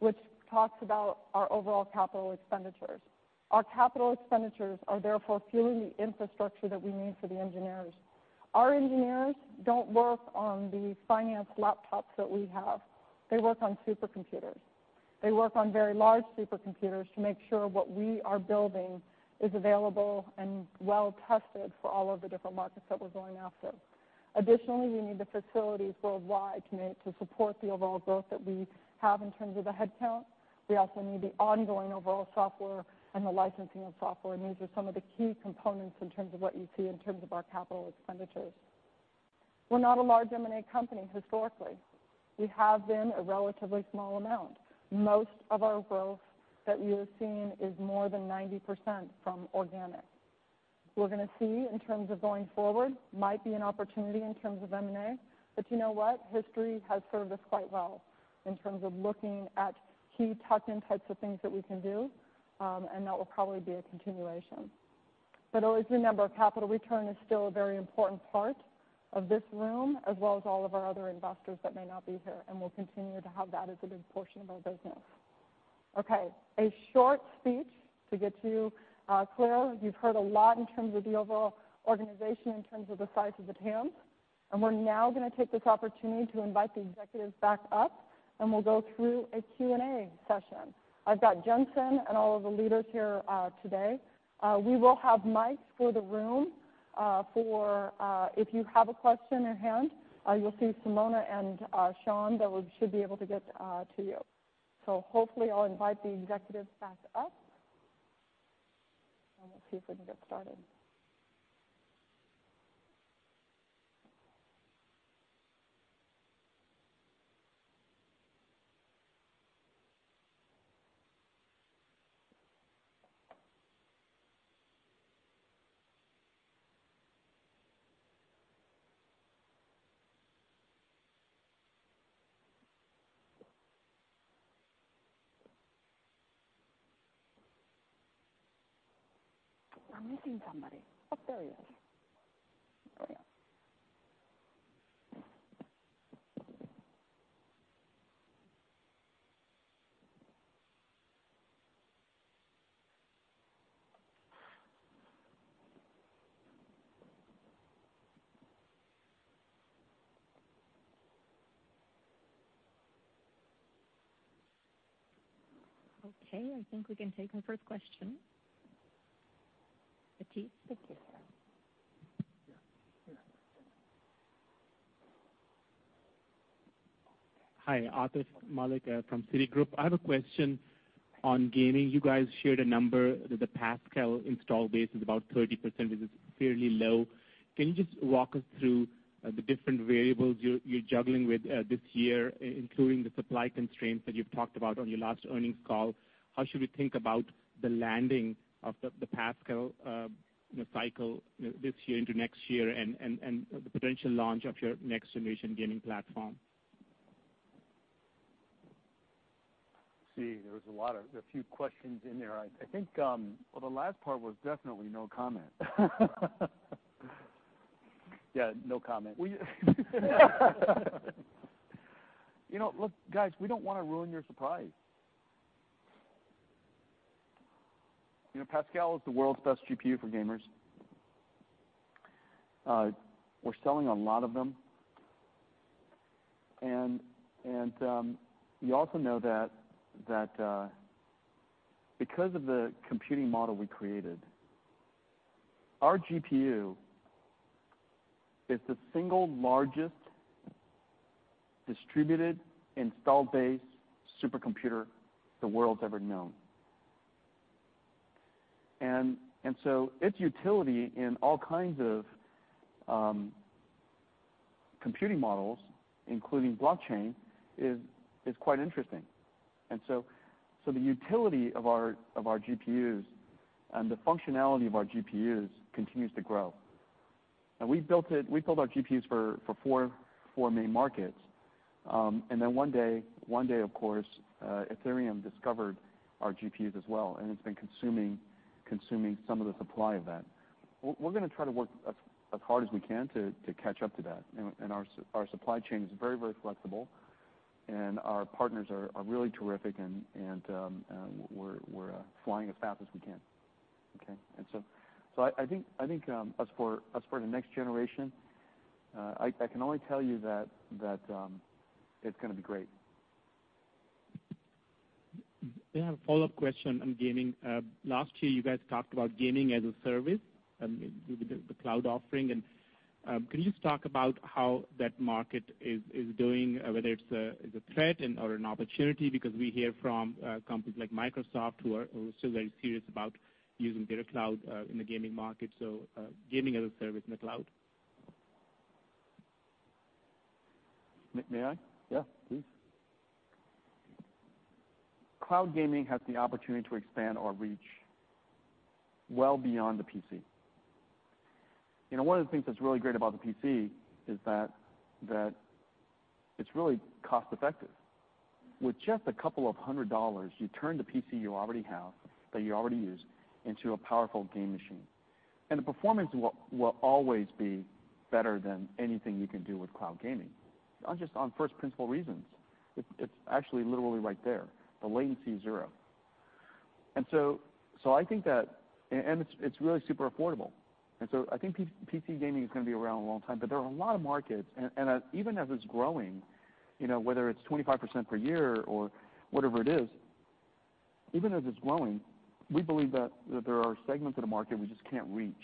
which talks about our overall capital expenditures. Our capital expenditures are therefore fueling the infrastructure that we need for the engineers. Our engineers don't work on the finance laptops that we have. They work on supercomputers. They work on very large supercomputers to make sure what we are building is available and well-tested for all of the different markets that we're going after. Additionally, we need the facilities worldwide to support the overall growth that we have in terms of the headcount. We also need the ongoing overall software and the licensing of software. These are some of the key components in terms of what you see in terms of our capital expenditures. We're not a large M&A company historically. We have been a relatively small amount. Most of our growth that you have seen is more than 90% from organic. We're going to see in terms of going forward might be an opportunity in terms of M&A. You know what? History has served us quite well in terms of looking at key tuck-in types of things that we can do, and that will probably be a continuation. Always remember, capital return is still a very important part of this room, as well as all of our other investors that may not be here, and we'll continue to have that as a good portion of our business. A short speech to get you clear. You've heard a lot in terms of the overall organization, in terms of the size of the TAM. We're now going to take this opportunity to invite the executives back up. We'll go through a Q&A session. I've got Jensen and all of the leaders here today. We will have mics for the room. If you have a question at hand, you'll see Simona and Sean that should be able to get to you. Hopefully, I'll invite the executives back up. We'll see if we can get started. I'm missing somebody. Oh, there we are. Okay, I think we can take our first question. Atif Malik. Hi, Atif Malik from Citigroup. I have a question on gaming. You guys shared a number that the Pascal install base is about 30%, which is fairly low. Can you just walk us through the different variables you're juggling with this year, including the supply constraints that you've talked about on your last earnings call? How should we think about the landing of the Pascal cycle this year into next year and the potential launch of your next generation gaming platform? See, there was a few questions in there. Well, the last part was definitely no comment. Yeah, no comment. Look, guys, we don't want to ruin your surprise. Pascal is the world's best GPU for gamers. We're selling a lot of them. You also know that because of the computing model we created, our GPU is the single largest distributed install base supercomputer the world's ever known. Its utility in all kinds of computing models, including blockchain, is quite interesting. The utility of our GPUs and the functionality of our GPUs continues to grow. We built our GPUs for four main markets. One day, of course, Ethereum discovered our GPUs as well, and it's been consuming some of the supply of that. We're going to try to work as hard as we can to catch up to that, and our supply chain is very, very flexible, and our partners are really terrific and we're flying as fast as we can. Okay? I think as for the next generation, I can only tell you that it's going to be great. I have a follow-up question on gaming. Last year, you guys talked about gaming as a service and with the cloud offering. Can you just talk about how that market is doing, whether it's a threat or an opportunity? Because we hear from companies like Microsoft who are still very serious about using their cloud in the gaming market, so gaming as a service in the cloud. May I? Yeah, please. Cloud gaming has the opportunity to expand our reach well beyond the PC. One of the things that's really great about the PC is that it's really cost-effective. With just a couple of hundred dollars, you turn the PC you already have, that you already use, into a powerful game machine, and the performance will always be better than anything you can do with cloud gaming, just on first principle reasons. It's actually literally right there. The latency is zero. And it's really super affordable. So I think PC gaming is going to be around a long time, but there are a lot of markets, and even as it's growing, whether it's 25% per year or whatever it is, even as it's growing, we believe that there are segments of the market we just can't reach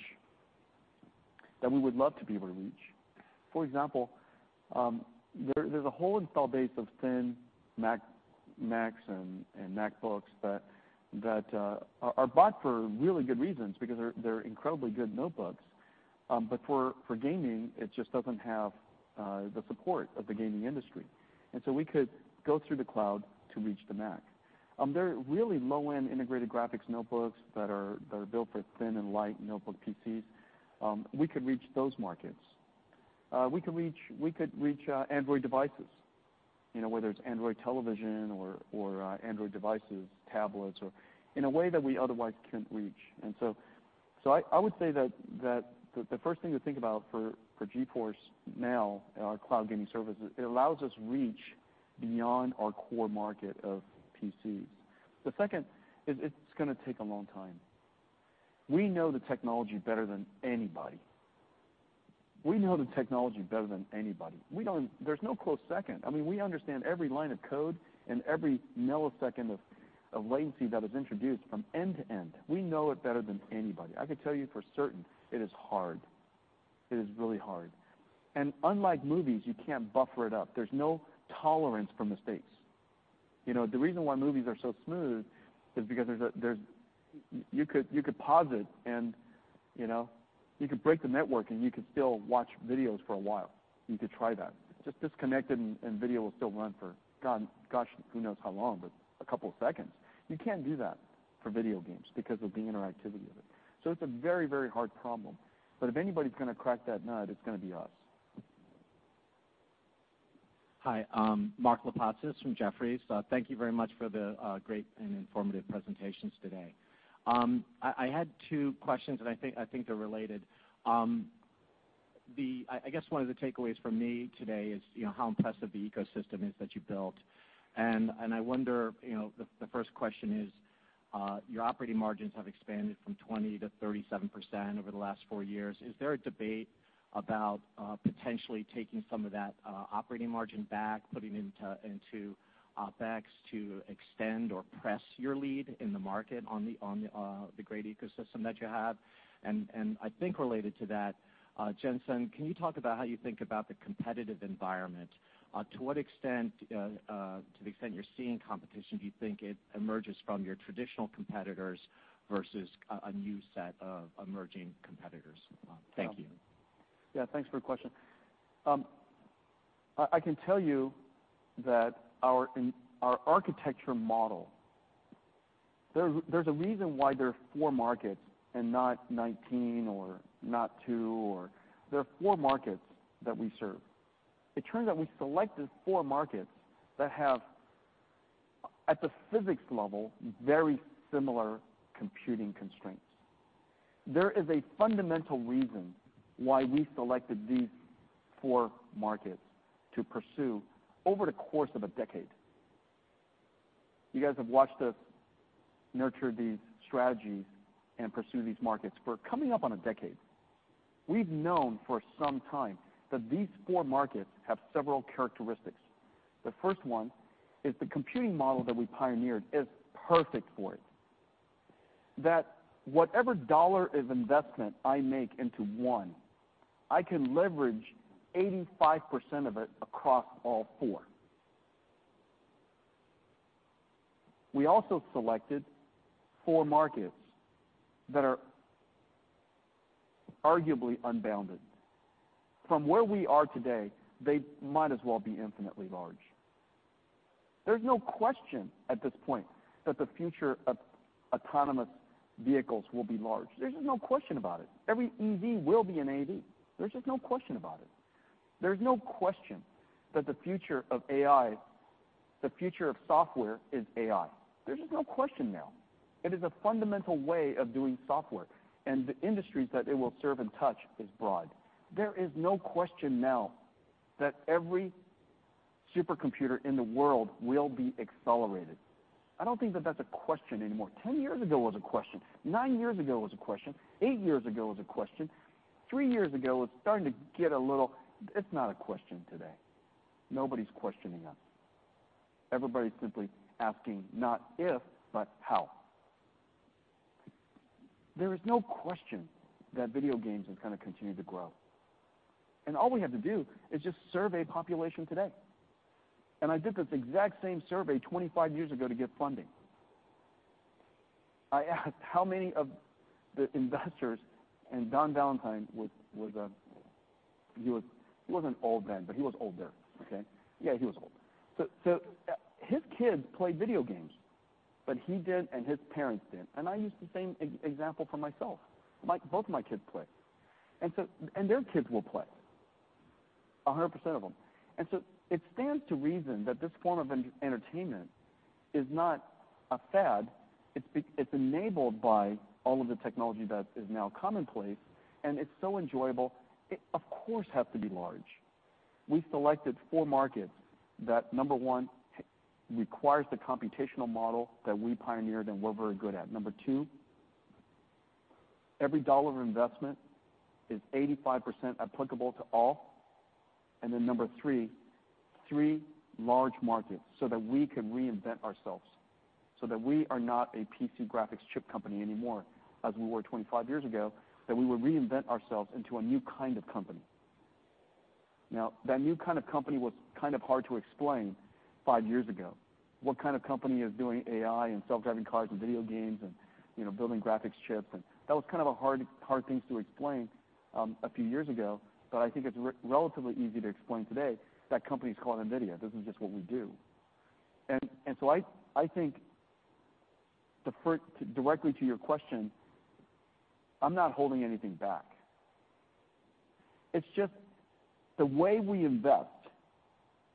that we would love to be able to reach. For example, there's a whole install base of thin Macs and MacBooks that are bought for really good reasons, because they're incredibly good notebooks. But for gaming, it just doesn't have the support of the gaming industry. So we could go through the cloud to reach the Mac. There are really low-end integrated graphics notebooks that are built for thin and light notebook PCs. We could reach those markets. We could reach Android devices, whether it's Android television or Android devices, tablets, or in a way that we otherwise couldn't reach. So I would say that the first thing to think about for GeForce NOW in our cloud gaming service is it allows us reach beyond our core market of PCs. The second is it's going to take a long time. We know the technology better than anybody. There's no close second. We understand every line of code and every millisecond of latency that is introduced from end to end. We know it better than anybody. I could tell you for certain, it is hard. It is really hard. Unlike movies, you can't buffer it up. There's no tolerance for mistakes. The reason why movies are so smooth is because you could pause it and you could break the network, and you could still watch videos for a while. You could try that. Just disconnect it and video will still run for, gosh, who knows how long, but a couple of seconds. You can't do that for video games because of the interactivity of it. It's a very, very hard problem. If anybody's going to crack that nut, it's going to be us. Hi, Mark Lipacis from Jefferies. Thank you very much for the great and informative presentations today. I had two questions. I think they're related. I guess one of the takeaways from me today is how impressive the ecosystem is that you built. I wonder, the first question is, your operating margins have expanded from 20% to 37% over the last four years. Is there a debate about potentially taking some of that operating margin back, putting it into OpEx to extend or press your lead in the market on the great ecosystem that you have? I think related to that, Jensen, can you talk about how you think about the competitive environment? To what extent you're seeing competition, do you think it emerges from your traditional competitors versus a new set of emerging competitors? Thank you. Yeah. Thanks for your question. I can tell you that our architecture model. There's a reason why there are four markets that we serve. It turns out we selected four markets that have, at the physics level, very similar computing constraints. There is a fundamental reason why we selected these four markets to pursue over the course of a decade. You guys have watched us nurture these strategies and pursue these markets for coming up on a decade. We've known for some time that these four markets have several characteristics. The first one is the computing model that we pioneered is perfect for it, that whatever dollar of investment I make into one, I can leverage 85% of it across all four. We also selected four markets that are arguably unbounded. From where we are today, they might as well be infinitely large. There's no question at this point that the future of autonomous vehicles will be large. There's just no question about it. Every EV will be an AV. There's just no question about it. There's no question that the future of software is AI. There's just no question now. It is a fundamental way of doing software, and the industries that it will serve and touch is broad. There is no question now that every supercomputer in the world will be accelerated. I don't think that that's a question anymore. 10 years ago was a question, nine years ago was a question, eight years ago was a question. Three years ago, it was starting to get. It's not a question today. Nobody's questioning us. Everybody's simply asking not if, but how. There is no question that video games are going to continue to grow, all we have to do is just survey population today. I did this exact same survey 25 years ago to get funding. I asked how many of the investors, and Don Valentine, he wasn't old then, but he was older. Okay. Yeah, he was older. His kids played video games, but he didn't, and his parents didn't. I used the same example for myself. Both my kids play, and their kids will play, 100% of them. It stands to reason that this form of entertainment is not a fad. It's enabled by all of the technology that is now commonplace, and it's so enjoyable, it of course has to be large. We selected four markets that, number one, requires the computational model that we pioneered and we're very good at. Number two, every dollar of investment is 85% applicable to all. Number three large markets so that we can reinvent ourselves, so that we are not a PC graphics chip company anymore as we were 25 years ago, that we would reinvent ourselves into a new kind of company. That new kind of company was hard to explain five years ago. What kind of company is doing AI and self-driving cars and video games and building graphics chips? That was kind of hard things to explain a few years ago, but I think it's relatively easy to explain today. That company is called NVIDIA. This is just what we do. I think directly to your question, I'm not holding anything back. It's just the way we invest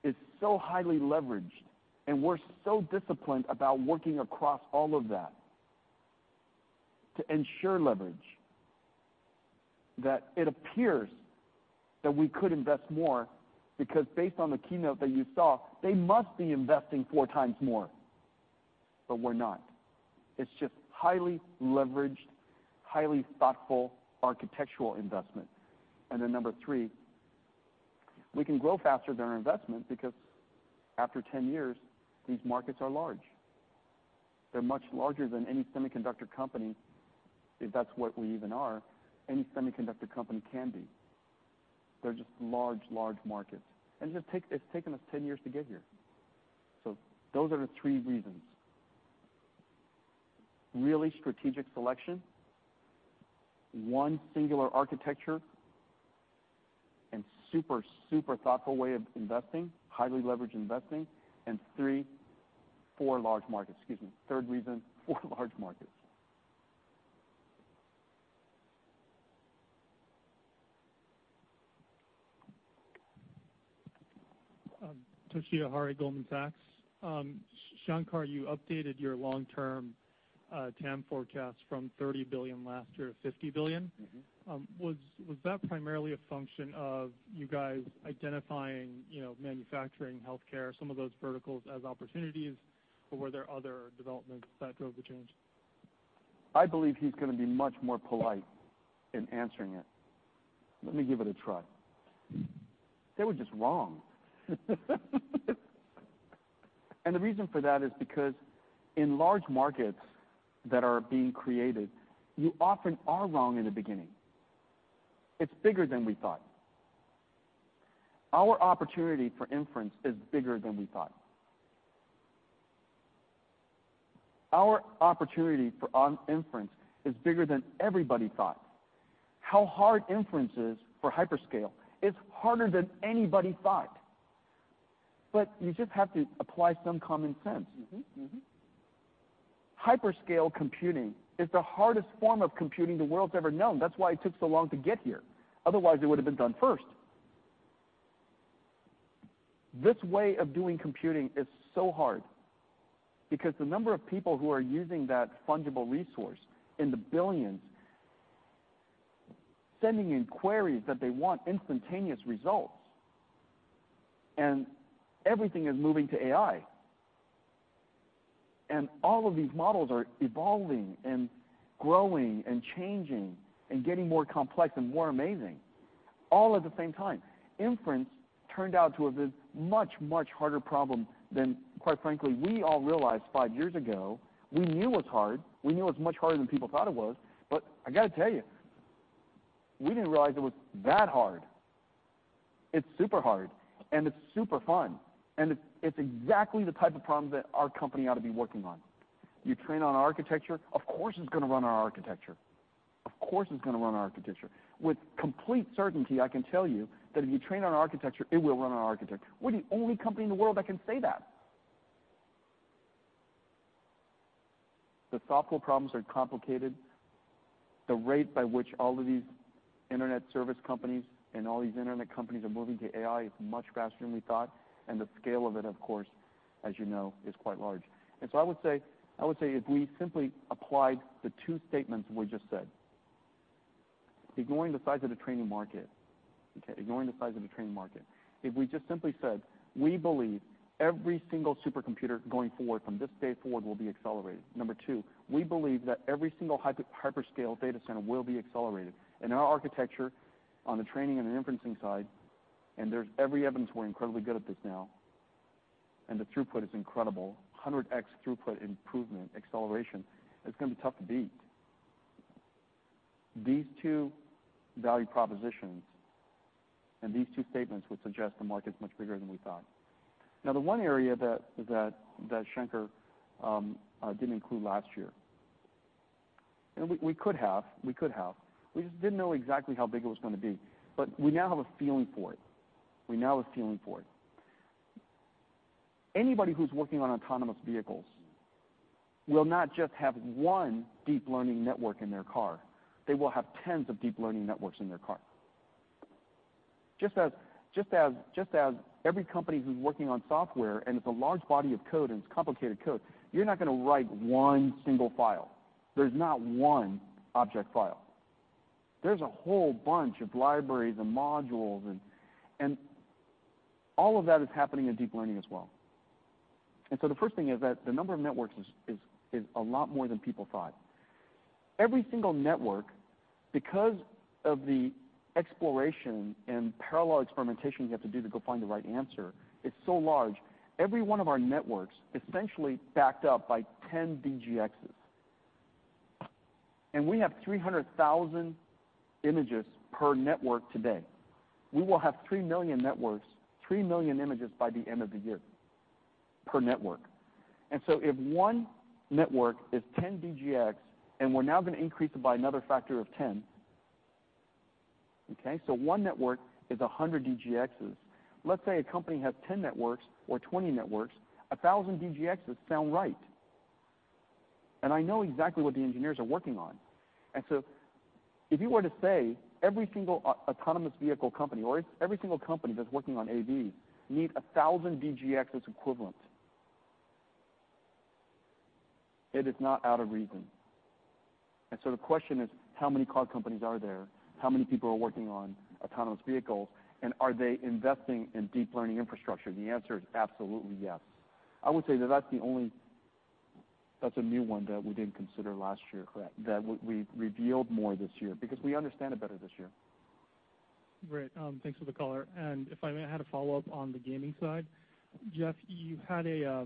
is so highly leveraged, and we're so disciplined about working across all of that to ensure leverage, that it appears that we could invest more, because based on the keynote that you saw, they must be investing four times more, but we're not. It's just highly leveraged, highly thoughtful architectural investment. Number three, we can grow faster than our investment because after 10 years, these markets are large. They're much larger than any semiconductor company, if that's what we even are, any semiconductor company can be. They're just large markets, and it's taken us 10 years to get here. Those are the three reasons. Really strategic selection, one singular architecture, and super thoughtful way of investing, highly leveraged investing, and four large markets. Excuse me. Third reason, four large markets. Toshiya Hari, Goldman Sachs. Shanker, you updated your long-term TAM forecast from $30 billion last year to $50 billion. Was that primarily a function of you guys identifying manufacturing, healthcare, some of those verticals as opportunities, or were there other developments that drove the change? I believe he's going to be much more polite in answering it. Let me give it a try. They were just wrong. The reason for that is because in large markets that are being created, you often are wrong in the beginning. It's bigger than we thought. Our opportunity for inference is bigger than we thought. Our opportunity for inference is bigger than everybody thought. How hard inference is for hyperscale is harder than anybody thought. You just have to apply some common sense. hyperscale computing is the hardest form of computing the world's ever known. That's why it took so long to get here. Otherwise, it would've been done first. This way of doing computing is so hard because the number of people who are using that fungible resource in the billions, sending in queries that they want instantaneous results, everything is moving to AI. All of these models are evolving and growing and changing and getting more complex and more amazing all at the same time. inference turned out to have been a much, much harder problem than, quite frankly, we all realized 5 years ago. We knew it was hard. We knew it was much harder than people thought it was. I got to tell you, we didn't realize it was that hard. It's super hard, and it's super fun, and it's exactly the type of problem that our company ought to be working on. You train on architecture, of course, it's going to run on architecture. Of course, it's going to run on architecture. With complete certainty, I can tell you that if you train on architecture, it will run on architecture. We're the only company in the world that can say that. The software problems are complicated. The rate by which all of these internet service companies and all these internet companies are moving to AI is much faster than we thought, the scale of it, of course, as you know, is quite large. I would say if we simply applied the two statements we just said, ignoring the size of the training market, okay, ignoring the size of the training market. If we just simply said, we believe every single supercomputer going forward from this day forward will be accelerated. Number two, we believe that every single hyperscale data center will be accelerated. Our architecture on the training and the inferencing side, and there's every evidence we're incredibly good at this now, and the throughput is incredible. 100x throughput improvement acceleration is going to be tough to beat. These two value propositions and these two statements would suggest the market's much bigger than we thought. The one area that Shanker didn't include last year, and we could have. We just didn't know exactly how big it was going to be. But we now have a feeling for it. Anybody who's working on autonomous vehicles will not just have one deep learning network in their car. They will have tens of deep learning networks in their car. Just as every company who's working on software, it's a large body of code, it's complicated code, you're not going to write one single file. There's not one object file. There's a whole bunch of libraries and modules, all of that is happening in deep learning as well. The first thing is that the number of networks is a lot more than people thought. Every single network, because of the exploration and parallel experimentation you have to do to go find the right answer, it's so large. Every one of our networks essentially backed up by 10 DGXs. We have 300,000 images per network today. We will have 3 million networks, 3 million images by the end of the year per network. If one network is 10 DGX, and we're now going to increase it by another factor of 10. Okay. One network is 100 DGXs. Let's say a company has 10 networks or 20 networks, 1,000 DGXs sound right. I know exactly what the engineers are working on. If you were to say every single autonomous vehicle company or every single company that's working on AV need 1,000 DGXs equivalent, it is not out of reason. The question is: how many car companies are there? How many people are working on autonomous vehicles? Are they investing in deep learning infrastructure? The answer is absolutely yes. I would say that that's a new one that we didn't consider last year. Correct. That we revealed more this year because we understand it better this year. Great. Thanks for the color. If I may, I had a follow-up on the gaming side. Jeff, you had a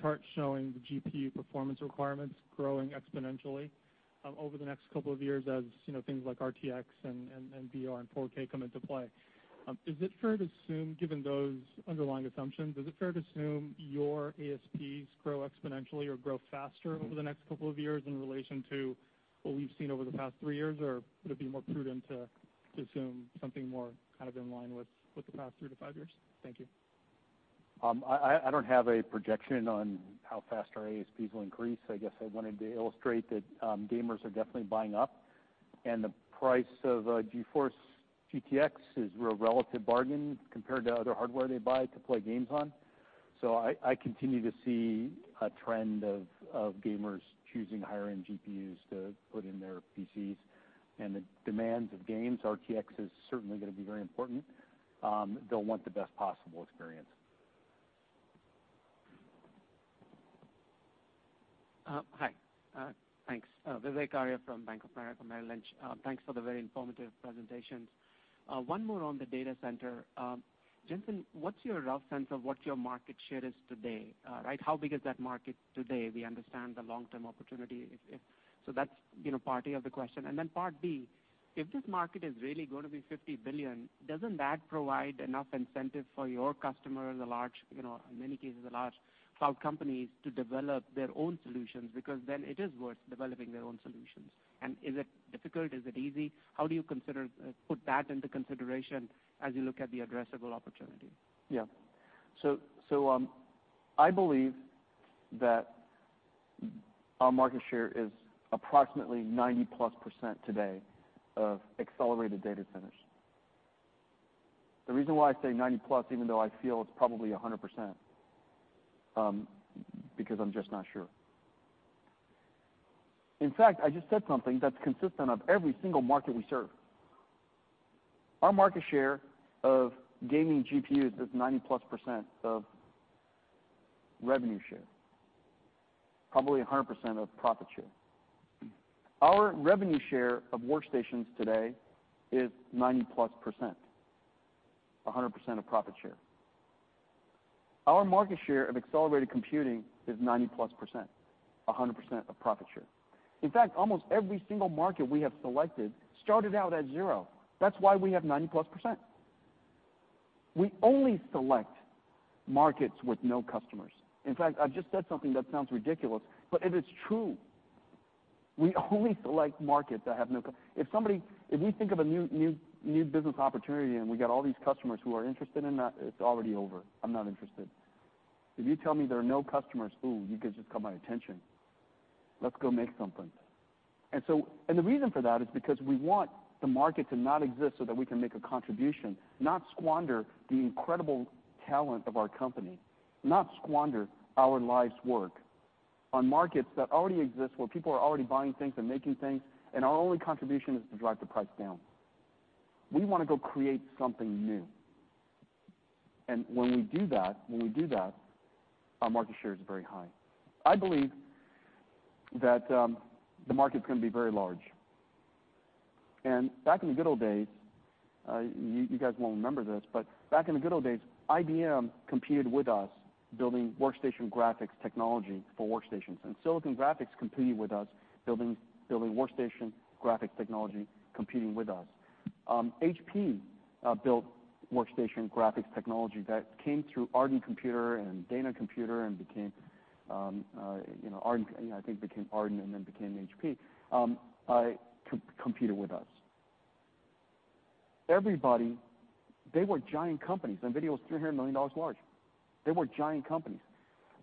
chart showing the GPU performance requirements growing exponentially over the next couple of years as things like RTX and VR and 4K come into play. Given those underlying assumptions, is it fair to assume your ASPs grow exponentially or grow faster over the next couple of years in relation to what we've seen over the past three years? Or would it be more prudent to assume something more kind of in line with the past three to five years? Thank you. I don't have a projection on how fast our ASPs will increase. I guess I wanted to illustrate that gamers are definitely buying up, and the price of GeForce GTX is a relative bargain compared to other hardware they buy to play games on. I continue to see a trend of gamers choosing higher-end GPUs to put in their PCs. The demands of games, RTX is certainly going to be very important. They'll want the best possible experience. Hi. Thanks. Vivek Arya from Bank of America Merrill Lynch. Thanks for the very informative presentations. One more on the data center. Jensen, what's your rough sense of what your market share is today? How big is that market today? We understand the long-term opportunity. That's part A of the question. Then part B, if this market is really going to be $50 billion, doesn't that provide enough incentive for your customers, in many cases, the large cloud companies, to develop their own solutions? Because then it is worth developing their own solutions. Is it difficult? Is it easy? How do you put that into consideration as you look at the addressable opportunity? Yeah. I believe that Our market share is approximately 90-plus% today of accelerated data centers. The reason why I say 90-plus, even though I feel it's probably 100%, because I'm just not sure. In fact, I just said something that's consistent of every single market we serve. Our market share of gaming GPUs is 90-plus% of revenue share, probably 100% of profit share. Our revenue share of workstations today is 90-plus%, 100% of profit share. Our market share of accelerated computing is 90-plus%, 100% of profit share. In fact, almost every single market we have selected started out at zero. That's why we have 90-plus%. We only select markets with no customers. In fact, I've just said something that sounds ridiculous, but it is true. We only select markets that have. If we think of a new business opportunity and we got all these customers who are interested in that, it's already over. I'm not interested. If you tell me there are no customers, ooh, you just got my attention. Let's go make something. The reason for that is because we want the market to not exist so that we can make a contribution, not squander the incredible talent of our company, not squander our life's work on markets that already exist, where people are already buying things and making things, and our only contribution is to drive the price down. We want to go create something new. When we do that, our market share is very high. I believe that the market's going to be very large. Back in the good old days, you guys won't remember this, but back in the good old days, IBM competed with us building workstation graphics technology for workstations, Silicon Graphics competed with us building workstation graphics technology competing with us. HP built workstation graphics technology that came through Arden Computer and Dana Computer and I think became Arden and then became HP, competed with us. Everybody, they were giant companies. NVIDIA was $300 million large. They were giant companies.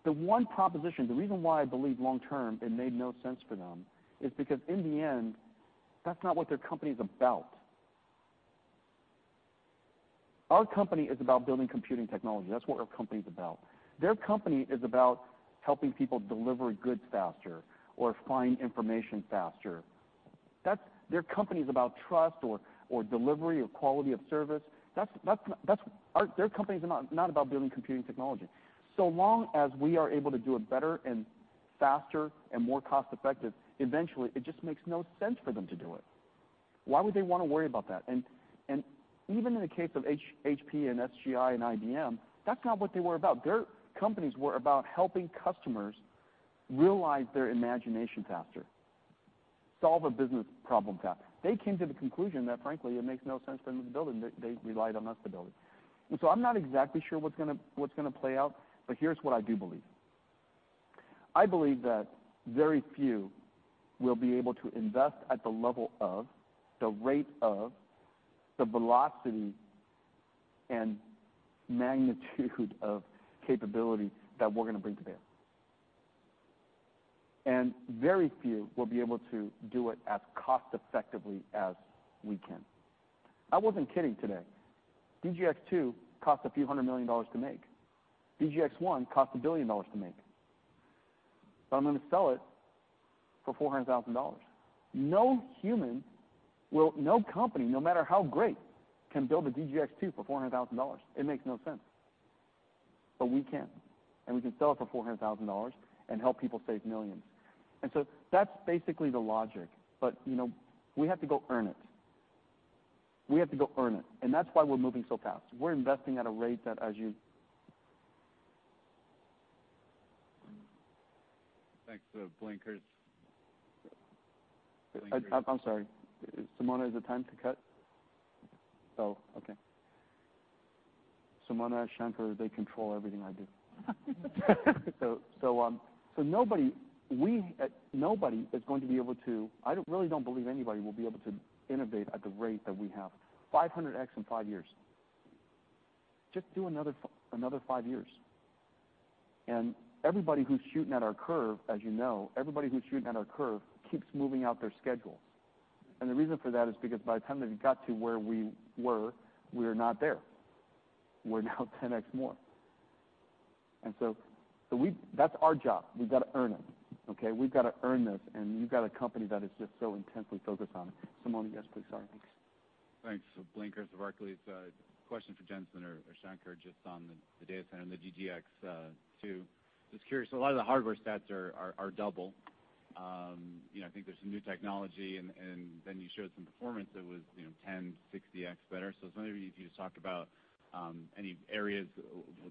The one proposition, the reason why I believe long term it made no sense for them is because in the end, that's not what their company's about. Our company is about building computing technology. That's what our company's about. Their company is about helping people deliver goods faster or find information faster. Their company's about trust or delivery or quality of service. Their companies are not about building computing technology. Long as we are able to do it better and faster and more cost-effective, eventually, it just makes no sense for them to do it. Why would they want to worry about that? Even in the case of HP and SGI and IBM, that's not what they were about. Their companies were about helping customers realize their imagination faster, solve a business problem faster. They came to the conclusion that frankly, it makes no sense for them to build it. They relied on us to build it. I'm not exactly sure what's going to play out, but here's what I do believe. I believe that very few will be able to invest at the level of, the rate of, the velocity and magnitude of capability that we're going to bring to bear. Very few will be able to do it as cost-effectively as we can. I wasn't kidding today. DGX-2 cost a few hundred million dollars to make. DGX-1 cost $1 billion to make. I'm going to sell it for $400,000. No company, no matter how great, can build a DGX-2 for $400,000. It makes no sense. We can, and we can sell it for $400,000 and help people save millions. That's basically the logic. We have to go earn it. We have to go earn it. That's why we're moving so fast. We're investing at a rate that as you- Thanks. Blayne Curtis. I'm sorry. Simona, is it time to cut? Oh, okay. Simona, Shanker, they control everything I do. Nobody is going to be able to innovate at the rate that we have, 500X in five years. Just do another five years. Everybody who's shooting at our curve, as you know, keeps moving out their schedule. The reason for that is because by the time they've got to where we were, we are not there. We're now 10X more. That's our job. We've got to earn it, okay? We've got to earn this, and we've got a company that is just so intensely focused on it. Simona, yes, please. Sorry. Thanks. Blayne Curtis of Barclays. Question for Jensen or Shanker, just on the data center and the DGX-2. Just curious, a lot of the hardware stats are double. I think there's some new technology, you showed some performance that was 10 to 60X better. I was wondering if you could just talk about any areas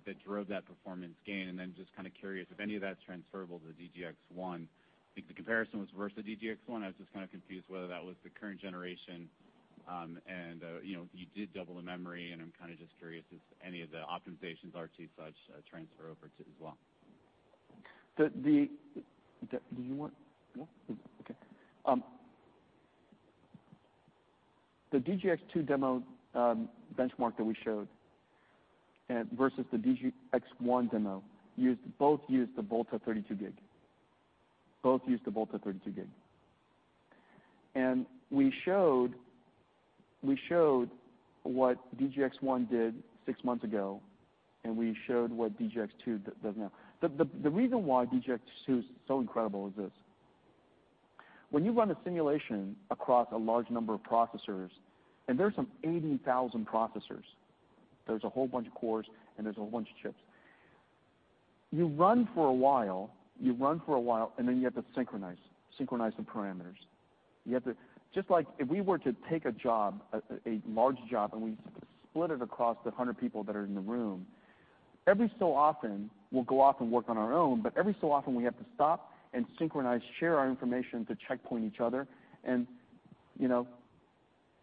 that drove that performance gain, just kind of curious if any of that's transferable to DGX-1. I think the comparison was versus DGX-1. I was just kind of confused whether that was the current generation. You did double the memory, I'm kind of just curious if any of the optimizations are to such transfer over to it as well. Do you want? No? Okay. The DGX-2 demo benchmark that we showed versus the DGX-1 demo, both used the Volta 32 gig. Both used the Volta 32 gig. We showed what DGX-1 did six months ago, and we showed what DGX-2 does now. The reason why DGX-2 is so incredible is this. When you run a simulation across a large number of processors, there's some 80,000 processors, there's a whole bunch of cores and there's a whole bunch of chips. You run for a while, you have to synchronize the parameters. Just like if we were to take a job, a large job, and we split it across the 100 people that are in the room, every so often we'll go off and work on our own, but every so often we have to stop and synchronize, share our information to checkpoint each other and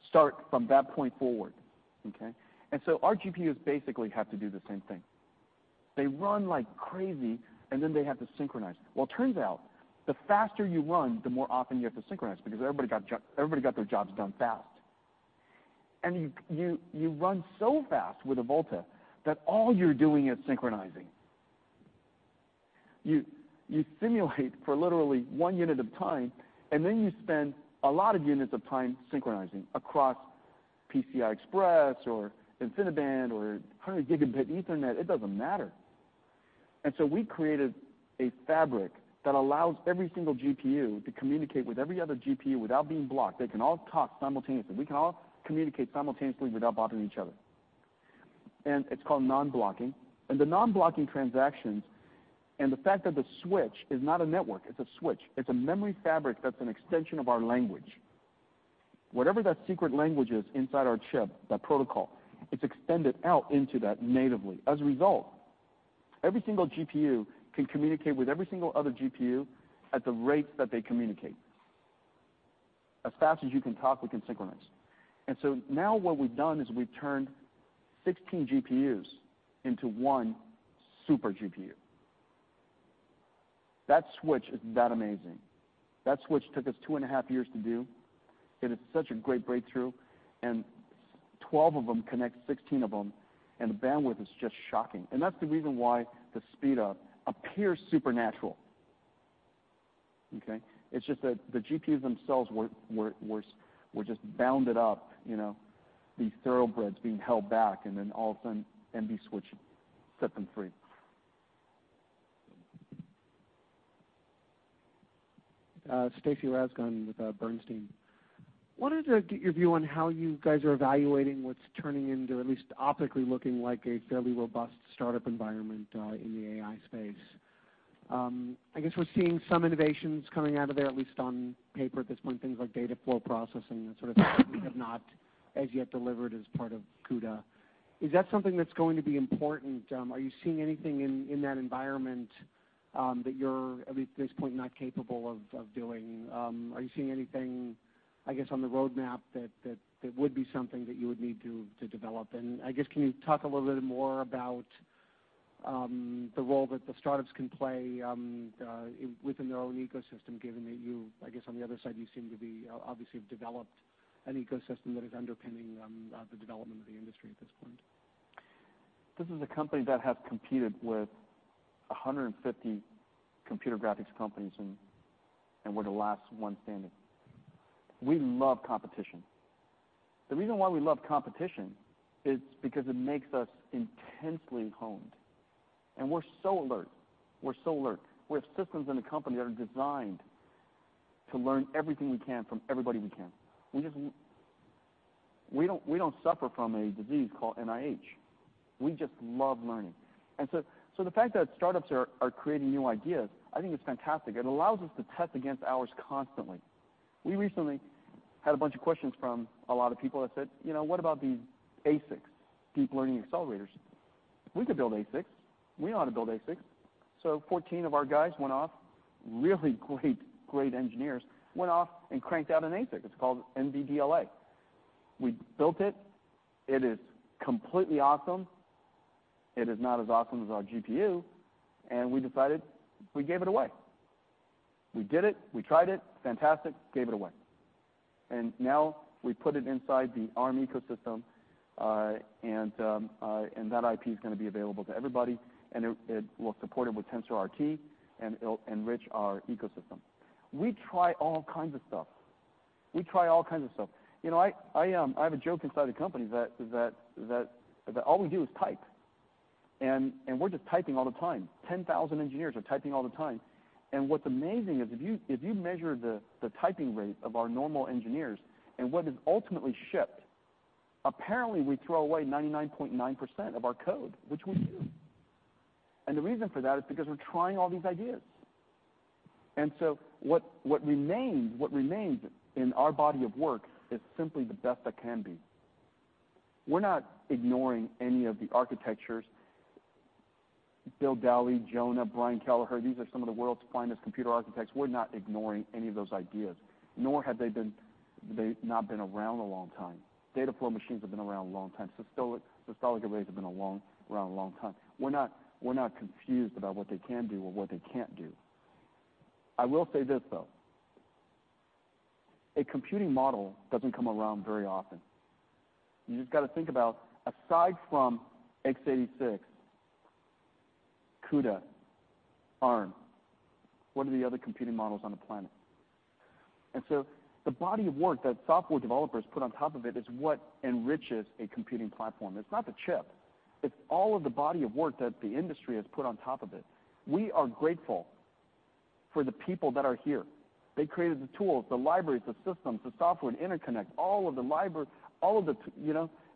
start from that point forward. Okay? Our GPUs basically have to do the same thing. They run like crazy, and then they have to synchronize. Well, it turns out the faster you run, the more often you have to synchronize, because everybody got their jobs done fast. You run so fast with a Volta that all you're doing is synchronizing. You simulate for literally one unit of time, then you spend a lot of units of time synchronizing across PCI Express or InfiniBand or 100 Gigabit Ethernet. It doesn't matter. We created a fabric that allows every single GPU to communicate with every other GPU without being blocked. They can all talk simultaneously. We can all communicate simultaneously without bothering each other. It's called non-blocking. The non-blocking transactions and the fact that the switch is not a network, it's a switch. It's a memory fabric that's an extension of our language. Whatever that secret language is inside our chip, that protocol, it's extended out into that natively. As a result, every single GPU can communicate with every single other GPU at the rates that they communicate. As fast as you can talk, we can synchronize. Now what we've done is we've turned 16 GPUs into one super GPU. That switch is that amazing. That switch took us two and a half years to do. It is such a great breakthrough, 12 of them connect 16 of them, and the bandwidth is just shocking. That's the reason why the speedup appears supernatural. Okay. It's just that the GPUs themselves were just bounded up, these thoroughbreds being held back, then all of a sudden, NVSwitch set them free. Stacy Rasgon with Bernstein. Wanted to get your view on how you guys are evaluating what's turning into at least optically looking like a fairly robust startup environment in the AI space. I guess we're seeing some innovations coming out of there, at least on paper at this point, things like data flow processing, that sort of thing that you have not as yet delivered as part of CUDA. Is that something that's going to be important? Are you seeing anything in that environment that you're, at this point, not capable of doing? Are you seeing anything, I guess, on the roadmap that would be something that you would need to develop? Can you talk a little bit more about the role that the startups can play within their own ecosystem, given that you on the other side, you seem to be, obviously have developed an ecosystem that is underpinning the development of the industry at this point? This is a company that has competed with 150 computer graphics companies, and we're the last one standing. We love competition. The reason why we love competition is because it makes us intensely honed, and we're so alert. We're so alert. We have systems in the company that are designed to learn everything we can from everybody we can. We don't suffer from a disease called NIH. We just love learning. The fact that startups are creating new ideas, I think it's fantastic. It allows us to test against ours constantly. We recently had a bunch of questions from a lot of people that said, "What about these ASICs, deep learning accelerators? We could build ASICs. We know how to build ASICs." 14 of our guys went off, really great engineers, went off and cranked out an ASIC. It's called NVDLA. We built it. It is completely awesome. It is not as awesome as our GPU. We decided we gave it away. We did it, we tried it, fantastic, gave it away. Now we put it inside the Arm ecosystem, and that IP is going to be available to everybody, and it will support it with TensorRT, and it'll enrich our ecosystem. We try all kinds of stuff. We try all kinds of stuff. I have a joke inside the company that all we do is type. We're just typing all the time. 10,000 engineers are typing all the time. What's amazing is if you measure the typing rate of our normal engineers and what is ultimately shipped, apparently we throw away 99.9% of our code, which we do. The reason for that is because we're trying all these ideas. What remains in our body of work is simply the best that can be. We're not ignoring any of the architectures. Bill Dally, Jonah, Brian Kelleher, these are some of the world's finest computer architects. We're not ignoring any of those ideas, nor have they not been around a long time. Data flow machines have been around a long time. Systolic arrays have been around a long time. We're not confused about what they can do or what they can't do. I will say this, though, a computing model doesn't come around very often. You just got to think about, aside from x86, CUDA, Arm, what are the other computing models on the planet? The body of work that software developers put on top of it is what enriches a computing platform. It's not the chip. It's all of the body of work that the industry has put on top of it. We are grateful for the people that are here. They created the tools, the libraries, the systems, the software, the interconnect, all of the library, all of the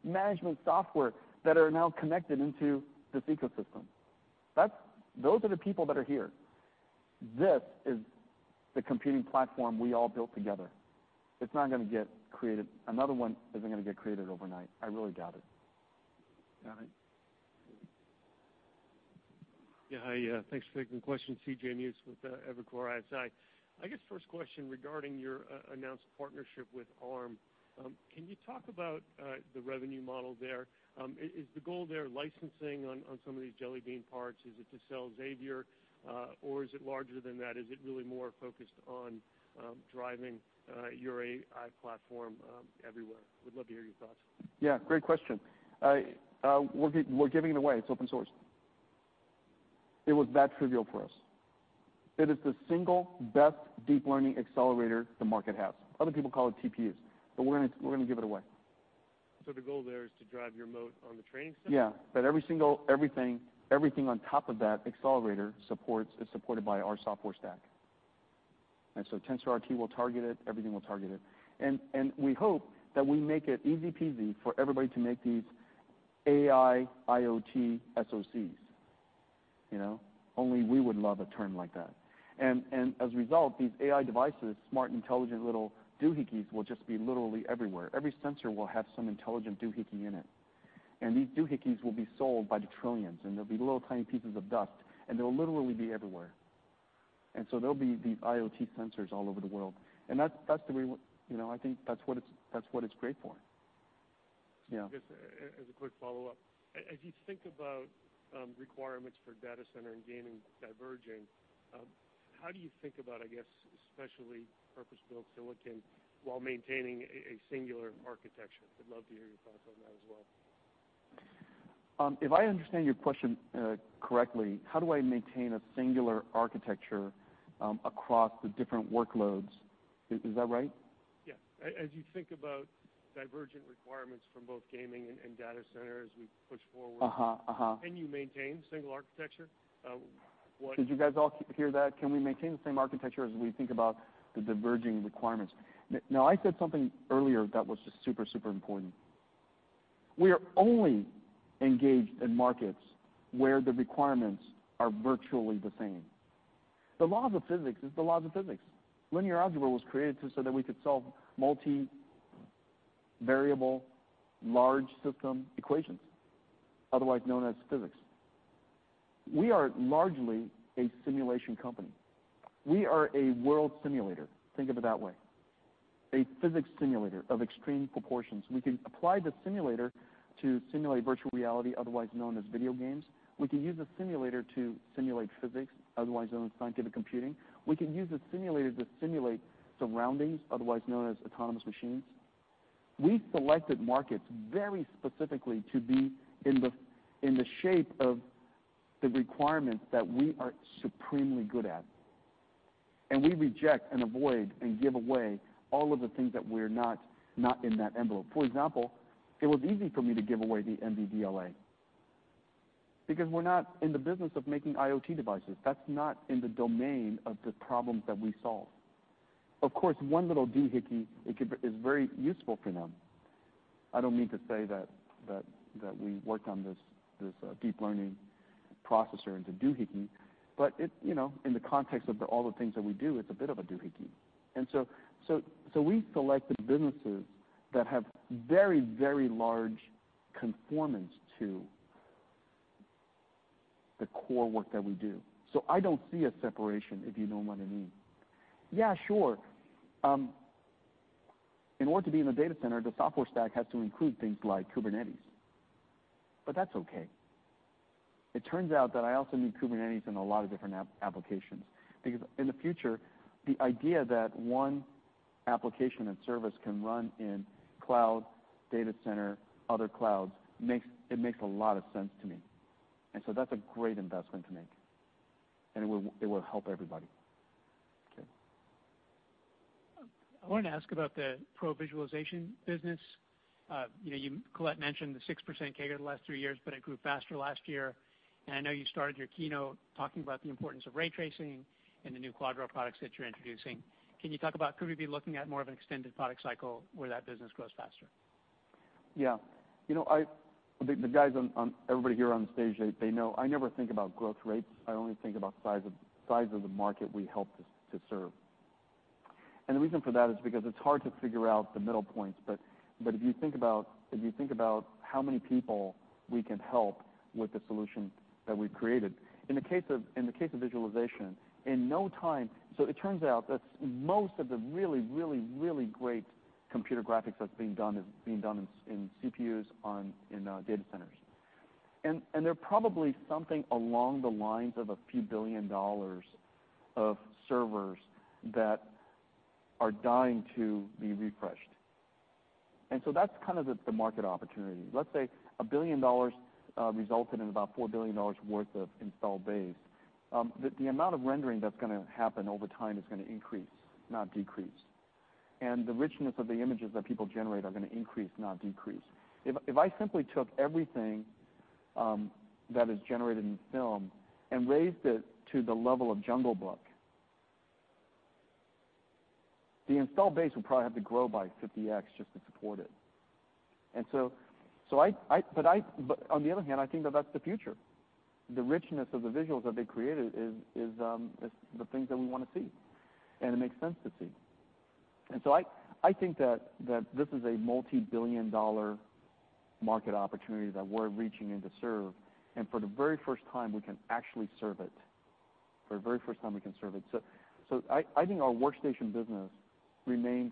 management software that are now connected into this ecosystem. Those are the people that are here. This is the computing platform we all built together. Another one isn't going to get created overnight. I really doubt it. Got it. Yeah. Hi, thanks for taking the question. C.J. Muse with Evercore ISI. I guess first question regarding your announced partnership with Arm. Can you talk about the revenue model there? Is the goal there licensing on some of these Jelly Bean parts? Is it to sell Xavier? Is it larger than that? Is it really more focused on driving your AI platform everywhere? Would love to hear your thoughts. Yeah, great question. We're giving it away. It's open source. It was that trivial for us. It is the single best deep learning accelerator the market has. Other people call it TPUs. We're going to give it away. The goal there is to drive your moat on the training side? Yeah. That every single, everything on top of that accelerator is supported by our software stack. TensorRT will target it, everything will target it. We hope that we make it easy-peasy for everybody to make these AI IoT SoCs. Only we would love a term like that. As a result, these AI devices, smart, intelligent, little doohickeys, will just be literally everywhere. Every sensor will have some intelligent doohickey in it. These doohickeys will be sold by the trillions, and they'll be little tiny pieces of dust, and they'll literally be everywhere. There'll be these IoT sensors all over the world. I think that's what it's great for. Yeah. I guess, as a quick follow-up, as you think about requirements for data center and gaming diverging, how do you think about, I guess, especially purpose-built silicon while maintaining a singular architecture? Would love to hear your thoughts on that as well. If I understand your question correctly, how do I maintain a singular architecture across the different workloads? Is that right? Yeah. As you think about divergent requirements from both gaming and data centers we've pushed forward- Can you maintain single architecture? Did you guys all hear that? Can we maintain the same architecture as we think about the diverging requirements? I said something earlier that was just super important. We are only engaged in markets where the requirements are virtually the same. The laws of physics is the laws of physics. Linear algebra was created so that we could solve multi-variable large system equations, otherwise known as physics. We are largely a simulation company. We are a world simulator. Think of it that way. A physics simulator of extreme proportions. We can apply the simulator to simulate virtual reality, otherwise known as video games. We can use a simulator to simulate physics, otherwise known as scientific computing. We can use a simulator to simulate surroundings, otherwise known as autonomous machines. We selected markets very specifically to be in the shape of the requirements that we are supremely good at. We reject and avoid and give away all of the things that we're not in that envelope. For example, it was easy for me to give away the NVDLA because we're not in the business of making IoT devices. That's not in the domain of the problems that we solve. Of course, one little doohickey is very useful for them. I don't mean to say that we worked on this deep learning processor and it's a doohickey, but in the context of all the things that we do, it's a bit of a doohickey. We selected businesses that have very large conformance to the core work that we do. I don't see a separation, if you know what I mean. Yeah, sure. In order to be in the data center, the software stack has to include things like Kubernetes. That's okay. It turns out that I also need Kubernetes in a lot of different applications, because in the future, the idea that one application and service can run in cloud, data center, other clouds, it makes a lot of sense to me. That's a great investment to make, and it will help everybody. Okay. I wanted to ask about the pro visualization business. Colette mentioned the 6% CAGR the last three years, but it grew faster last year. I know you started your keynote talking about the importance of ray tracing and the new Quadro products that you're introducing. Could we be looking at more of an extended product cycle where that business grows faster? Yeah. The guys, everybody here on stage, they know I never think about growth rates. I only think about size of the market we help to serve. The reason for that is because it's hard to figure out the middle points. If you think about how many people we can help with the solution that we've created. In the case of visualization, in no time. So it turns out that most of the really great computer graphics that's being done in CPUs in data centers. There are probably something along the lines of a few billion dollars of servers that are dying to be refreshed. That's the market opportunity. Let's say $1 billion resulted in about $4 billion worth of install base. The amount of rendering that's going to happen over time is going to increase, not decrease. The richness of the images that people generate are going to increase, not decrease. If I simply took everything that is generated in film and raised it to the level of The Jungle Book, the install base would probably have to grow by 50X just to support it. On the other hand, I think that that's the future. The richness of the visuals that they created is the things that we want to see, and it makes sense to see. I think that this is a multi-billion dollar market opportunity that we're reaching in to serve. For the very first time, we can actually serve it. For the very first time, we can serve it. I think our workstation business remains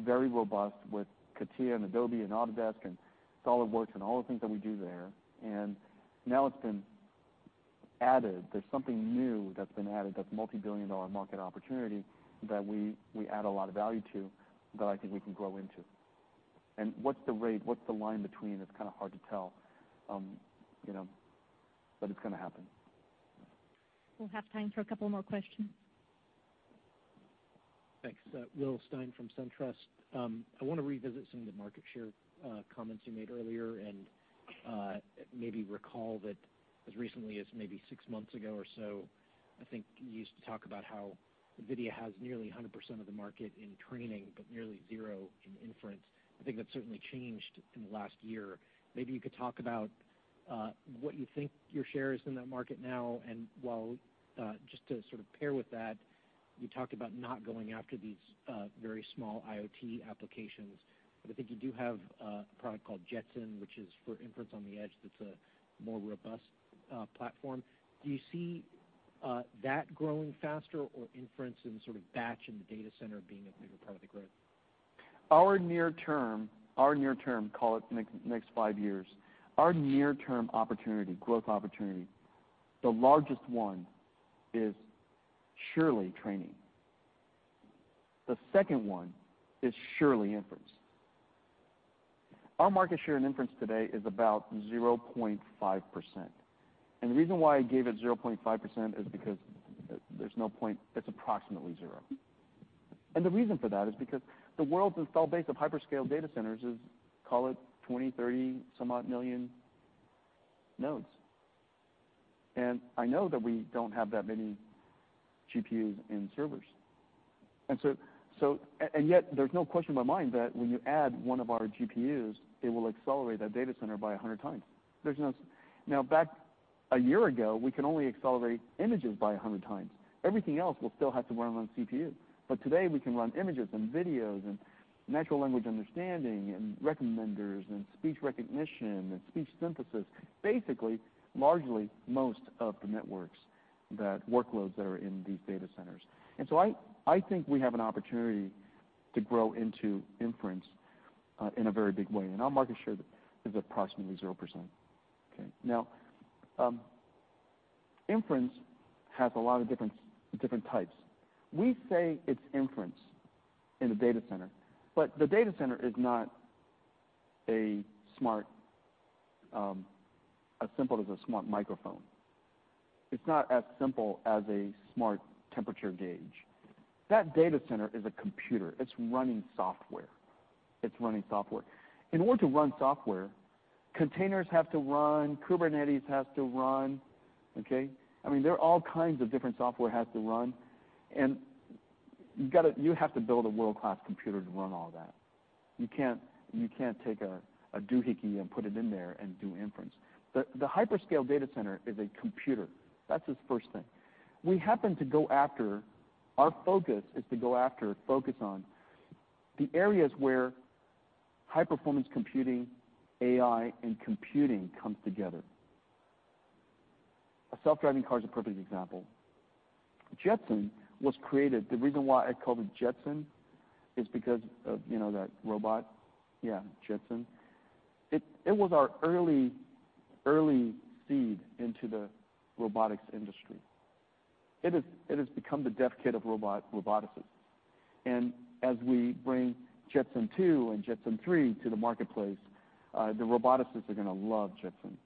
very robust with CATIA and Adobe and Autodesk and SOLIDWORKS and all the things that we do there. Now it's been added. There's something new that's been added, that's a multi-billion dollar market opportunity that we add a lot of value to, that I think we can grow into. What's the rate? What's the line between? It's kind of hard to tell. It's going to happen. We'll have time for a couple more questions. Thanks. Will Stein from SunTrust. I want to revisit some of the market share comments you made earlier and maybe recall that as recently as maybe six months ago or so, I think you used to talk about how NVIDIA has nearly 100% of the market in training, but nearly zero in inference. I think that's certainly changed in the last year. Maybe you could talk about what you think your share is in that market now, while just to sort of pair with that, you talked about not going after these very small IoT applications, but I think you do have a product called Jetson, which is for inference on the edge, that's a more robust platform. Do you see that growing faster or inference in sort of batch in the data center being a bigger part of the growth? Our near term, call it the next five years, our near-term growth opportunity, the largest one is surely training. The second one is surely inference. Our market share in inference today is about 0.5%. The reason why I gave it 0.5% is because it's approximately zero. The reason for that is because the world's install base of hyperscale data centers is, call it 20, 30, some odd million nodes. I know that we don't have that many GPUs in servers. Yet there's no question in my mind that when you add one of our GPUs, it will accelerate that data center by 100 times. Now back a year ago, we could only accelerate images by 100 times. Everything else will still have to run on CPU. Today, we can run images and videos and natural language understanding and recommenders and speech recognition and speech synthesis. Basically, largely most of the networks, workloads that are in these data centers. I think we have an opportunity to grow into inference in a very big way. Our market share is approximately 0%. Okay. Now, inference has a lot of different types. We say it's inference in the data center, but the data center is not as simple as a smart microphone. It's not as simple as a smart temperature gauge. That data center is a computer. It's running software. In order to run software, containers have to run, Kubernetes has to run. Okay. There are all kinds of different software has to run, and you have to build a world-class computer to run all that. You can't take a doohickey and put it in there and do inference. The hyperscale data center is a computer. That's the first thing. Our focus is to go after, focus on the areas where high-performance computing, AI, and computing comes together. A self-driving car is a perfect example. Jetson was created. The reason why I called it Jetson is because of that robot. Yeah, Jetson. It was our early seed into the robotics industry. It has become the dev kit of roboticists. As we bring Jetson TX2 and Jetson Xavier to the marketplace, the roboticists are going to love Jetson.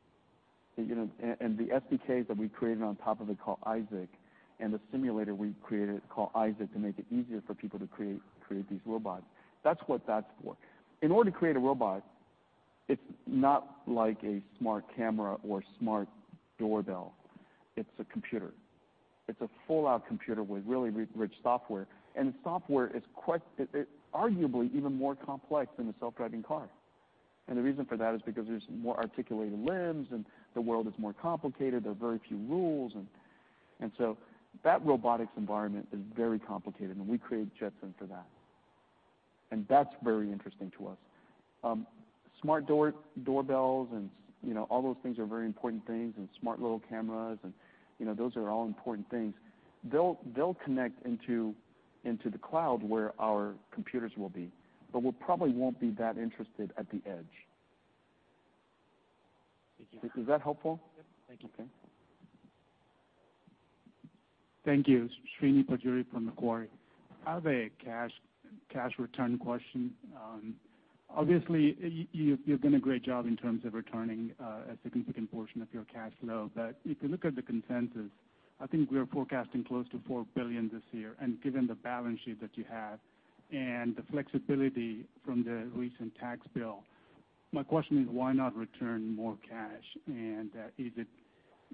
The SDKs that we created on top of it, called Isaac, and the simulator we created called Isaac to make it easier for people to create these robots. That's what that's for. In order to create a robot, it's not like a smart camera or smart doorbell. It's a computer. It's a full-out computer with really rich software. The software is arguably even more complex than a self-driving car. The reason for that is because there's more articulated limbs and the world is more complicated. There are very few rules. That robotics environment is very complicated, and we created Jetson for that. That's very interesting to us. Smart doorbells and all those things are very important things, and smart little cameras, those are all important things. They'll connect into the cloud where our computers will be, but we probably won't be that interested at the edge. Thank you. Is that helpful? Yep. Thank you. Okay. Thank you. Srini Pajjuri from Macquarie. I have a cash return question. Obviously, you've done a great job in terms of returning a significant portion of your cash flow. If you look at the consensus, I think we are forecasting close to $4 billion this year. Given the balance sheet that you have and the flexibility from the recent tax bill, my question is why not return more cash? Is it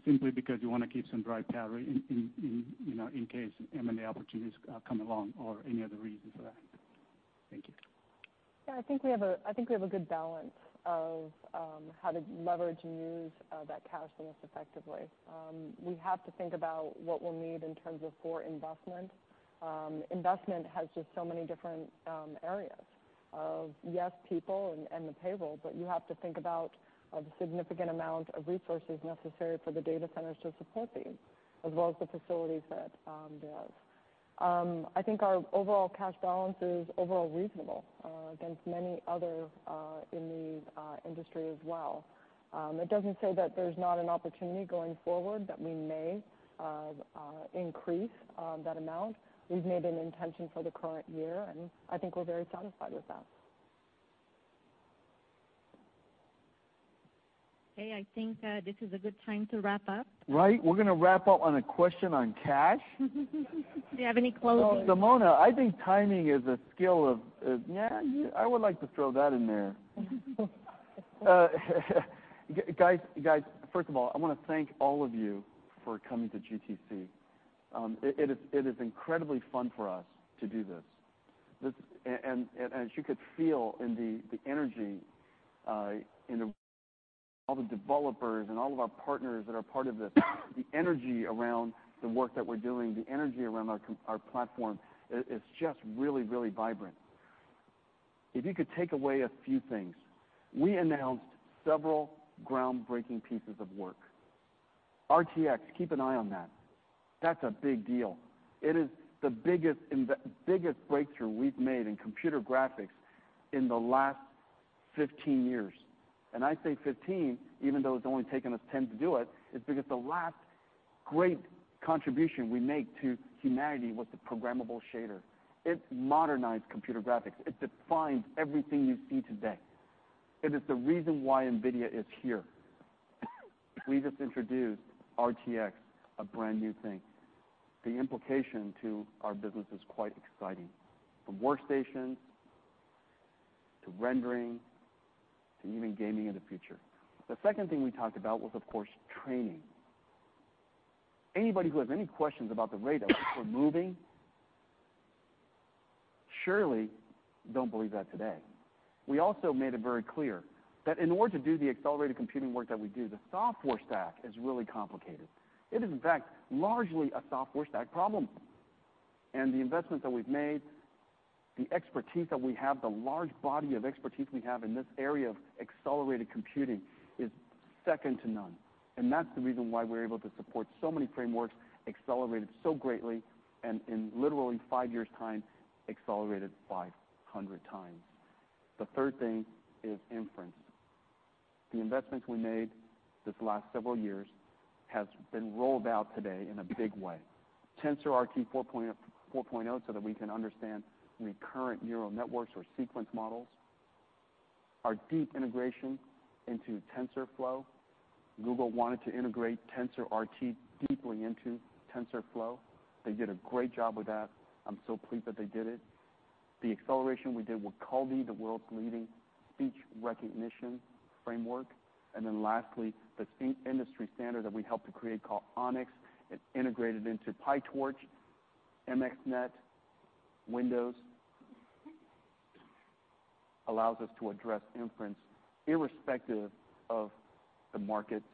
simply because you want to keep some dry powder in case M&A opportunities come along or any other reason for that? Thank you. I think we have a good balance of how to leverage and use that cash most effectively. We have to think about what we'll need in terms of core investment. Investment has just so many different areas of, yes, people and the payroll, you have to think about the significant amount of resources necessary for the data centers to support these, as well as the facilities that they have. I think our overall cash balance is overall reasonable against many others in the industry as well. It doesn't say that there's not an opportunity going forward that we may increase that amount. We've made an intention for the current year, I think we're very satisfied with that. Okay, I think this is a good time to wrap up. Right. We're going to wrap up on a question on cash? Do you have any closing- Simona, I think timing is a skill of I would like to throw that in there. Guys, first of all, I want to thank all of you for coming to GTC. It is incredibly fun for us to do this. As you could feel in the energy in all the developers and all of our partners that are part of this, the energy around the work that we're doing, the energy around our platform, it's just really, really vibrant. If you could take away a few things, we announced several groundbreaking pieces of work. RTX, keep an eye on that. That's a big deal. It is the biggest breakthrough we've made in computer graphics in the last 15 years. I say 15, even though it's only taken us 10 to do it, is because the last great contribution we make to humanity was the programmable shader. It modernized computer graphics. It defines everything you see today. It is the reason why NVIDIA is here. We just introduced RTX, a brand-new thing. The implication to our business is quite exciting, from workstations to rendering to even gaming in the future. The second thing we talked about was, of course, training. Anybody who has any questions about the rate at which we're moving surely don't believe that today. We also made it very clear that in order to do the accelerated computing work that we do, the software stack is really complicated. It is, in fact, largely a software stack problem, and the investments that we've made, the expertise that we have, the large body of expertise we have in this area of accelerated computing is second to none, and that's the reason why we're able to support so many frameworks accelerated so greatly, and in literally 5 years' time, accelerated 500 times. The third thing is inference. The investments we made these last several years has been rolled out today in a big way. TensorRT 4.0 so that we can understand recurrent neural networks or sequence models. Our deep integration into TensorFlow. Google wanted to integrate TensorRT deeply into TensorFlow. They did a great job with that. I'm so pleased that they did it. The acceleration we did with Kaldi, the world's leading speech recognition framework. Lastly, the industry standard that we helped to create called ONNX. It's integrated into PyTorch, MXNet, Windows. Allows us to address inference irrespective of the markets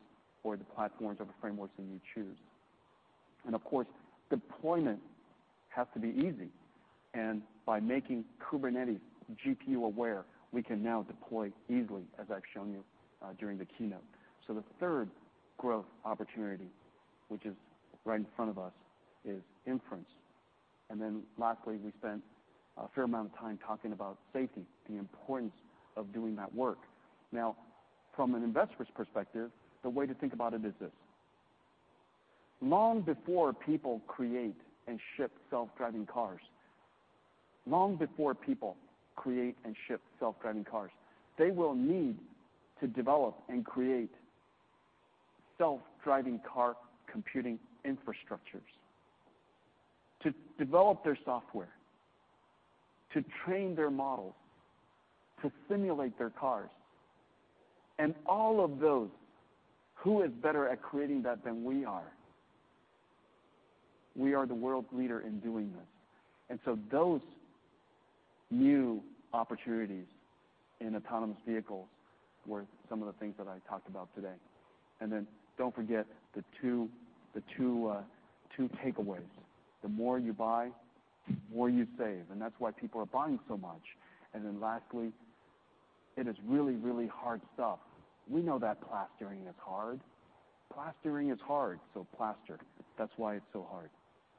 or the platforms or the frameworks that you choose. Of course, deployment has to be easy, and by making Kubernetes GPU aware, we can now deploy easily, as I've shown you during the keynote. The third growth opportunity, which is right in front of us, is inference. Lastly, we spent a fair amount of time talking about safety, the importance of doing that work. Now, from an investor's perspective, the way to think about it is this. Long before people create and ship self-driving cars, they will need to develop and create self-driving car computing infrastructures to develop their software, to train their models, to simulate their cars. All of those, who is better at creating that than we are? We are the world leader in doing this. Those new opportunities in autonomous vehicles were some of the things that I talked about today. Don't forget the two takeaways. The more you buy, the more you save, and that's why people are buying so much. Lastly, it is really, really hard stuff. We know that [plastering] is hard. [Plastering] is hard, so [plaster]. That's why it's so hard.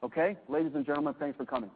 Okay. Ladies and gentlemen, thanks for coming.